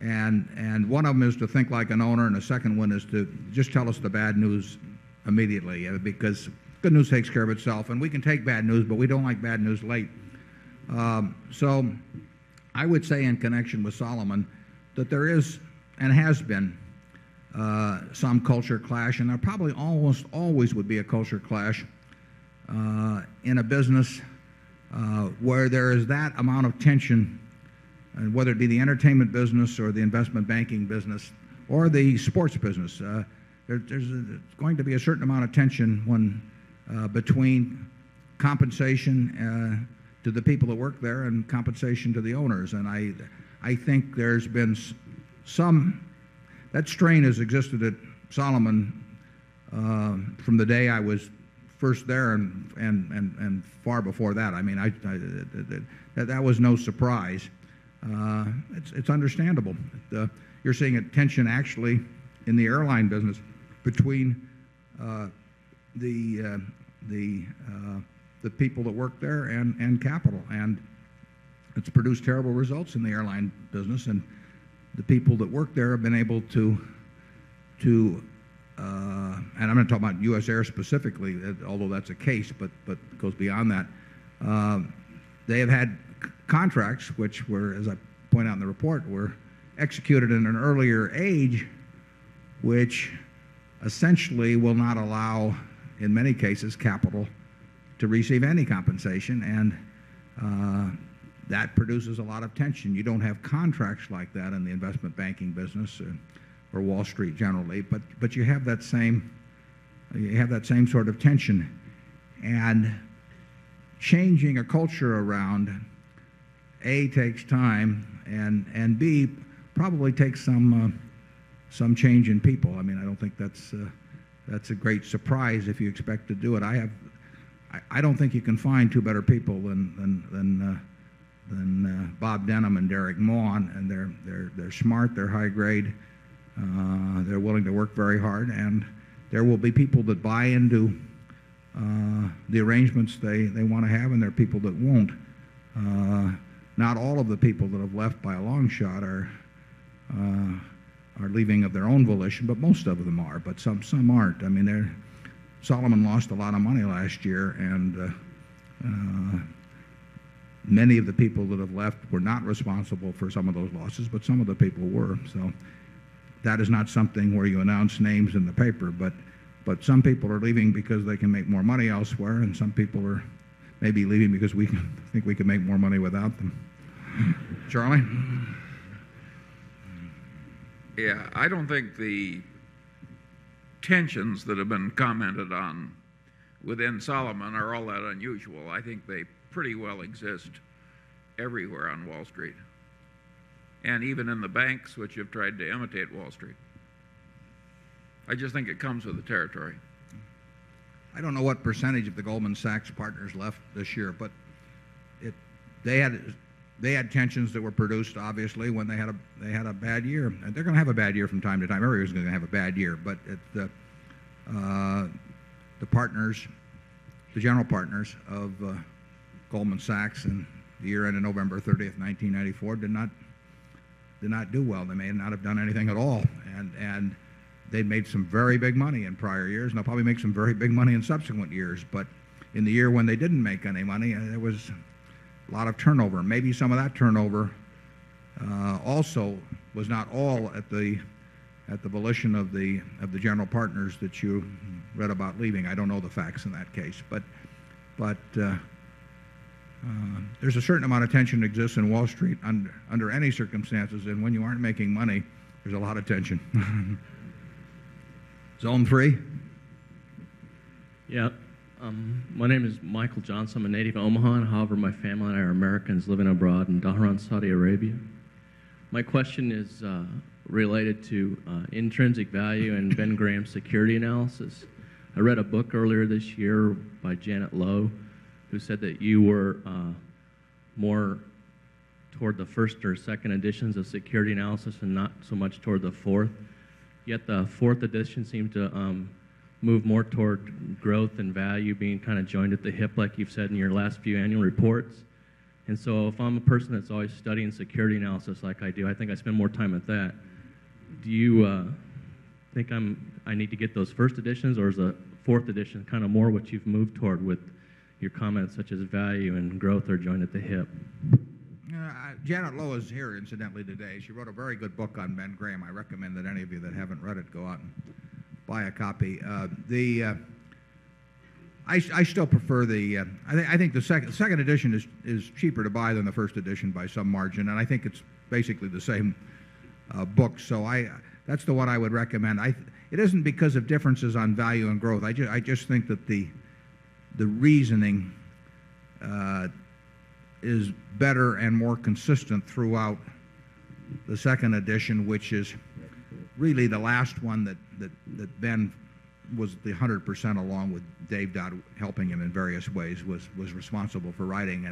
And one of them is to think like an owner, and the second one is to just tell us the bad news immediately, because good news takes care of itself. And we can take bad news, but we don't like bad news late. So I would say in connection with Solomon that there is and has been some culture clash, and there probably almost always would be a culture clash in a business where there is that amount of tension, whether it be the entertainment business or the investment banking business or the sports business, there's going to be a certain amount of tension between compensation to the people that work there and compensation to the owners. And I think there's been some that strain has existed at Solomon from the day I was first there and far before that. That was no surprise. It's understandable. You're seeing a tension actually in the airline business between the people that work there and capital. And it's produced terrible results in the airline business. And the people that work there have been able to and I'm not talking about U. S. Air specifically, although that's a case, but it goes beyond that. They have had contracts, which were, as I point out in the report, were executed in an earlier age, which essentially will not allow, in many cases, capital to receive any compensation. And that produces a lot of tension. You don't have contracts like that in the investment banking business or Wall Street generally, but you have that same sort of tension. And changing a culture around takes time and probably takes some change in people. I mean, I don't think that's a great surprise if you expect to do it. I don't think you can find 2 better people than Bob Denham and Derek Maughan. They're smart, they're high grade, they're willing to work very hard. And there will be people that buy into the arrangements they want to have and there are people that won't. Not all of the people that have left by a long shot are leaving of their own volition, but most of them are, but some aren't. Solomon lost a lot of money last year, and many of the people that have left were not responsible for some of those losses, but some of the people were. So that is not something where you announce names in the paper. But some people are leaving because they can make more money elsewhere, and some people are maybe leaving because we think we can make more money without them. Charlie? Yes. I don't think the tensions that have been commented on within Solomon are all that unusual. I think they pretty well exist everywhere on Wall Street and even in the banks which have tried to imitate Wall Street. I just think it comes with the territory. I don't know what percentage of the Goldman Sachs partners left this year, but they had tensions that were produced obviously when they had a bad year. And they're going to have a bad year from time to time. Everybody's going to have a bad year. But the partners, the general partners of Goldman Sachs in the year ended November 30, 1994, did not do well. They may not have done anything at all. And they'd made some very big money in prior years. They'll probably make some very big money in subsequent years. But in the year when they didn't make any money, there was a lot of turnover. Maybe some of that turnover also was not all at the volition of the general partners that you read about leaving. I don't know the facts in that case. But there's a certain amount of tension that exists in Wall Street under any circumstances. And when you aren't making money, there's a lot of tension. Zone 3? Yes. My name is Michael Johnson. I'm a native of Omaha. However, my family and I are Americans living abroad in Bahran, Saudi Arabia. My question is related to intrinsic value and Ben Graham security analysis. I read a book earlier this year by Janet Lowe, who said that you were more toward the 1st or second editions of security analysis and not so much toward the 4th. Yet the 4th edition seemed to move more toward growth and value being kind of joined at the hip like you've said in your last few annual reports. And so if I'm a person that's always studying security analysis like I do, I think I spend more time at that. Do you think I need to get those 1st editions or is the 4th edition kind of more what you've moved toward with your comments such as value and growth are joined at the hip? Janet Lowe is here incidentally today. She wrote a very good book on Ben Graham. I recommend that any of you that haven't read it, go out and buy a copy. I still prefer the I think the second edition is cheaper to buy than the first edition by some margin. And I think it's basically the same book. So that's the one I would recommend. It isn't because of differences on value and growth. I just think that the reasoning is better and more consistent throughout the second edition, which is really the last one that Ben was the 100%, along with Dave Dodd helping him in various ways, was responsible for writing.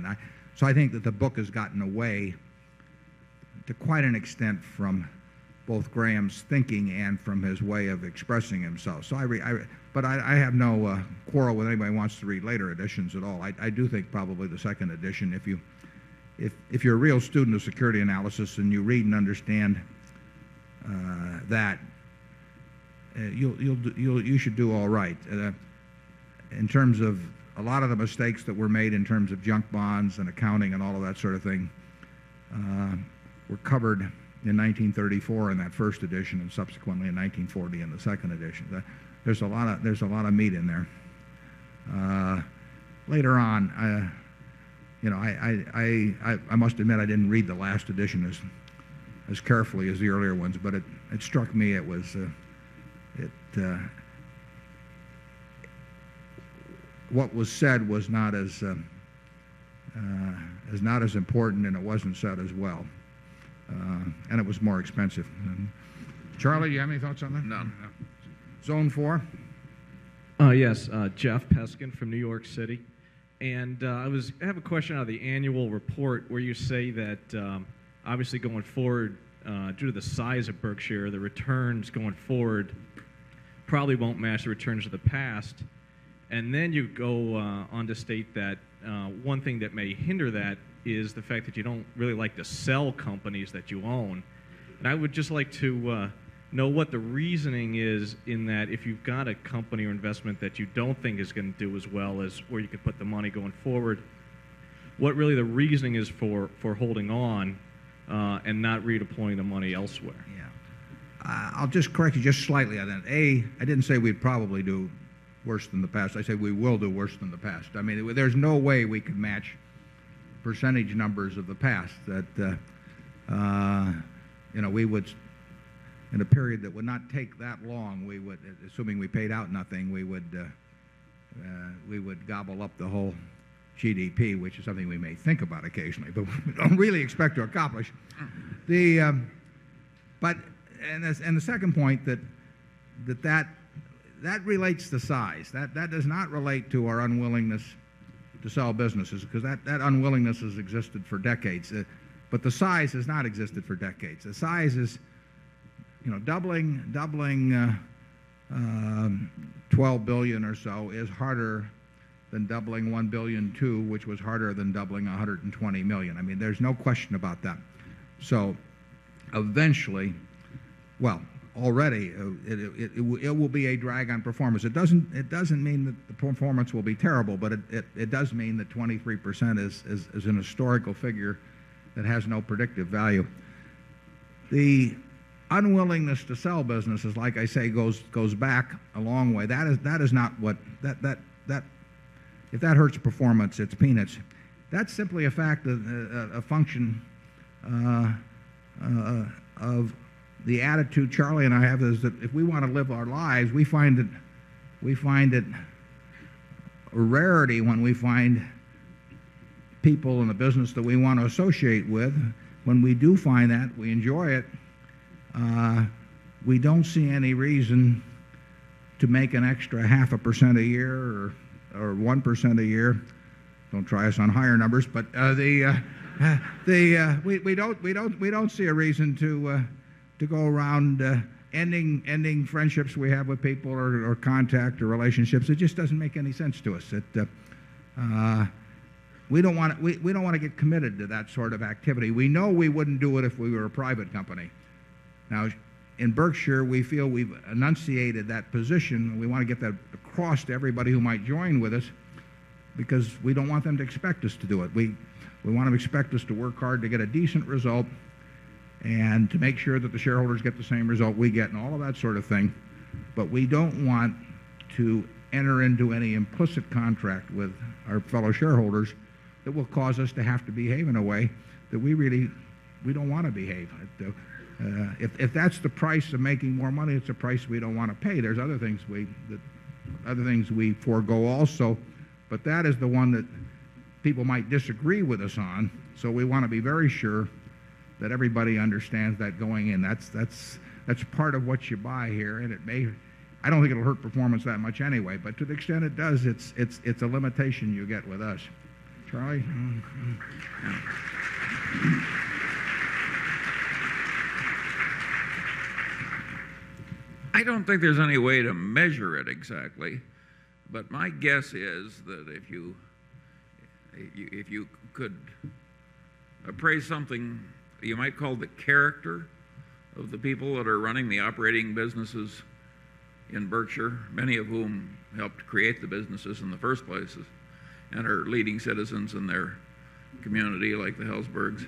So I think that the book has gotten away to quite an extent from both Graham's thinking and from his way of expressing himself. But I have no quarrel with anybody who wants to read later editions at all. I do think probably the 2nd edition. If you're a real student of security analysis and you read and understand that, you should do all right. In terms of a lot of the mistakes that were made in terms of junk bonds and accounting and all of that sort of thing were covered in 1934 in that first edition and subsequently in 1940 in the second edition. There's a lot of meat in there. Later on, I must admit I didn't read the last edition as carefully as the earlier ones, but it struck me, it was what was said was not as important and it wasn't said as well. And it was more expensive. Charlie, do you have any thoughts on that? No. Zone 4? Yes. Jeff Peskin from New York City. And I have a question on the annual report where you say that, obviously going forward due to the size of Berkshire, the returns going forward probably won't match the returns of the past. And then you go on to state that one thing that may hinder that is the fact that you don't really like to sell companies that you own. And I would just like to know what the reasoning is in that if you've got a company or investment that you don't think is going to do as well as where you could put the money going forward, what really the reasoning is for holding on and not redeploying the money elsewhere? Yes. I'll just correct you just slightly. A, I didn't say we'd probably do worse than the past. I said we will do worse than the past. I mean, there's no way we could match percentage numbers of the past that we would in a period that would not take that long, we would assuming we paid out nothing, we would gobble up the whole GDP, which is something we may think about occasionally, but really expect to accomplish. But and the second point that, that relates to size. That does not relate to our unwillingness to sell businesses because that unwillingness has existed for decades. But the size has not existed for decades. The size is doubling, doubling, dollars 12,000,000,000 or so is harder than doubling $1,200,000,000 which was harder than doubling $120,000,000 I mean, there's no question about that. So eventually, well, already, it will be a drag on performance. It doesn't mean that the performance will be terrible, but it does mean that 23% is an historical figure that has no predictive value. The unwillingness to sell businesses, like I say, goes back a long way. That is not what if that hurts performance, it's peanuts. That's simply a fact, a function of the attitude Charlie and I have is that if we want to live our lives, we find it a rarity when we find people in the business that we want to associate with. When we do find that, we enjoy it, we don't see any reason to make an extra half a percent a year or 1% a year. Don't try us on higher numbers. But we don't see a reason to go around ending friendships we have with people or contact or relationships. It just doesn't make any sense to us. We don't want to get committed to that sort of activity. We know we wouldn't do it if we were a private company. Now, in Berkshire, we feel we've enunciated that position. We want to get that across to everybody who might join with us because we don't want them to expect us to do it. We want to expect us to work hard to get a decent result and to make sure that the shareholders get the same result we get and all of that sort of thing. But we don't want to enter into any implicit contract with our fellow shareholders that will cause us to have to behave in a way that we really we don't want to behave. If that's the price of making more money, it's a price we don't want to pay. There's other things we forego also. But that is the one that people might disagree with us on. So we want to be very sure that everybody understands that going in. That's part of what you buy here. And it may I don't think it will hurt performance that much anyway. But to the extent it does, it's a limitation you get with us. Charlie? I don't think there's any way to measure it exactly. But my guess is that if you could appraise something you might call the character of the people that are running the operating businesses in Berkshire, many of whom helped create the businesses in the 1st places and are leading citizens in their community like the Helzbergs.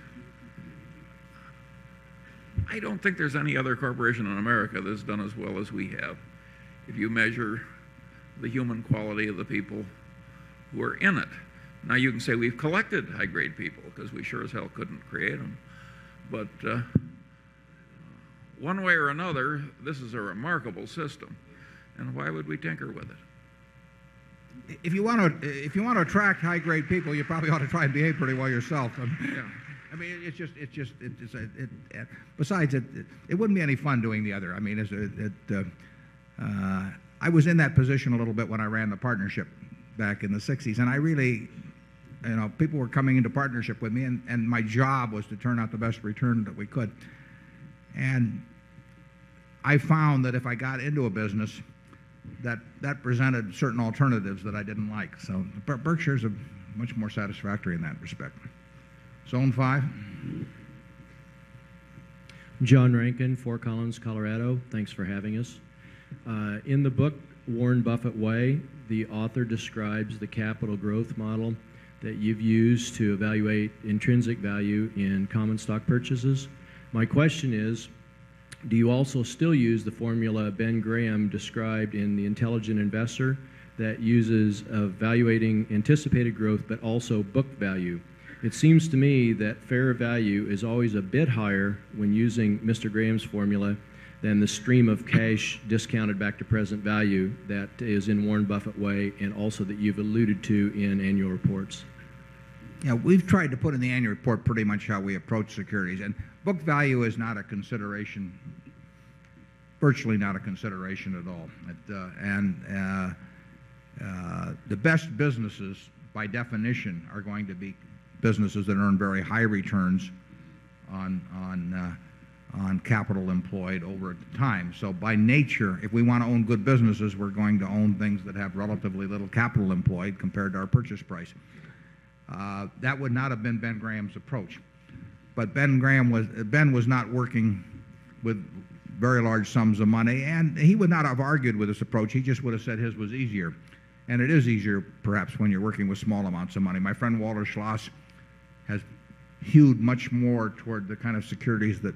I don't think there's any other corporation in America that's done as well as we have if you measure the human quality of the people who are in it. Now you can say we've collected high grade people because we sure as hell couldn't create them. But one way or another, this is a remarkable system. And why would we tinker with it? If you want to attract high grade people, you probably ought to try and behave pretty well yourself. I mean, it's just besides, it wouldn't be any fun doing the other. I mean, I was in that position a little bit when I ran the partnership back in the '60s. And I really people were coming into partnership with me, and my job was to turn out the best return that we could. And I found that if I got into a business, that that presented certain alternatives that I didn't like. But Berkshire is much more satisfactory in that respect. Zone 5. John Rankin, Fort Collins, Colorado. Thanks for having us. In the book Warren Buffett Way, the author describes the capital growth model that you've used to evaluate intrinsic value in common stock purchases. My question is, do you also still use the formula Ben Graham described in the Intelligent Investor that uses evaluating anticipated growth but also book value? It seems to me that fair value is always a bit higher when using Mr. Graham's formula than the stream of cash discounted back to present value that is in Warren Buffett way and also that you've alluded to in annual reports? We've tried to put in the annual report pretty much how we approach securities. And book value is not a consideration, virtually not a consideration at all. And the best businesses by definition are going to be businesses that earn very high returns on capital employed over time. So by nature, if we want to own good businesses, we're going to own things that have relatively little capital employed compared to our purchase price. That would not have been Ben Graham's approach. But Ben Graham was Ben was not working with very large sums of money, and he would not have argued with this approach. He just would have said his was easier. And it is easier perhaps when you're working with small amounts of money. My friend, Walter Schloss, has hewed much more toward the kind of securities that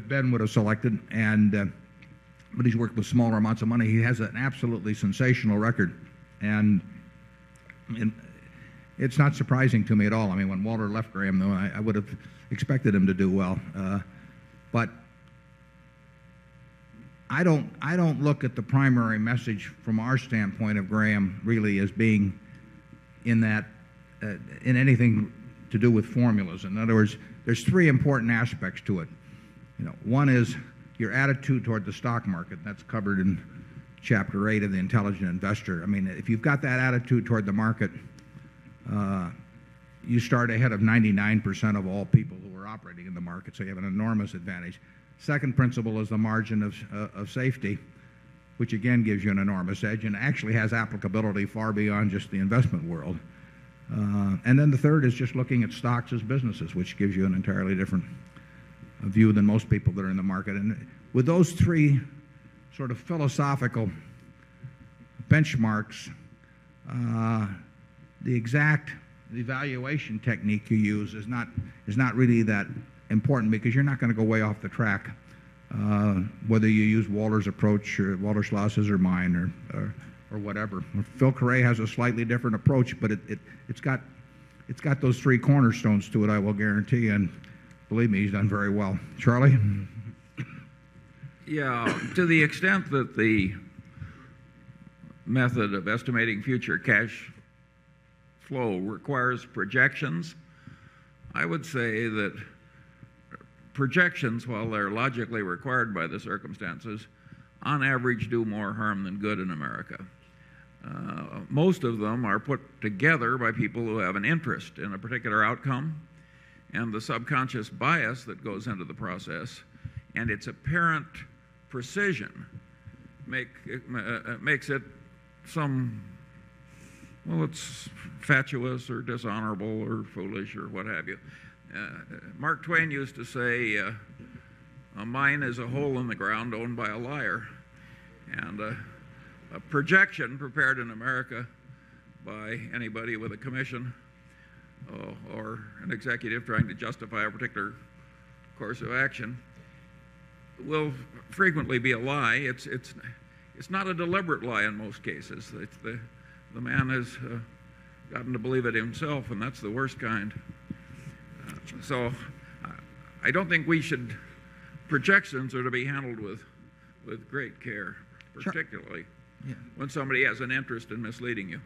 Ben would have selected. And he's worked with smaller amounts of money. He has an absolutely sensational record. And it's not surprising to me at all. I mean, when Walter left Graham, I would have expected him to do well. But I don't look at the primary message from our standpoint of Graham really as being in anything to do with formulas. In other words, there's 3 important aspects to it. One is your attitude toward the stock market. That's covered in Chapter 8 of the Intelligent Investor. I mean, if you've got that attitude toward the market, you start ahead of 99% of all people who are operating in the market. So you have an enormous advantage. 2nd principle is the margin of safety, which again gives you an enormous edge and actually has applicability far beyond just the investment world. And then the third is just looking at stocks as businesses, which gives you an entirely different view than most people that are in the market. With those 3 sort of philosophical benchmarks, the exact evaluation technique you use is not really that important because you're not going to go way off the track, whether you use Walter's approach or Walter Schloss's or mine or whatever. Phil Carre has a slightly different approach, but it's got those three cornerstones to it, I will guarantee. And believe me, he's done very well. Charlie? Yes. To the extent that the method of estimating future cash flow requires projections, I would say that projections, while they are logically required by the circumstances, on average do more harm than good in America. Most of them are put together by people who have an interest in a particular outcome and the subconscious bias that goes into the process and its apparent precision makes it some, well, it's fatuous or dishonorable or foolish or what have you. Mark Twain used to say, a mine is a hole in the ground owned by a liar. And a projection prepared in America by anybody with a commission or an executive trying to justify a particular course of action will frequently be a lie. It's not a deliberate lie in most cases. The man has gotten to believe it himself and that's the worst kind. So I don't think we should projections are to be handled with great care, particularly when somebody has an interest in misleading you.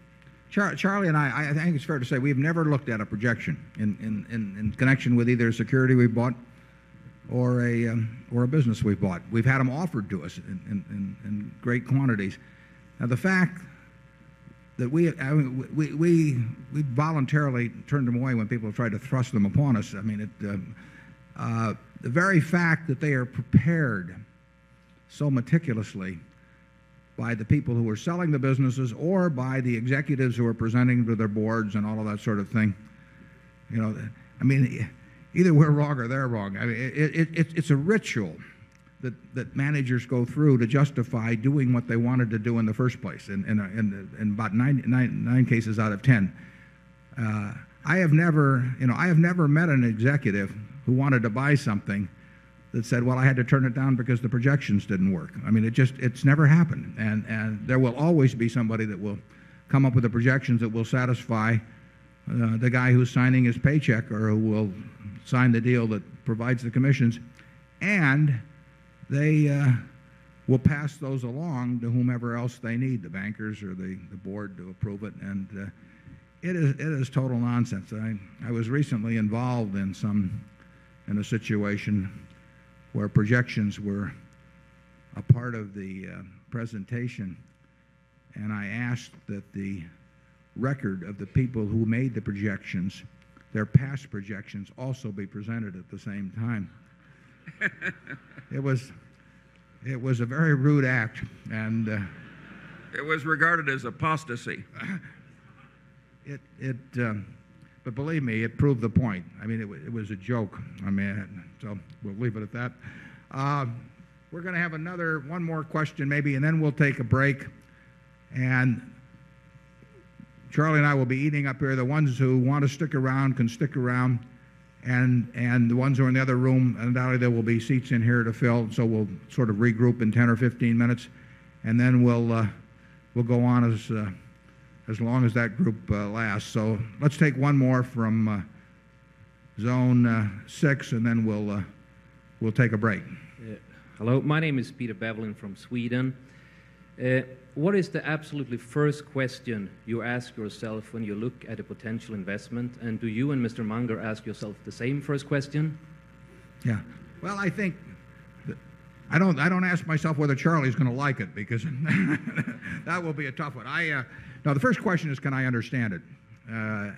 Charlie and I, I think it's fair to say we've never looked at a projection in connection with either a security we bought or a business we bought. We've had them offered to us in great quantities. Now, the fact that we voluntarily turned them away when people tried to thrust them upon us. The very fact that they are prepared so meticulously by the people who were selling the businesses or by the executives who were presenting to their boards and all of that sort of thing. I mean, either we're wrong or they're wrong. It's a ritual that managers go through to justify doing what they wanted to do in the 1st place, in about 9 cases out of 10. I have never met an executive who wanted to buy something that said, Well, I had to turn it down because the projections didn't work. I mean, it's never happened. And there will always be somebody that will come up with the projections that will satisfy the guy who is signing his paycheck or who will sign the deal that provides the commissions, and they will pass those along to whomever else they need, the bankers or the Board to approve it. And it is total nonsense. I was recently involved in some in a situation where projections were a part of the presentation, and I asked that the record of the people who made the projections, their past projections also be presented at the same time. It was a very rude act. It was regarded as apostasy. But believe me, it proved the point. I mean, it was a joke. So we'll leave it at that. We're going to have another one more question maybe and then we'll take a break. And Charlie and I will be eating up here. The ones who want to stick around can stick around. And the ones who are in the other room, undoubtedly there will be seats in here to fill. So we'll sort of regroup in 10 or 15 minutes, and then we'll go on as long as that group lasts. So let's take one more from Zone 6, and then we'll take a break. Hello. My name is Peter Bevelein from Sweden. What is the absolutely first question you ask yourself when you look at a potential investment? And do you and Mr. Munger ask yourself the same first question? Yes. Well, I think I don't ask myself whether Charlie is going to like it because that will be a tough one. No, the first question is can I understand it? And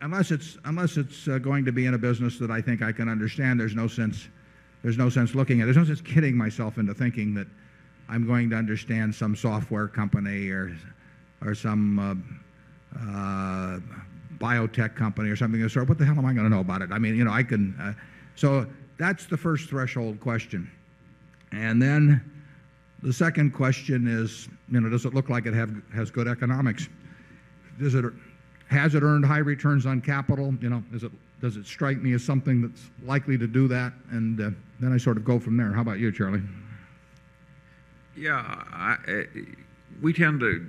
unless it's going to be in a business that I think I can understand, there's no sense looking at it. There's no sense of getting myself into thinking that I'm going to understand some software company or some biotech company or something. What the hell am I gonna know about it? I mean, I can so that's the first threshold question. And then the second question is, does it look like it has good economics? Has it earned high returns on capital? Does it strike me as something that's likely to do that? And then I sort of go from there. How about you, Charlie? Yes. We tend to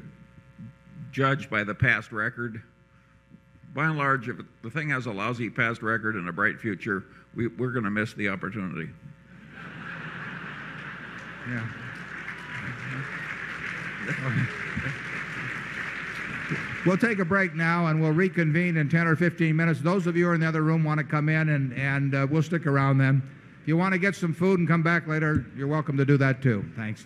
judge by the past record. By and large, if the thing has a lousy past record and a bright future, we're going to miss the opportunity. We'll take a break now, and we'll reconvene in 10 or 15 minutes. Those of you in the other room want to come in, and we'll stick around then. If you want to get some food and come back later, you're welcome to do that too. Thanks.